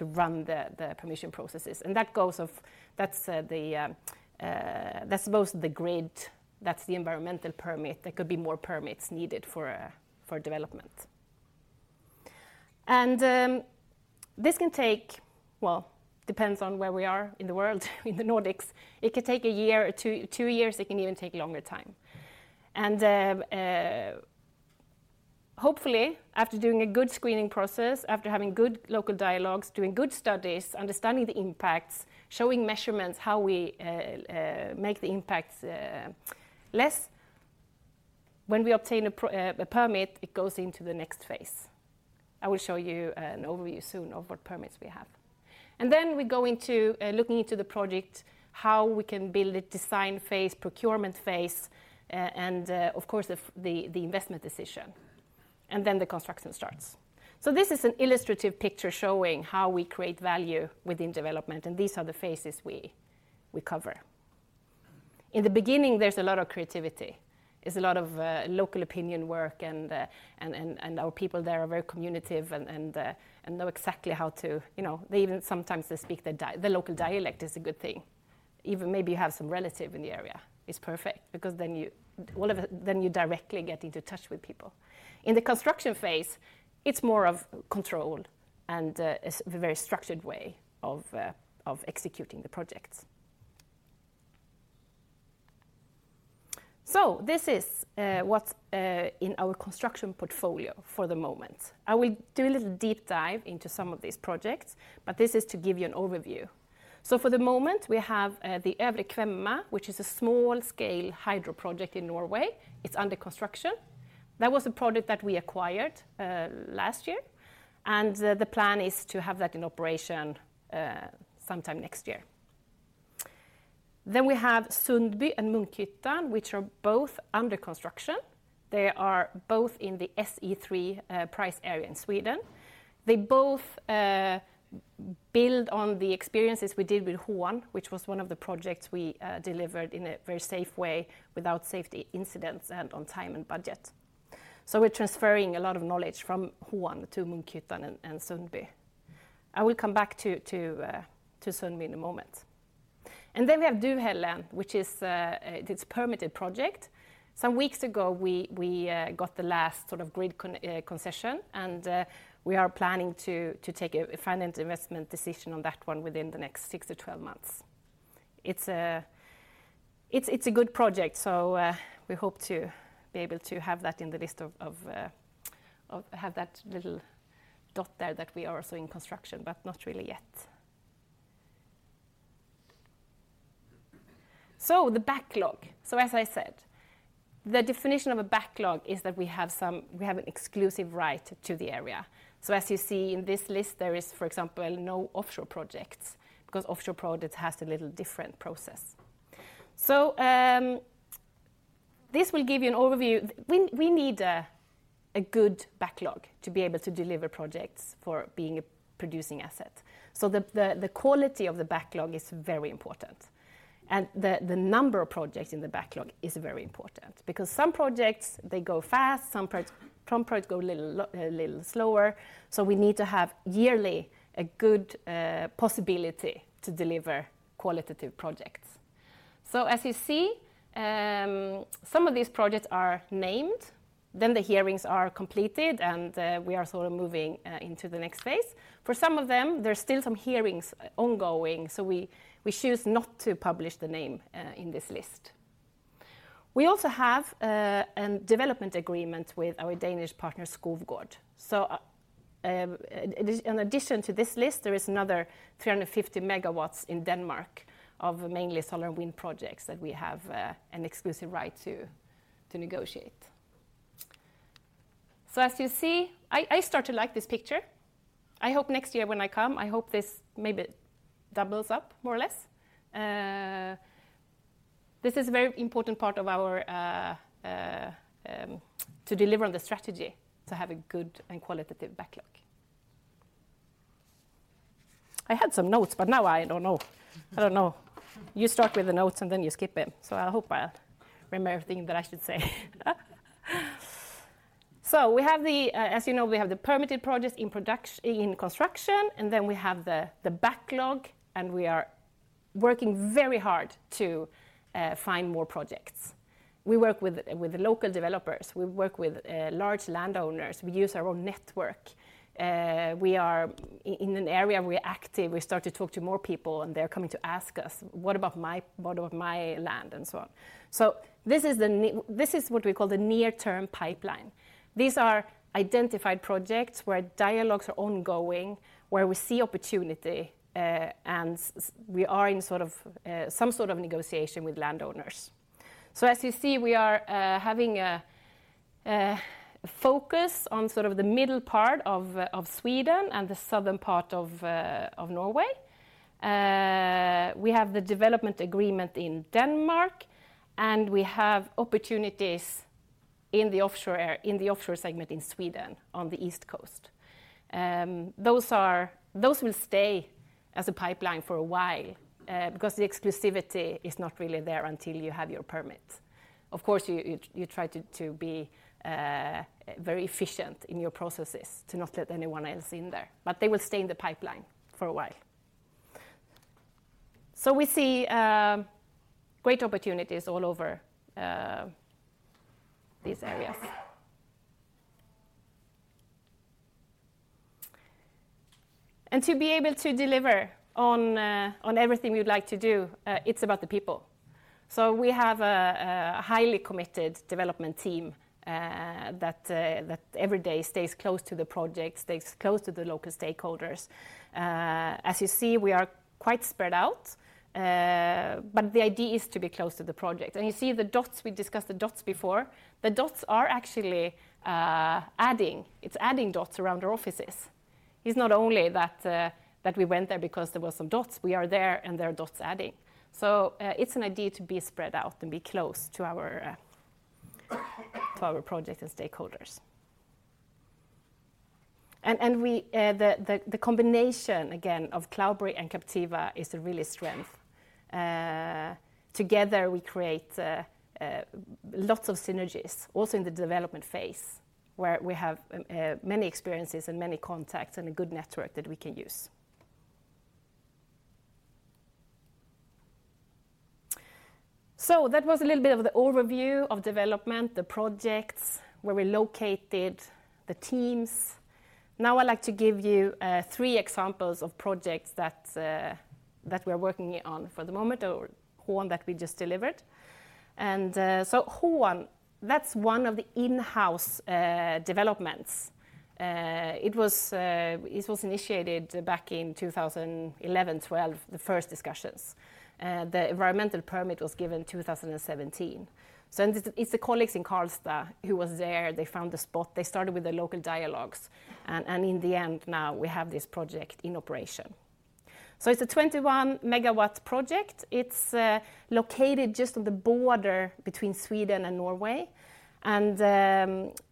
run the permission processes. That's most of the grid, that's the environmental permit. There could be more permits needed for development. Hopefully, after doing a good screening process, after having good local dialogues, doing good studies, understanding the impacts, showing measurements, how we make the impacts less, when we obtain a permit, it goes into the next phase. I will show you an overview soon of what permits we have. And then we go into looking into the project, how we can build it, design phase, procurement phase, and, of course, the investment decision, and then the construction starts. So, this is an illustrative picture showing how we create value within development, and these are the phases we cover. In the beginning, there's a lot of creativity. There's a lot of local opinion work, and our people there are very communicative and know exactly how to... You know, they even sometimes speak the local dialect is a good thing. Even maybe you have some relative in the area, is perfect, because then you directly get into touch with people. In the construction phase, it's more of control and a very structured way of executing the projects. So, this is what's in our construction portfolio for the moment. I will do a little deep dive into some of these projects, but this is to give you an overview. So, for the moment, we have the Øvre Kvemma, which is a small-scale hydro project in Norway. It's under construction. That was a project that we acquired last year, and the plan is to have that in operation sometime next year. Then we have Sundby and Munkhyttan, which are both under construction. They are both in the SE3 price area in Sweden. They both build on the experiences we did with Hån, which was one of the projects we delivered in a very safe way without safety incidents and on time and budget. So, we're transferring a lot of knowledge from Hån to Munkhyttan and Sundby. I will come back to Sundby in a moment. And then we have Duvhällen, which is, it's a permitted project. Some weeks ago, we got the last sort of grid concession, and we are planning to take a finance investment decision on that one within the next 6-12 months. It's a good project, so we hope to be able to have that in the list of have that little dot there that we are also in construction, but not really yet. The backlog. As I said, the definition of a backlog is that we have an exclusive right to the area. As you see in this list, there is, for example, no offshore projects, because offshore projects has a little different process. This will give you an overview. We need a good backlog to be able to deliver projects for being a producing asset. The quality of the backlog is very important. The number of projects in the backlog is very important, because some projects they go fast, some projects go a little slower. We need to have yearly a good possibility to deliver qualitative projects. So as you see, some of these projects are named, then the hearings are completed, and we are sort of moving into the next phase. For some of them, there are still some hearings ongoing, so we choose not to publish the name in this list. We also have a development agreement with our Danish partner, Skovgaard. In addition to this list, there is another 350 MW in Denmark of mainly solar wind projects that we have an exclusive right to negotiate. So, as you see, I start to like this picture. I hope next year when I come, I hope this maybe doubles up more or less. This is a very important part of our to deliver on the strategy, to have a good and qualitative backlog. I had some notes, but now I don't know. I don't know. You start with the notes, and then you skip it. So, I hope I remember everything that I should say. So, we have the, as you know, we have the permitted projects in production—in construction, and then we have the, the backlog, and we are working very hard to find more projects. We work with, with the local developers, we work with, large landowners. We use our own network. We are in an area we active, we start to talk to more people, and they're coming to ask us, "What about my, what about my land?" and so on. So, this is the near-term pipeline. These are identified projects where dialogues are ongoing, where we see opportunity, we are in sort of some sort of negotiation with landowners. So, as you see, we are having a focus on sort of the middle part of Sweden and the southern part of Norway. We have the development agreement in Denmark, and we have opportunities in the offshore segment in Sweden on the east coast. Those are, those will stay as a pipeline for a while, because the exclusivity is not really there until you have your permit. Of course, you try to be very efficient in your processes to not let anyone else in there, but they will stay in the pipeline for a while. So, we see great opportunities all over these areas. And to be able to deliver on everything we'd like to do, it's about the people. So, we have a highly committed development team that every day stays close to the project, stays close to the local stakeholders. As you see, we are quite spread out, but the idea is to be close to the project. And you see the dots; we discussed the dots before. The dots are actually adding—it's adding dots around our offices. It's not only that we went there because there were some dots. We are there, and there are dots adding. So, it's an idea to be spread out and be close to our project and stakeholders. The combination, again, of Cloudberry and Captiva is a real strength. Together, we create lots of synergies, also in the development phase, where we have many experiences and many contacts and a good network that we can use. So that was a little bit of the overview of development, the projects, where we're located, the teams. Now, I'd like to give you three examples of projects that we're working on for the moment or one that we just delivered. So Hån, that's one of the in-house developments. It was initiated back in 2011-12, the first discussions. The environmental permit was given 2017. So, it's the colleagues in Karlstad who was there. They found the spot. They started with the local dialogues, and in the end, now we have this project in operation. So, it's a 21 MW project. It's located just on the border between Sweden and Norway, and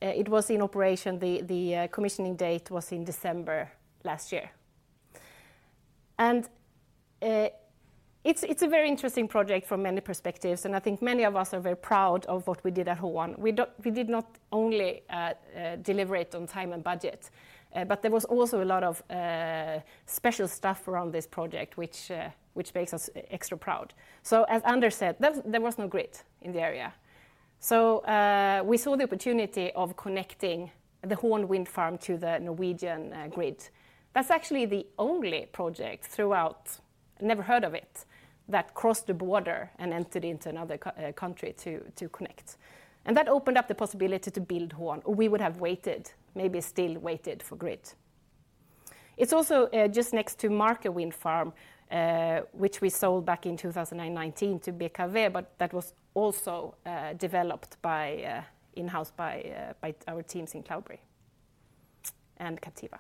it was in operation, the commissioning date was in December last year. And it's a very interesting project from many perspectives, and I think many of us are very proud of what we did at Hån. We-- we did not only deliver it on time and budget, but there was also a lot of special stuff around this project, which makes us extra proud. So, as Anders said, there was no grid in the area. So, we saw the opportunity of connecting the Hån wind farm to the Norwegian grid. That's actually the only project throughout, never heard of it, that crossed the border and entered into another country to connect. And that opened up the possibility to build Hån. We would have waited, maybe still waited for grid. It's also just next to Marka Wind Farm, which we sold back in 2019 to BKK, but that was also developed in-house by our teams in Cloudberry and Captiva.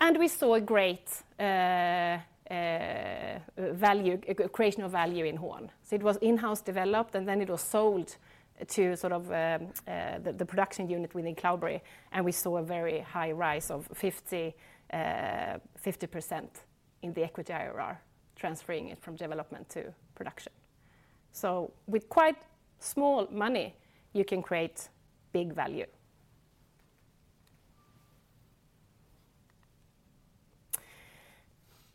And we saw a great value creation of value in Hån. So, it was in-house developed, and then it was sold to sort of the production unit within Cloudberry, and we saw a very high rise of 50% in the equity IRR, transferring it from development to production. So, with quite small money, you can create big value.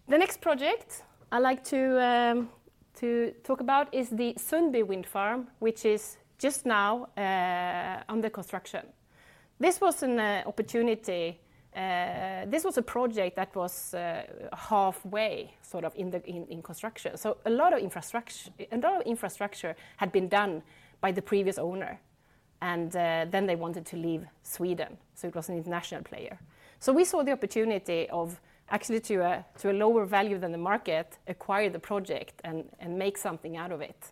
The next project I like to talk about is the Sundby Wind Farm, which is just now under construction. This was an opportunity. This was a project that was halfway, sort of in the construction. So, a lot of infrastructure had been done by the previous owner, and then they wanted to leave Sweden, so it was an international player. So, we saw the opportunity of actually to a lower value than the market, acquire the project and make something out of it.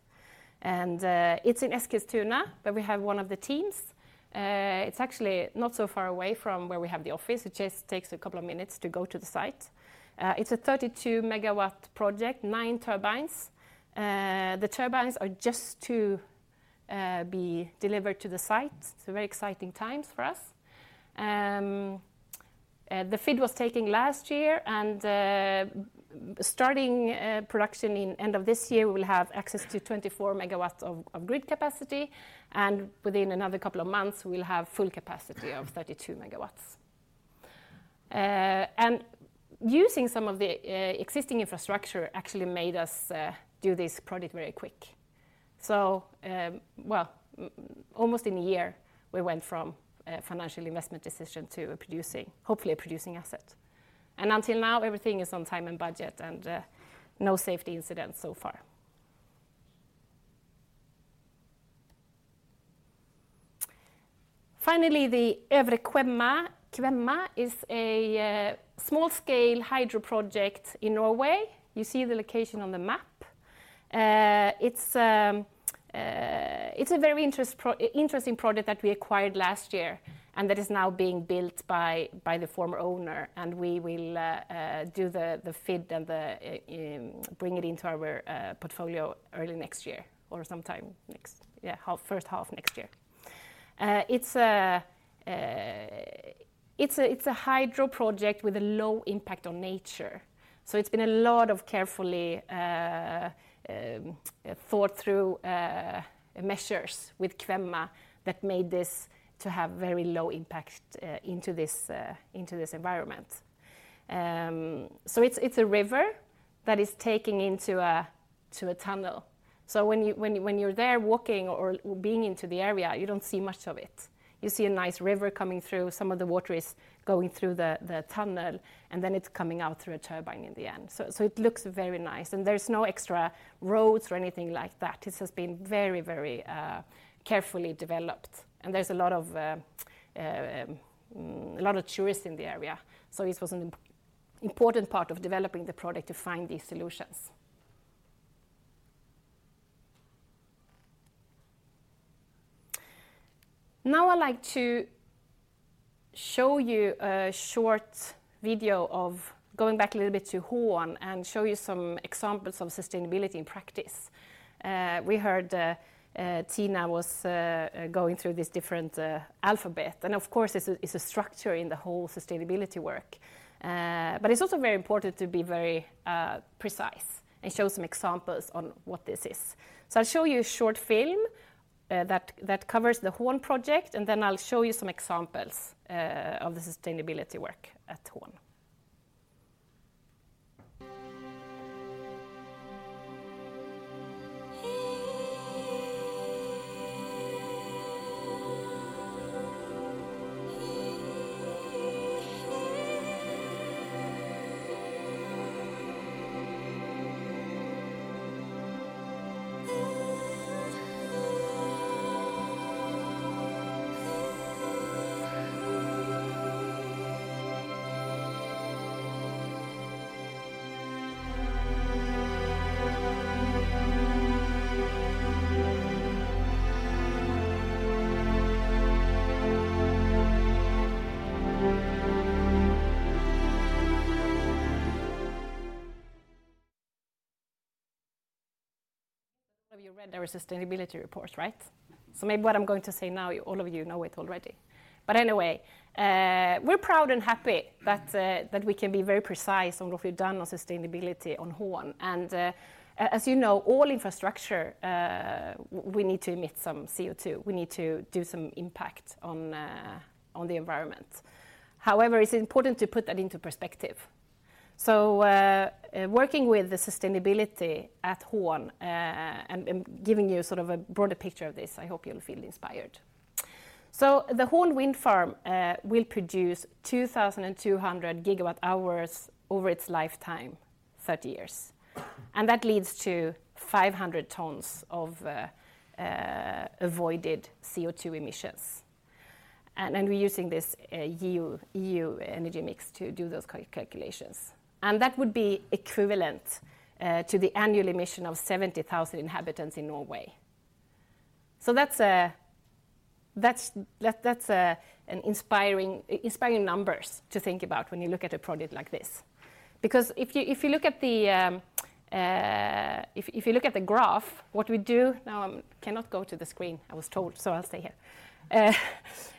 And it's in Eskilstuna, where we have one of the teams. It's actually not so far away from where we have the office. It just takes a couple of minutes to go to the site. It's a 32 MW project, 9 turbines. The turbines are just to be delivered to the site. So, very exciting times for us. The FID was taken last year, and starting production in end of this year, we will have access to 24 MW of grid capacity, and within another couple of months, we'll have full capacity of 32 MW. And using some of the existing infrastructure actually made us do this project very quick. So almost in a year, we went from a financial investment decision to a producing - hopefully a producing asset. And until now, everything is on time and budget and no safety incidents so far. Finally, the Øvre Kvemma, Kvemma is a small-scale hydro project in Norway. You see the location on the map. It's a very interesting project that we acquired last year, and that is now being built by the former owner. We will do the FID and bring it into our portfolio early next year or sometime next year, yeah, first half next year. It's a hydro project with a low impact on nature. So, it's been a lot of carefully thought through measures with Kvemma that made this to have very low impact into this environment. So, it's a river that is taking into a tunnel. So, when you, when you're there walking or being into the area, you don't see much of it. You see a nice river coming through, some of the water is going through the tunnel, and then it's coming out through a turbine in the end. So, it looks very nice, and there's no extra roads or anything like that. This has been very carefully developed, and there's a lot of tourists in the area. So, this was an important part of developing the product to find these solutions. Now, I'd like to show you a short video of going back a little bit to Hån and show you some examples of sustainability in practice. We heard Thina was going through this different alphabet, and of course, it's a structure in the whole sustainability work. But it's also very important to be very precise and show some examples on what this is. So, I'll show you a short film that covers the Hån project, and then I'll show you some examples of the sustainability work at Hån. All of you read our sustainability report, right? So maybe what I'm going to say now, all of you know it already. But anyway, we're proud and happy that we can be very precise on what we've done on sustainability on Hån. And as you know, all infrastructure we need to emit some CO2. We need to do some impact on the environment. However, it's important to put that into perspective. So, working with the sustainability at Hån, and giving you sort of a broader picture of this, I hope you'll feel inspired. So, the Hån wind farm will produce 2,200 GWh over its lifetime, 30 years, and that leads to 500 tons of avoided CO2 emissions. And we're using this EU energy mix to do those calculations. And that would be equivalent to the annual emission of 70,000 inhabitants in Norway. So that's an inspiring numbers to think about when you look at a project like this. Because if you look at the graph, what we do... Now, I cannot go to the screen, I was told, so I'll stay here.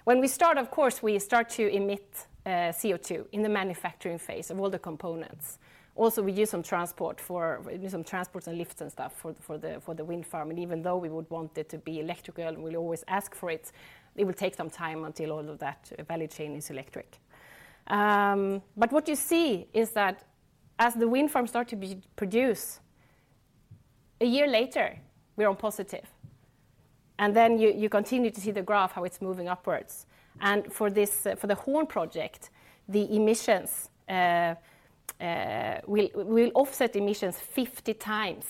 When we start, of course, we start to emit CO2 in the manufacturing phase of all the components. Also, we use some transport and lifts and stuff for the wind farm. And even though we would want it to be electrical, and we'll always ask for it, it will take some time until all of that value chain is electric. But what you see is that as the wind farms start to be produced, a year later, we are positive, and then you continue to see the graph, how it's moving upwards. And for this, for the Hån project, the emissions will offset emissions 50 times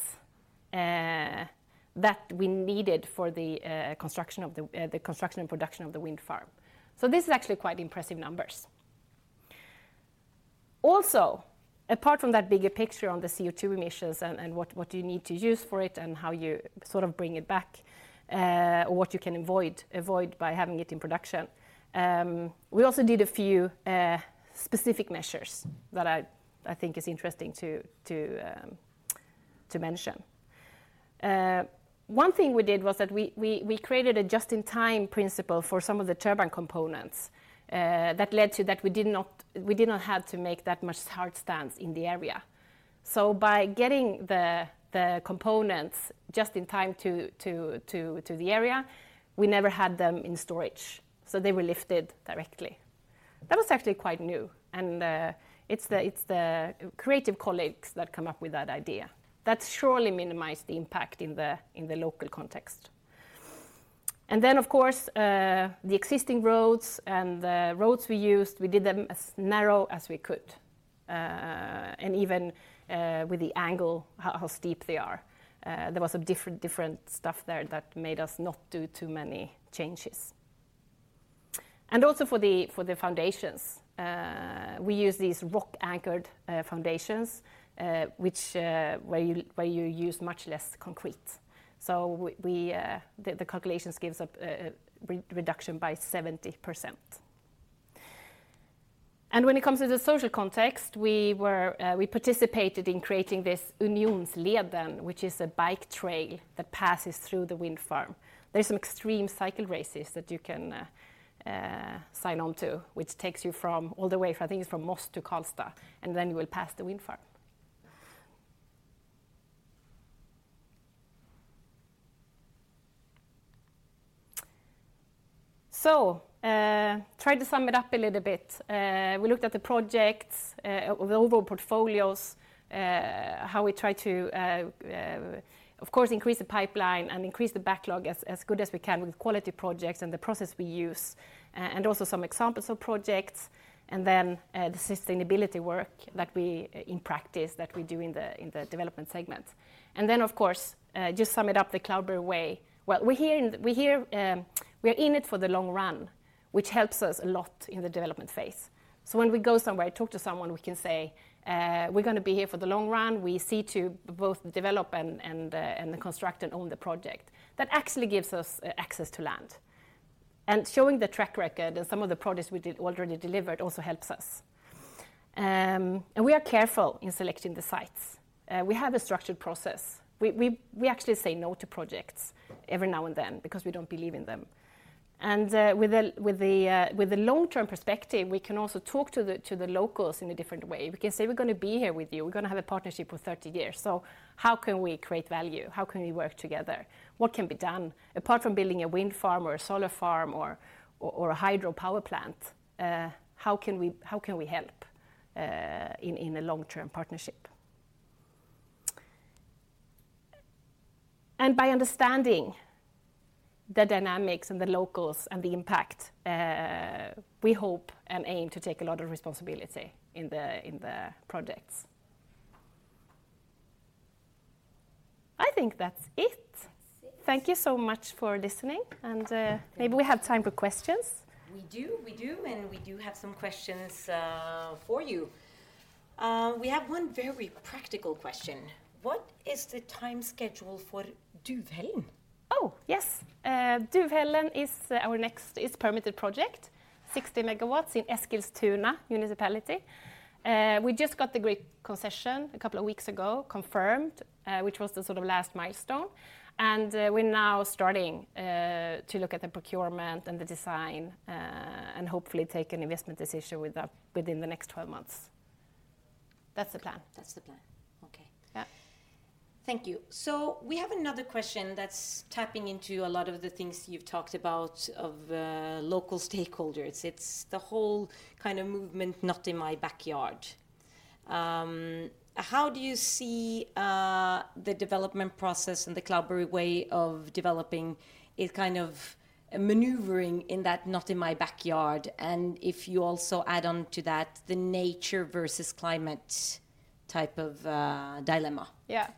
that we needed for the construction and production of the wind farm. So, this is actually quite impressive numbers. Also, apart from that bigger picture on the CO2 emissions and what you need to use for it and how you sort of bring it back, or what you can avoid by having it in production, we also did a few specific measures that I think is interesting to mention. One thing we did was that we created a just-in-time principle for some of the turbine components, that led to that we did not have to make that much hard stance in the area. So, by getting the components just in time to the area, we never had them in storage, so they were lifted directly. That was actually quite new, and it's the creative colleagues that come up with that idea. That surely minimized the impact in the local context. Then, of course, the existing roads and the roads we used, we did them as narrow as we could, and even with the angle, how steep they are. There was different stuff there that made us not do too many changes... and also for the foundations, we use these rock-anchored foundations, which where you use much less concrete. So the calculations give us a reduction by 70%. And when it comes to the social context, we participated in creating this Unionsleden, which is a bike trail that passes through the wind farm. There's some extreme cycle races that you can sign on to, which takes you from all the way, I think it's from Moss to Karlstad, and then you will pass the wind farm. So, try to sum it up a little bit. We looked at the projects, the overall portfolios, how we try to, of course, increase the pipeline and increase the backlog as good as we can with quality projects and the process we use, and also some examples of projects, and then, the sustainability work that we, in practice, that we do in the development segment. And then, of course, just sum it up the Cloudberry way. Well, we're here in, we're here, we are in it for the long run, which helps us a lot in the development phase. So, when we go somewhere, talk to someone, we can say, "We're gonna be here for the long run. We see to both develop and construct and own the project." That actually gives us access to land. And showing the track record and some of the projects we did already delivered also helps us. And we are careful in selecting the sites. We have a structured process. We actually say no to projects every now and then because we don't believe in them. And with the long-term perspective, we can also talk to the locals in a different way. We can say, "We're gonna be here with you. We're gonna have a partnership for 30 years, so how can we create value? How can we work together? What can be done apart from building a wind farm or a solar farm or a hydro power plant? How can we help in a long-term partnership?" By understanding the dynamics and the locals and the impact, we hope and aim to take a lot of responsibility in the projects. I think that's it. That's it. Thank you so much for listening, and, maybe we have time for questions. We do, we do, and we do have some questions, for you. We have one very practical question: What is the time schedule for Duvhällen? Oh, yes. Duvhällen is our next... It's permitted project, 60 MW in Eskilstuna Municipality. We just got the grid concession a couple of weeks ago, confirmed, which was the sort of last milestone, and we're now starting to look at the procurement and the design, and hopefully take an investment decision with that within the next 12 months. That's the plan. That's the plan. Okay. Yeah. Thank you. So we have another question that's tapping into a lot of the things you've talked about of local stakeholders. It's the whole kind of movement, Not In My Backyard. How do you see the development process and the Cloudberry way of developing a kind of a maneuvering in that Not In My Backyard, and if you also add on to that, the nature versus climate type of dilemma? Yeah.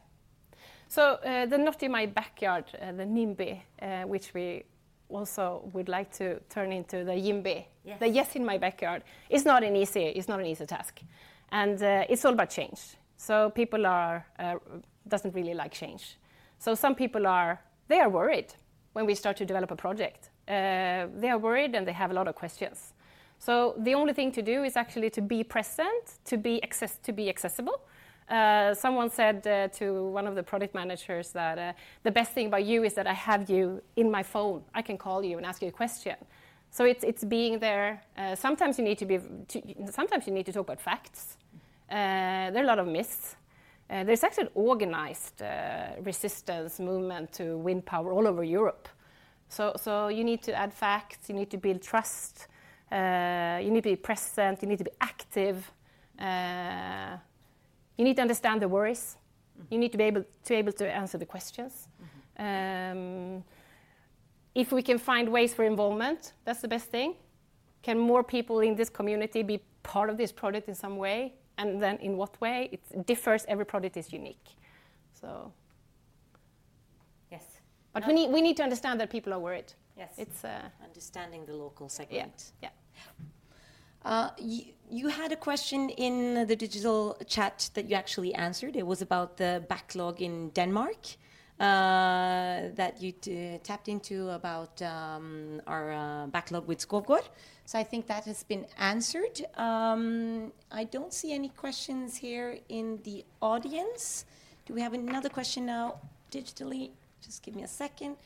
So, the Not In My Backyard, the NIMBY, which we also would like to turn into the YIMBY- Yeah... the Yes In My Backyard is not an easy, it's not an easy task. And it's all about change. So, people are, doesn't really like change. So, some people are—they are worried when we start to develop a project. They are worried, and they have a lot of questions. So, the only thing to do is actually to be present, to be accessible. Someone said to one of the project managers that, "The best thing about you is that I have you in my phone. I can call you and ask you a question." So, it's, it's being there. Sometimes you need to be, to... Sometimes you need to talk about facts. There are a lot of myths. There's actually an organized resistance movement to wind power all over Europe. So, you need to add facts, you need to build trust, you need to be present, you need to be active, you need to understand the worries, you need to be able to answer the questions. Mm-hmm. If we can find ways for involvement, that's the best thing. Can more people in this community be part of this project in some way? And then in what way? It differs. Every project is unique, so... Yes. But we need, we need to understand that people are worried. Yes. It's, uh- Understanding the local segment. Yeah. Yeah. You had a question in the digital chat that you actually answered. It was about the backlog in Denmark that you tapped into about our backlog with Skovgaard. So I think that has been answered. I don't see any questions here in the audience. Do we have another question now digitally? Just give me a second.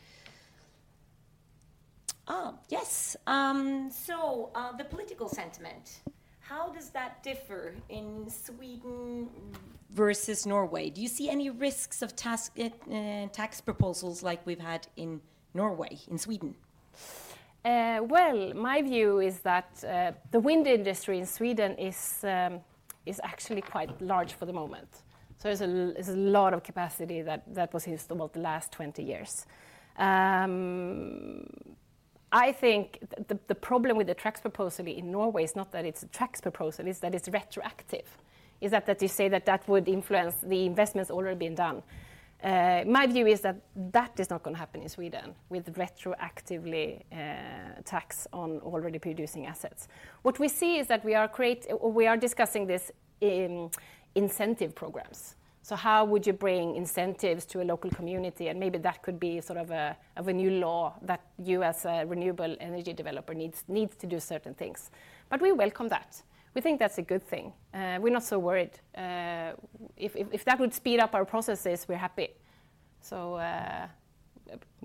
Oh, yes. So the political sentiment, how does that differ in Sweden versus Norway? Do you see any risks of tax proposals like we've had in Norway, in Sweden? Well, my view is that the wind industry in Sweden is actually quite large for the moment. So, there's a lot of capacity that was used about the last 20 years. I think the problem with the tax proposal in Norway is not that it's a tax proposal, it's that it's retroactive. That you say that would influence the investments already been done. My view is that that is not gonna happen in Sweden, with retroactive tax on already producing assets. What we see is that we are discussing this in incentive programs. So how would you bring incentives to a local community? And maybe that could be sort of a new law that you as a renewable energy developer needs to do certain things. But we welcome that. We think that's a good thing, we're not so worried. If that would speed up our processes, we're happy. So,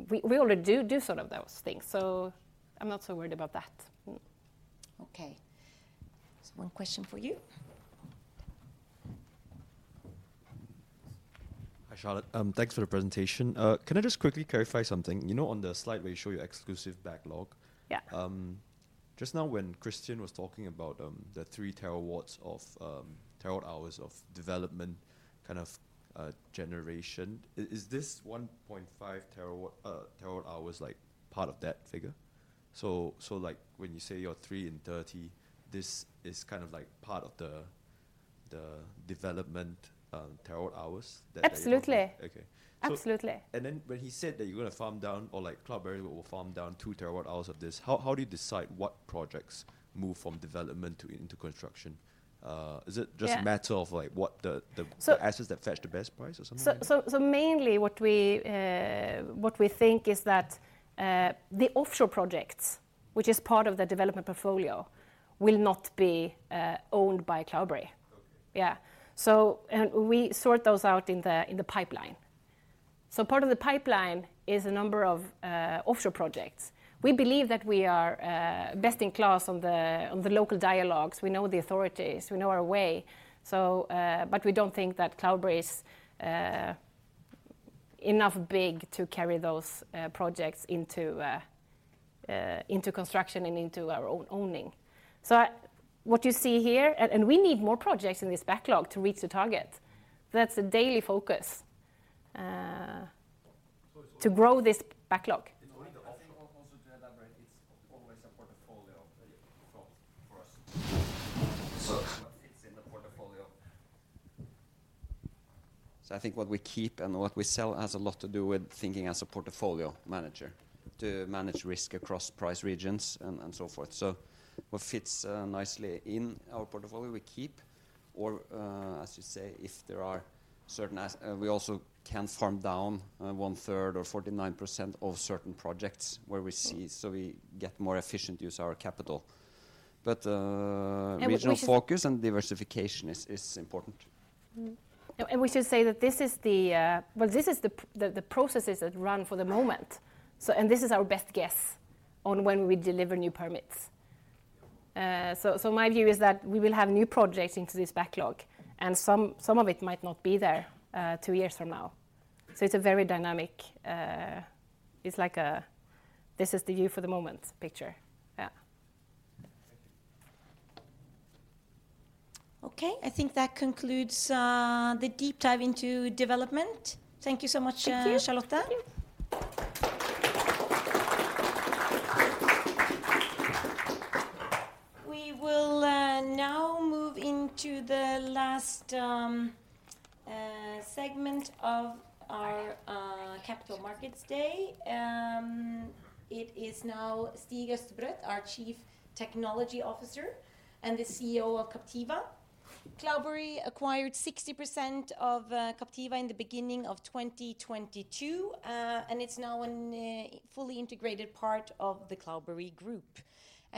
we already do some of those things, so I'm not so worried about that. Okay. So one question for you. Hi, Charlotte. Thanks for the presentation. Can I just quickly clarify something? You know, on the slide where you show your exclusive backlog? Yeah. Just now, when Christian was talking about the 3 TW of TWh of development, kind of, generation, is this 1.5 TWh, like, part of that figure? So, like, when you say you're 3 and 30, this is kind of like part of the development TWh that- Absolutely. Okay. Absolutely. Then when he said that you're gonna farm down or, like, Cloudberry will farm down 2 TWh of this, how do you decide what projects move from development to into construction? Is it- Yeah... just a matter of, like, what the... So-... assets that fetch the best price or something? So mainly what we think is that the offshore projects, which is part of the development portfolio, will not be owned by Cloudberry. Okay. Yeah. So... And we sort those out in the pipeline. So, part of the pipeline is a number of offshore projects. We believe that we are best in class on the local dialogues. We know the authorities, we know our way, so, but we don't think that Cloudberry is enough big to carry those projects into construction and into our own owning. So, what you see here... And we need more projects in this backlog to reach the target. That's a daily focus. So it's-... to grow this backlog. It's only the offshore. I think also to elaborate, it's always a portfolio thought for us. So, it's in the portfolio. So, I think what we keep and what we sell has a lot to do with thinking as a portfolio manager, to manage risk across price regions and so forth. So, what fits nicely in our portfolio, we keep, or, as you say, if there are certain we also can farm down 1/3 or 49% of certain projects where we see, so we get more efficient use of our capital. But, And we should- Regional focus and diversification is important. Mm-hmm. And we should say that this is the processes that run for the moment. So, this is our best guess on when we deliver new permits. So, my view is that we will have new projects into this backlog, and some of it might not be there two years from now. So, it's a very dynamic. It's like a "This is the view for the moment" picture. Yeah. Thank you. Okay, I think that concludes the deep dive into development. Thank you so much. Thank you... Charlotta. Thank you. We will now move into the last segment of our Capital Markets Day. It is now Stig Østebrøt, our Chief Technology Officer and the CEO of Captiva. Cloudberry acquired 60% of Captiva in the beginning of 2022, and it's now a fully integrated part of the Cloudberry group.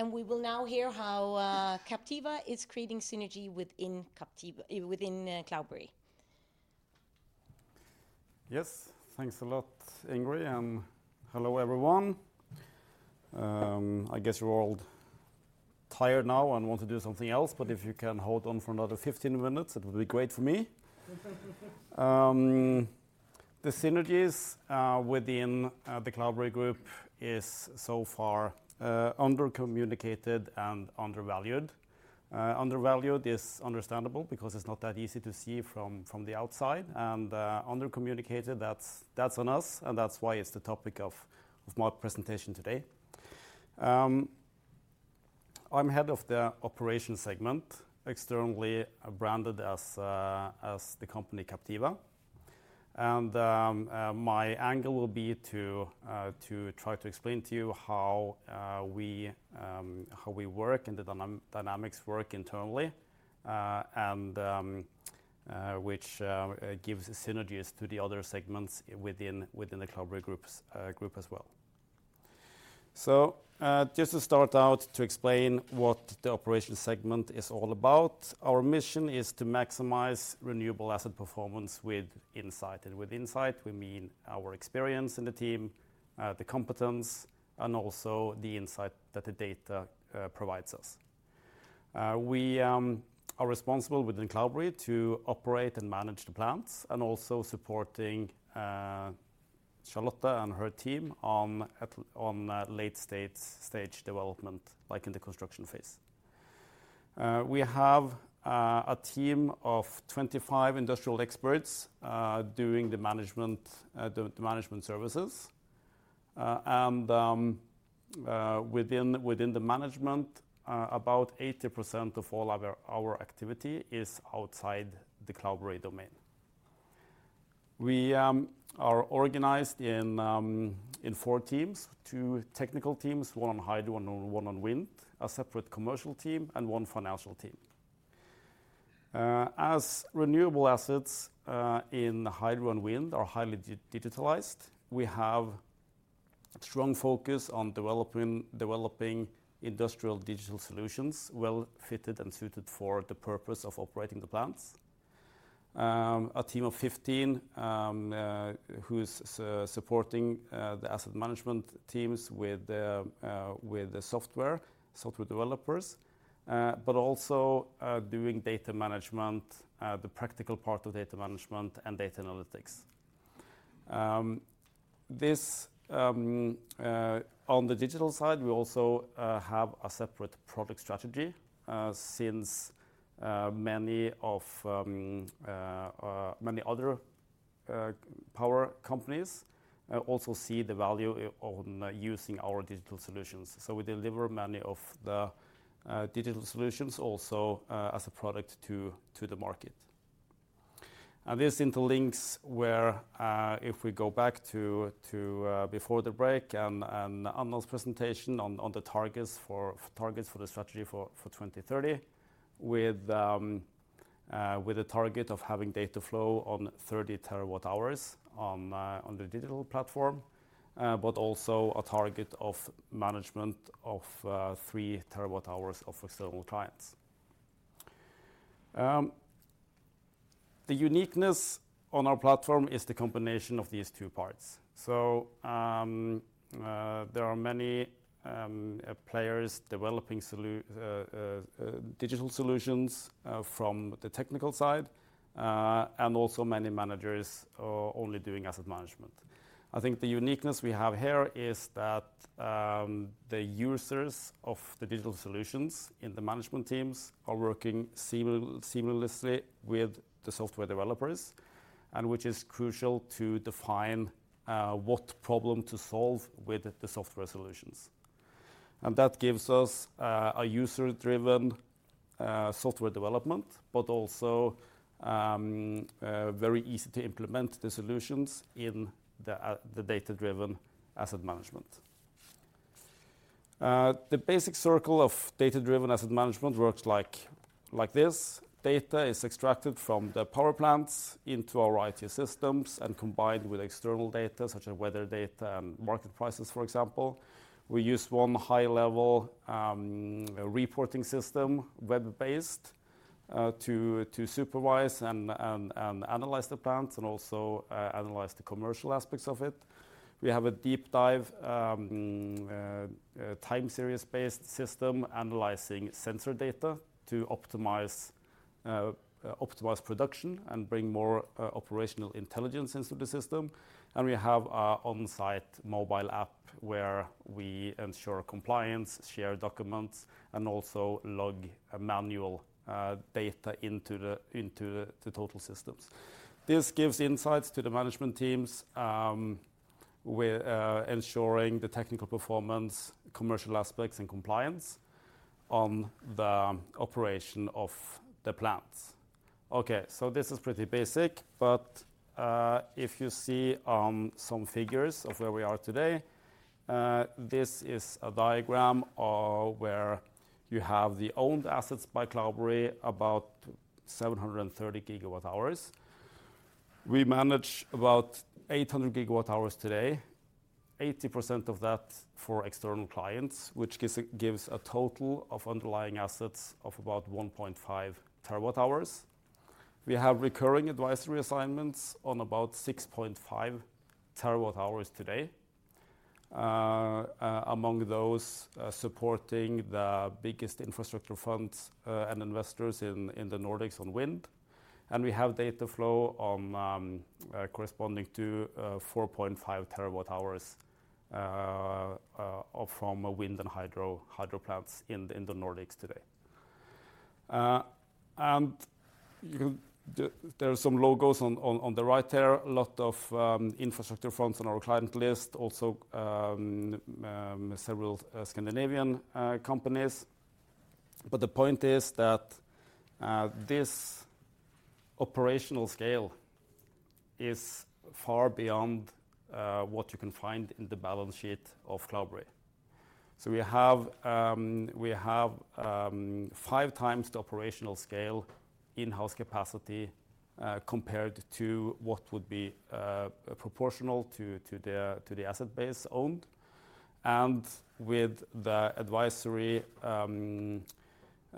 We will now hear how Captiva is creating synergy within Captiva, within Cloudberry. Yes, thanks a lot, Ingrid, and hello, everyone. I guess you're all tired now and want to do something else, but if you can hold on for another 15 minutes, it would be great for me. The synergies within the Cloudberry group is so far under-communicated and undervalued. Undervalued is understandable because it's not that easy to see from the outside, and under-communicated, that's on us, and that's why it's the topic of my presentation today. I'm head of the operation segment, externally branded as the company Captiva. My angle will be to try to explain to you how we work and the dynamics work internally, and which gives synergies to the other segments within the Cloudberry group as well. So, just to start out to explain what the operation segment is all about, our mission is to maximize renewable asset performance with insight. And with insight, we mean our experience in the team, the competence, and also the insight that the data provides us. We are responsible within Cloudberry to operate and manage the plants and also supporting Charlotte and her team on late-stage development, like in the construction phase. We have a team of 25 industrial experts doing the management services. Within the management, about 80% of all our activity is outside the Cloudberry domain. We are organized in four teams: two technical teams, one on hydro and one on wind, a separate commercial team, and one financial team. As renewable assets in hydro and wind are highly digitalized, we have strong focus on developing industrial digital solutions, well fitted and suited for the purpose of operating the plants. A team of 15 who is supporting the asset management teams with the software, software developers, but also doing data management, the practical part of data management and data analytics. This on the digital side, we also have a separate product strategy, since many other power companies also see the value in using our digital solutions. So, we deliver many of the digital solutions also as a product to the market. This interlinks where, if we go back to before the break and Arnold's presentation on the targets for the strategy for 2030, with a target of having data flow on 30 TWh on the digital platform, but also a target of management of 3 TWh of external clients. The uniqueness on our platform is the combination of these two parts. There are many players developing digital solutions from the technical side, and also many managers only doing asset management. I think the uniqueness we have here is that the users of the digital solutions in the management teams are working seamlessly with the software developers, and which is crucial to define what problem to solve with the software solutions. That gives us a user-driven software development, but also very easy to implement the solutions in the data-driven asset management. The basic circle of data-driven asset management works like this. Data is extracted from the power plants into our IT systems and combined with external data, such as weather data and market prices, for example. We use one high-level reporting system, web-based, to supervise and analyze the plants, and also analyze the commercial aspects of it. We have a deep dive time series-based system analyzing sensor data to optimize production and bring more operational intelligence into the system. We have an on-site mobile app where we ensure compliance, share documents, and also log manual data into the total systems. This gives insights to the management teams, with ensuring the technical performance, commercial aspects, and compliance on the operation of the plants. Okay, so this is pretty basic, but if you see some figures of where we are today, this is a diagram where you have the owned assets by Cloudberry, about 730 GWh. We manage about 800 GWh today, 80% of that for external clients, which gives, gives a total of underlying assets of about 1.5 TWh. We have recurring advisory assignments on about 6.5 TWh today. Among those, supporting the biggest infrastructure funds and investors in the Nordics on wind. And we have data flow on corresponding to 4.5 TWh from wind and hydro, hydro plants in the Nordics today. And you, there are some logos on the right there, a lot of infrastructure funds on our client list, also several Scandinavian companies. But the point is that this operational scale is far beyond what you can find in the balance sheet of Cloudberry. So, we have five times the operational scale in-house capacity compared to what would be proportional to the asset base owned. And with the advisory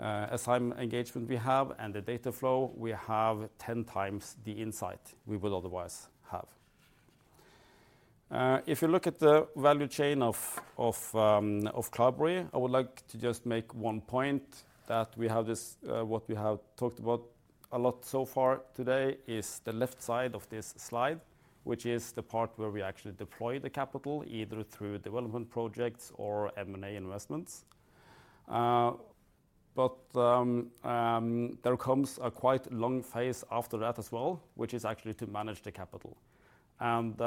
assignment engagement we have and the data flow, we have ten times the insight we would otherwise have. If you look at the value chain of Cloudberry, I would like to just make one point, that we have this what we have talked about to-... A lot so far today is the left side of this slide, which is the part where we actually deploy the capital, either through development projects or M&A investments. But there comes a quite long phase after that as well, which is actually to manage the capital. And,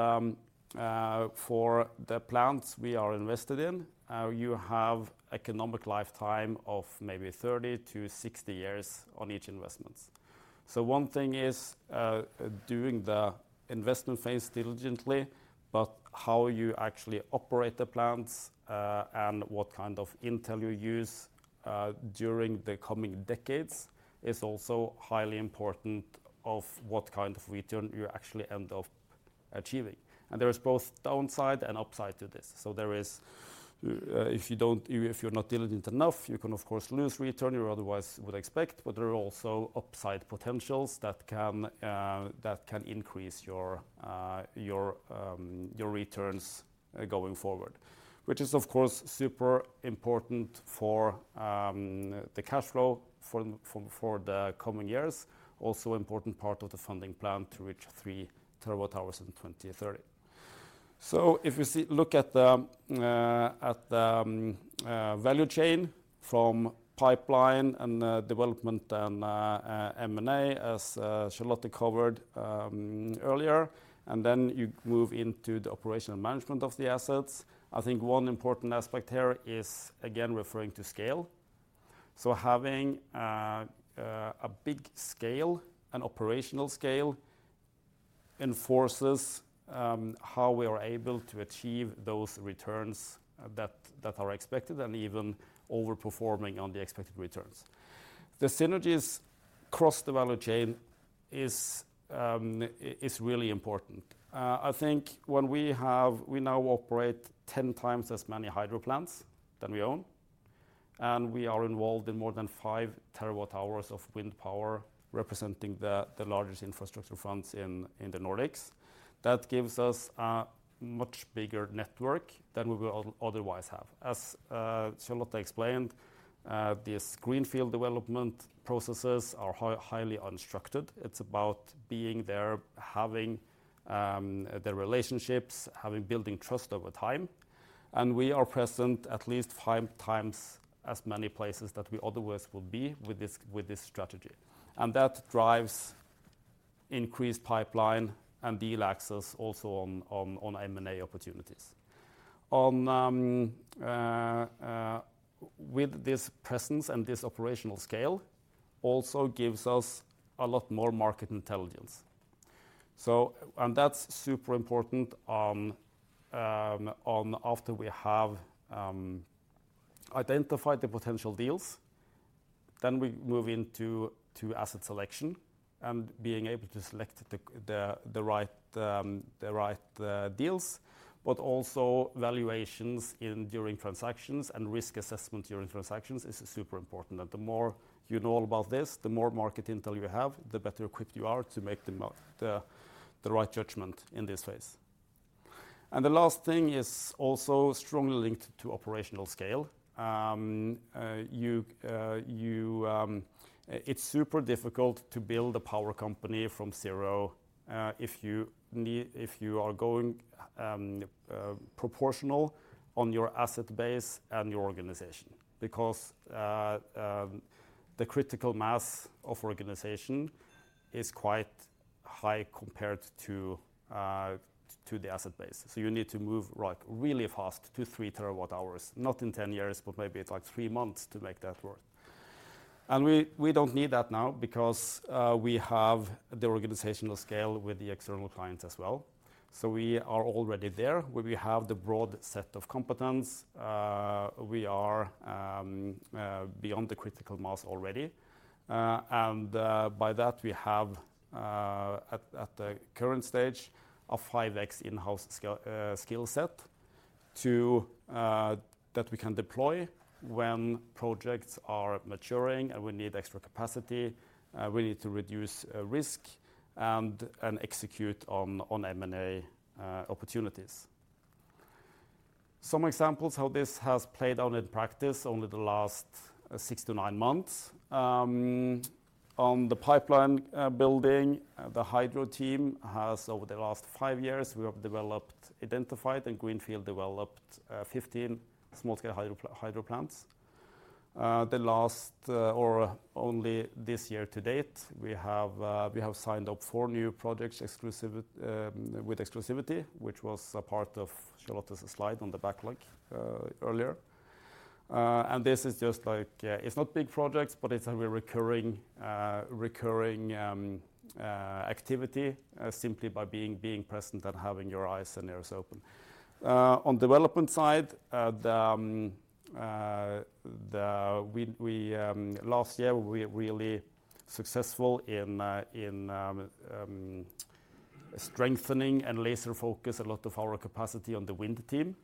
for the plants we are invested in, you have economic lifetime of maybe 30-60 years on each investment. So, one thing is, doing the investment phase diligently, but how you actually operate the plants, and what kind of intel you use, during the coming decades, is also highly important of what kind of return you actually end up achieving. And there is both downside and upside to this. So, there is, if you don't—if you're not diligent enough, you can of course, lose return you otherwise would expect, but there are also upside potentials that can, that can increase your, your, your returns, going forward. Which is, of course, super important for, the cash flow for, for, for the coming years. Also, important part of the funding plan to reach 3 terawatt-hours in 2030. So, if you see—look at the, at the value chain from pipeline and, development and, M&A, as, Charlotte covered, earlier, and then you move into the operational management of the assets. I think one important aspect here is, again, referring to scale. So having a big scale, an operational scale, enforces how we are able to achieve those returns that are expected and even overperforming on the expected returns. The synergies across the value chain is really important. I think when we have, we now operate 10 times as many hydro plants than we own, and we are involved in more than 5 TWh of wind power, representing the largest infrastructure funds in the Nordics. That gives us a much bigger network than we would otherwise have. As Charlotte explained, these greenfield development processes are highly unstructured. It's about being there, having the relationships, having building trust over time. We are present at least 5 times as many places that we otherwise would be with this strategy. That drives increased pipeline and deal access also on M&A opportunities. With this presence and this operational scale, also gives us a lot more market intelligence. That's super important on after we have identified the potential deals, then we move into asset selection and being able to select the right deals, but also valuations in during transactions and risk assessment during transactions is super important. And the more you know about this, the more market intel you have, the better equipped you are to make the right judgment in this phase. And the last thing is also strongly linked to operational scale. It's super difficult to build a power company from zero if you are going proportional on your asset base and your organization. Because the critical mass of organization is quite high compared to the asset base. So, you need to move, like, really fast to 3 TWh, not in 10 years, but maybe it's like 3 months to make that work. And we don't need that now because we have the organizational scale with the external clients as well. So, we are already there, where we have the broad set of competence. We are beyond the critical mass already. By that, we have at the current stage a 5x in-house skill set that we can deploy when projects are maturing, and we need extra capacity, we need to reduce risk and execute on M&A opportunities. Some examples how this has played out in practice only the last six to nine months. On the pipeline building, the hydro team has over the last five years we have developed, identified, and greenfield developed 15 small-scale hydro plants. The last or only this year to date, we have signed up 4 new projects, exclusive with exclusivity, which was a part of Charlotte's slide on the backlog earlier. And this is just like, it's not big projects, but it's a recurring activity, simply by being present and having your eyes and ears open. On the development side, last year, we were really successful in strengthening and laser-focus a lot of our capacity on the wind team,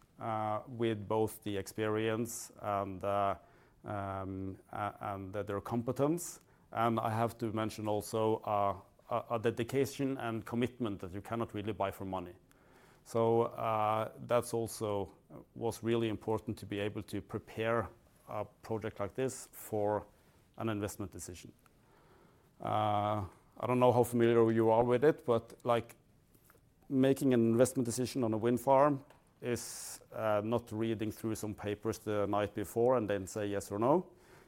with both the experience and their competence. And I have to mention also a dedication and commitment that you cannot really buy for money. So, that's also was really important to be able to prepare a project like this for an investment decision. I don't know how familiar you are with it, but like making an investment decision on a wind farm is not reading through some papers the night before and then say yes or no.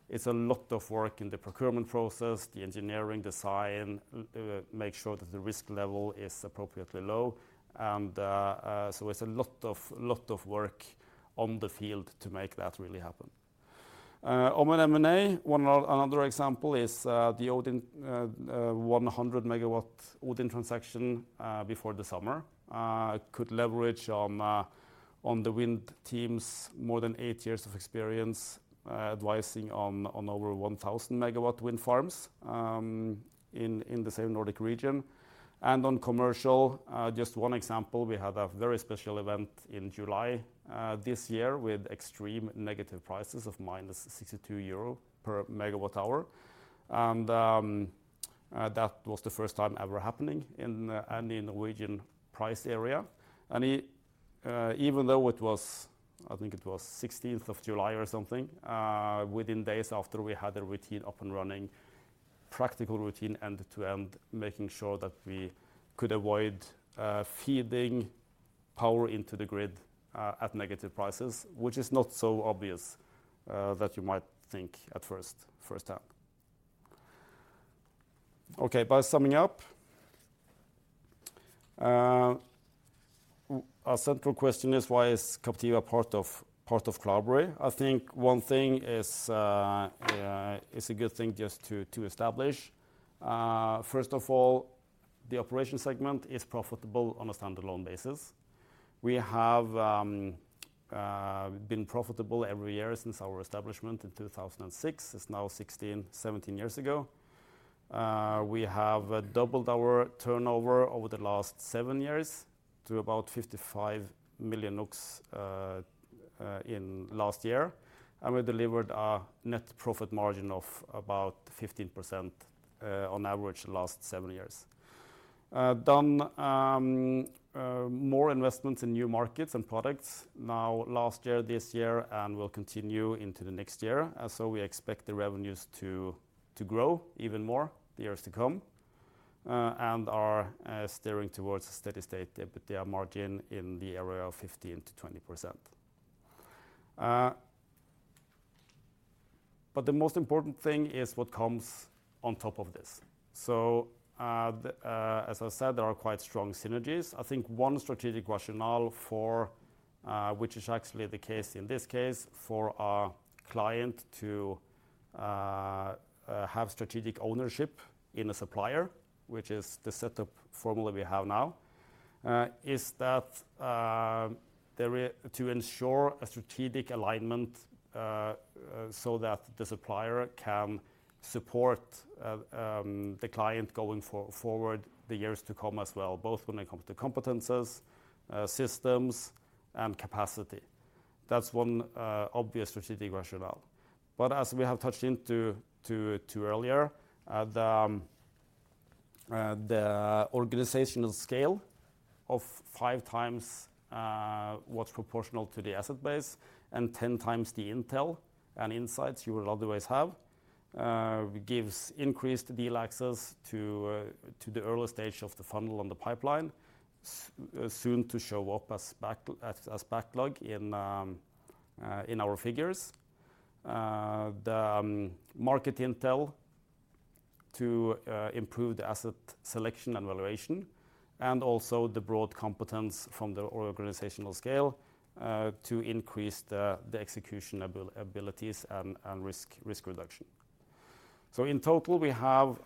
It's a lot of work in the procurement process, the engineering, design, make sure that the risk level is appropriately low. So, it's a lot of work on the field to make that really happen. On M&A, another example is the 100 MW Odin transaction before the summer. It could leverage on the wind teams more than 8 years of experience, advising on over 1,000 MW wind farms in the same Nordic region. And on commercial, just one example, we had a very special event in July, this year, with extreme negative prices of 62 euro per MWh. And that was the first time ever happening in any Norwegian price area. And, even though it was, I think it was 16th of July or something, within days after, we had a routine up and running, practical routine, end-to-end, making sure that we could avoid, feeding power into the grid, at negative prices, which is not so obvious, that you might think at first, first time. Okay, but summing up, our central question is: Why is Captiva part of Cloudberry? I think one thing is, is a good thing just to establish. First of all, the operation segment is profitable on a standalone basis. We have been profitable every year since our establishment in 2006. It's now 16-17 years ago. We have doubled our turnover over the last 7 years to about 55 million NOK in last year, and we delivered a net profit margin of about 15%, on average, the last 7 years. More investments in new markets and products now last year, this year, and will continue into the next year. So, we expect the revenues to grow even more the years to come and are steering towards a steady state EBITDA margin in the area of 15%-20%. But the most important thing is what comes on top of this. So, as I said, there are quite strong synergies. I think one strategic rationale for, which is actually the case in this case, for our client to have strategic ownership in a supplier, which is the setup formula we have now, is that there is to ensure a strategic alignment, so that the supplier can support the client going forward the years to come as well, both when it comes to competences, systems, and capacity. That's one obvious strategic rationale. But as we have touched into to earlier, the organizational scale of 5 times what's proportional to the asset base and 10 times the intel and insights you would otherwise have gives increased deal access to the early stage of the funnel and the pipeline, soon to show up as back, as backlog in our figures. The market intel to improve the asset selection and valuation, and also the broad competence from the organizational scale to increase the execution abilities and risk reduction. So in total, we have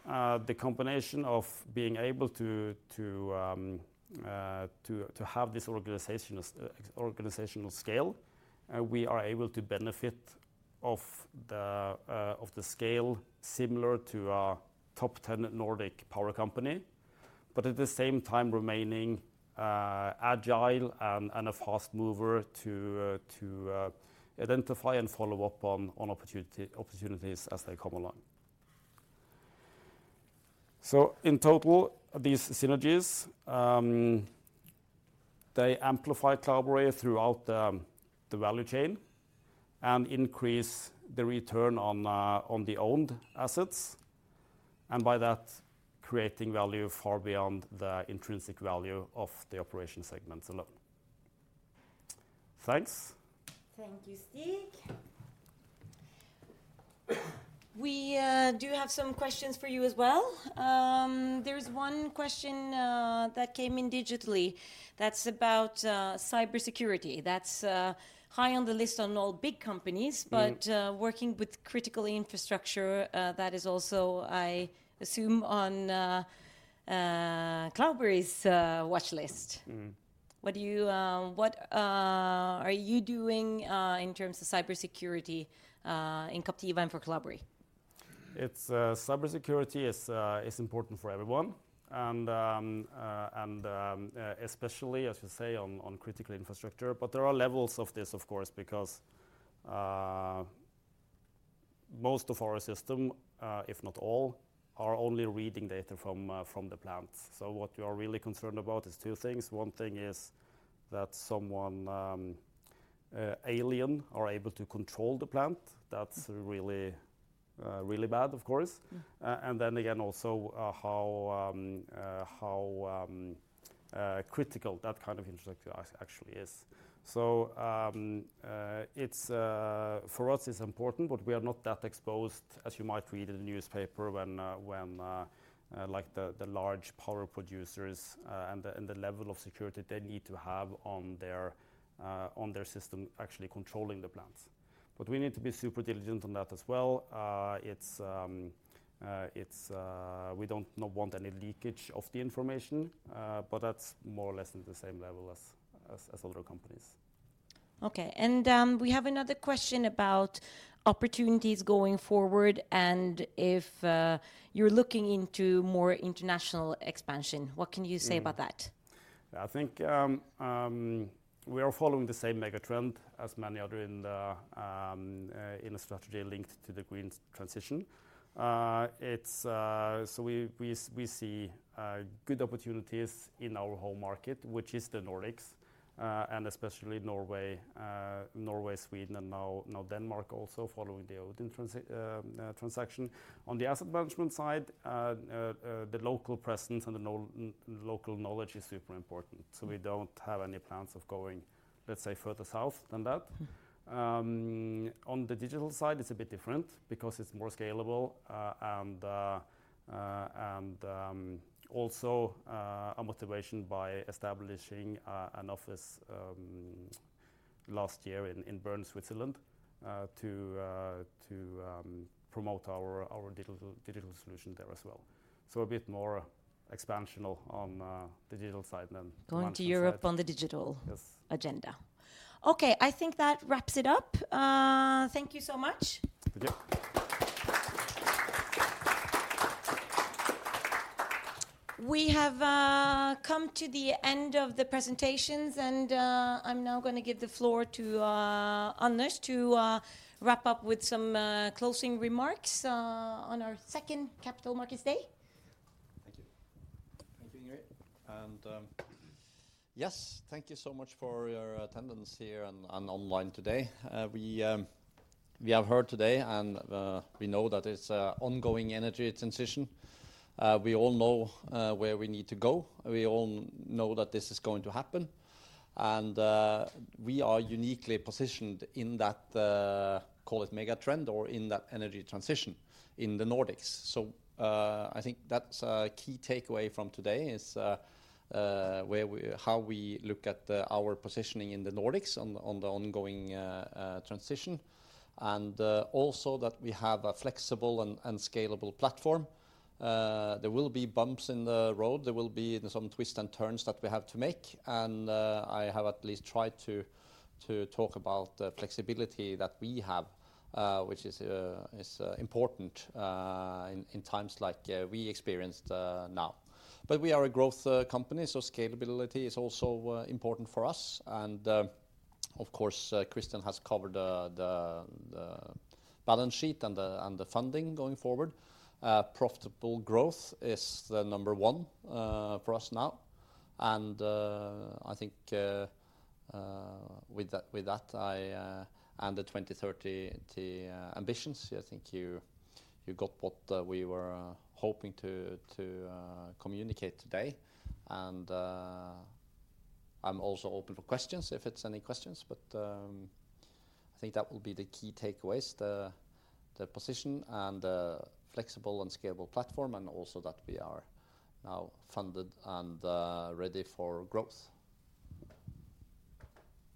the combination of being able to have this organizational scale. We are able to benefit of the scale similar to our top 10 Nordic power company, but at the same time remaining agile and a fast mover to identify and follow up on opportunity, opportunities as they come along. So, in total, these synergies they amplify Cloudberry throughout the value chain and increase the return on the owned assets, and by that, creating value far beyond the intrinsic value of the operation segments alone. Thanks. Thank you, Stig. We do have some questions for you as well. There's one question that came in digitally. That's about cybersecurity. That's high on the list on all big companies- Mm. but, working with critical infrastructure, that is also, I assume, on Cloudberry's watchlist. Mm. What are you doing in terms of cybersecurity in Captiva and for Cloudberry? Its cybersecurity is important for everyone, and especially, as you say, on critical infrastructure. But there are levels of this, of course, because most of our system, if not all, are only reading data from the plants. So, what you are really concerned about is two things. One thing is that someone alien are able to control the plant. That's really bad, of course. And then again, also, how critical that kind of infrastructure actually is. So, it's important for us, but we are not that exposed, as you might read in the newspaper, when, like the large power producers and the level of security they need to have on their system, actually controlling the plants. But we need to be super diligent on that as well. It's. We don't not want any leakage of the information, but that's more or less on the same level as other companies. Okay. And we have another question about opportunities going forward, and if you're looking into more international expansion. What can you say about that? I think we are following the same megatrend as many other in a strategy linked to the green transition. So, we see good opportunities in our home market, which is the Nordics, and especially Norway, Sweden, and now Denmark also, following the Odin transaction. On the asset management side, the local presence and local knowledge is super important, so we don't have any plans of going, let's say, further south than that. On the digital side, it's a bit different because it's more scalable, and also, our motivation by establishing an office last year in Bern, Switzerland, to promote our digital solution there as well. A bit more expansion on digital side than management side. Going to Europe on the digital- Yes... agenda. Okay, I think that wraps it up. Thank you so much. Thank you. We have come to the end of the presentations, and I'm now gonna give the floor to Anders to wrap up with some closing remarks on our second Capital Markets Day. Thank you. Thank you, Ingrid. And, yes, thank you so much for your attendance here and online today. We have heard today, and we know that it's an ongoing energy transition. We all know where we need to go. We all know that this is going to happen, and, we are uniquely positioned in that, call it megatrend or in that energy transition in the Nordics. So, I think that's a key takeaway from today, is how we look at our positioning in the Nordics on the ongoing transition, and also that we have a flexible and scalable platform. There will be bumps in the road. There will be some twists and turns that we have to make, and I have at least tried to talk about the flexibility that we have, which is important in times like we experienced now. But we are a growth company, so scalability is also important for us. And of course, Christian has covered the balance sheet and the funding going forward. Profitable growth is the number one for us now, and I think with that and the 2030 ambitions, I think you got what we were hoping to communicate today. I'm also open for questions, if it's any questions, but I think that will be the key takeaways, the position and flexible and scalable platform, and also that we are now funded and ready for growth.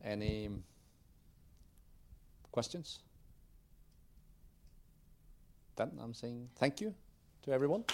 Any questions? I'm saying thank you to everyone.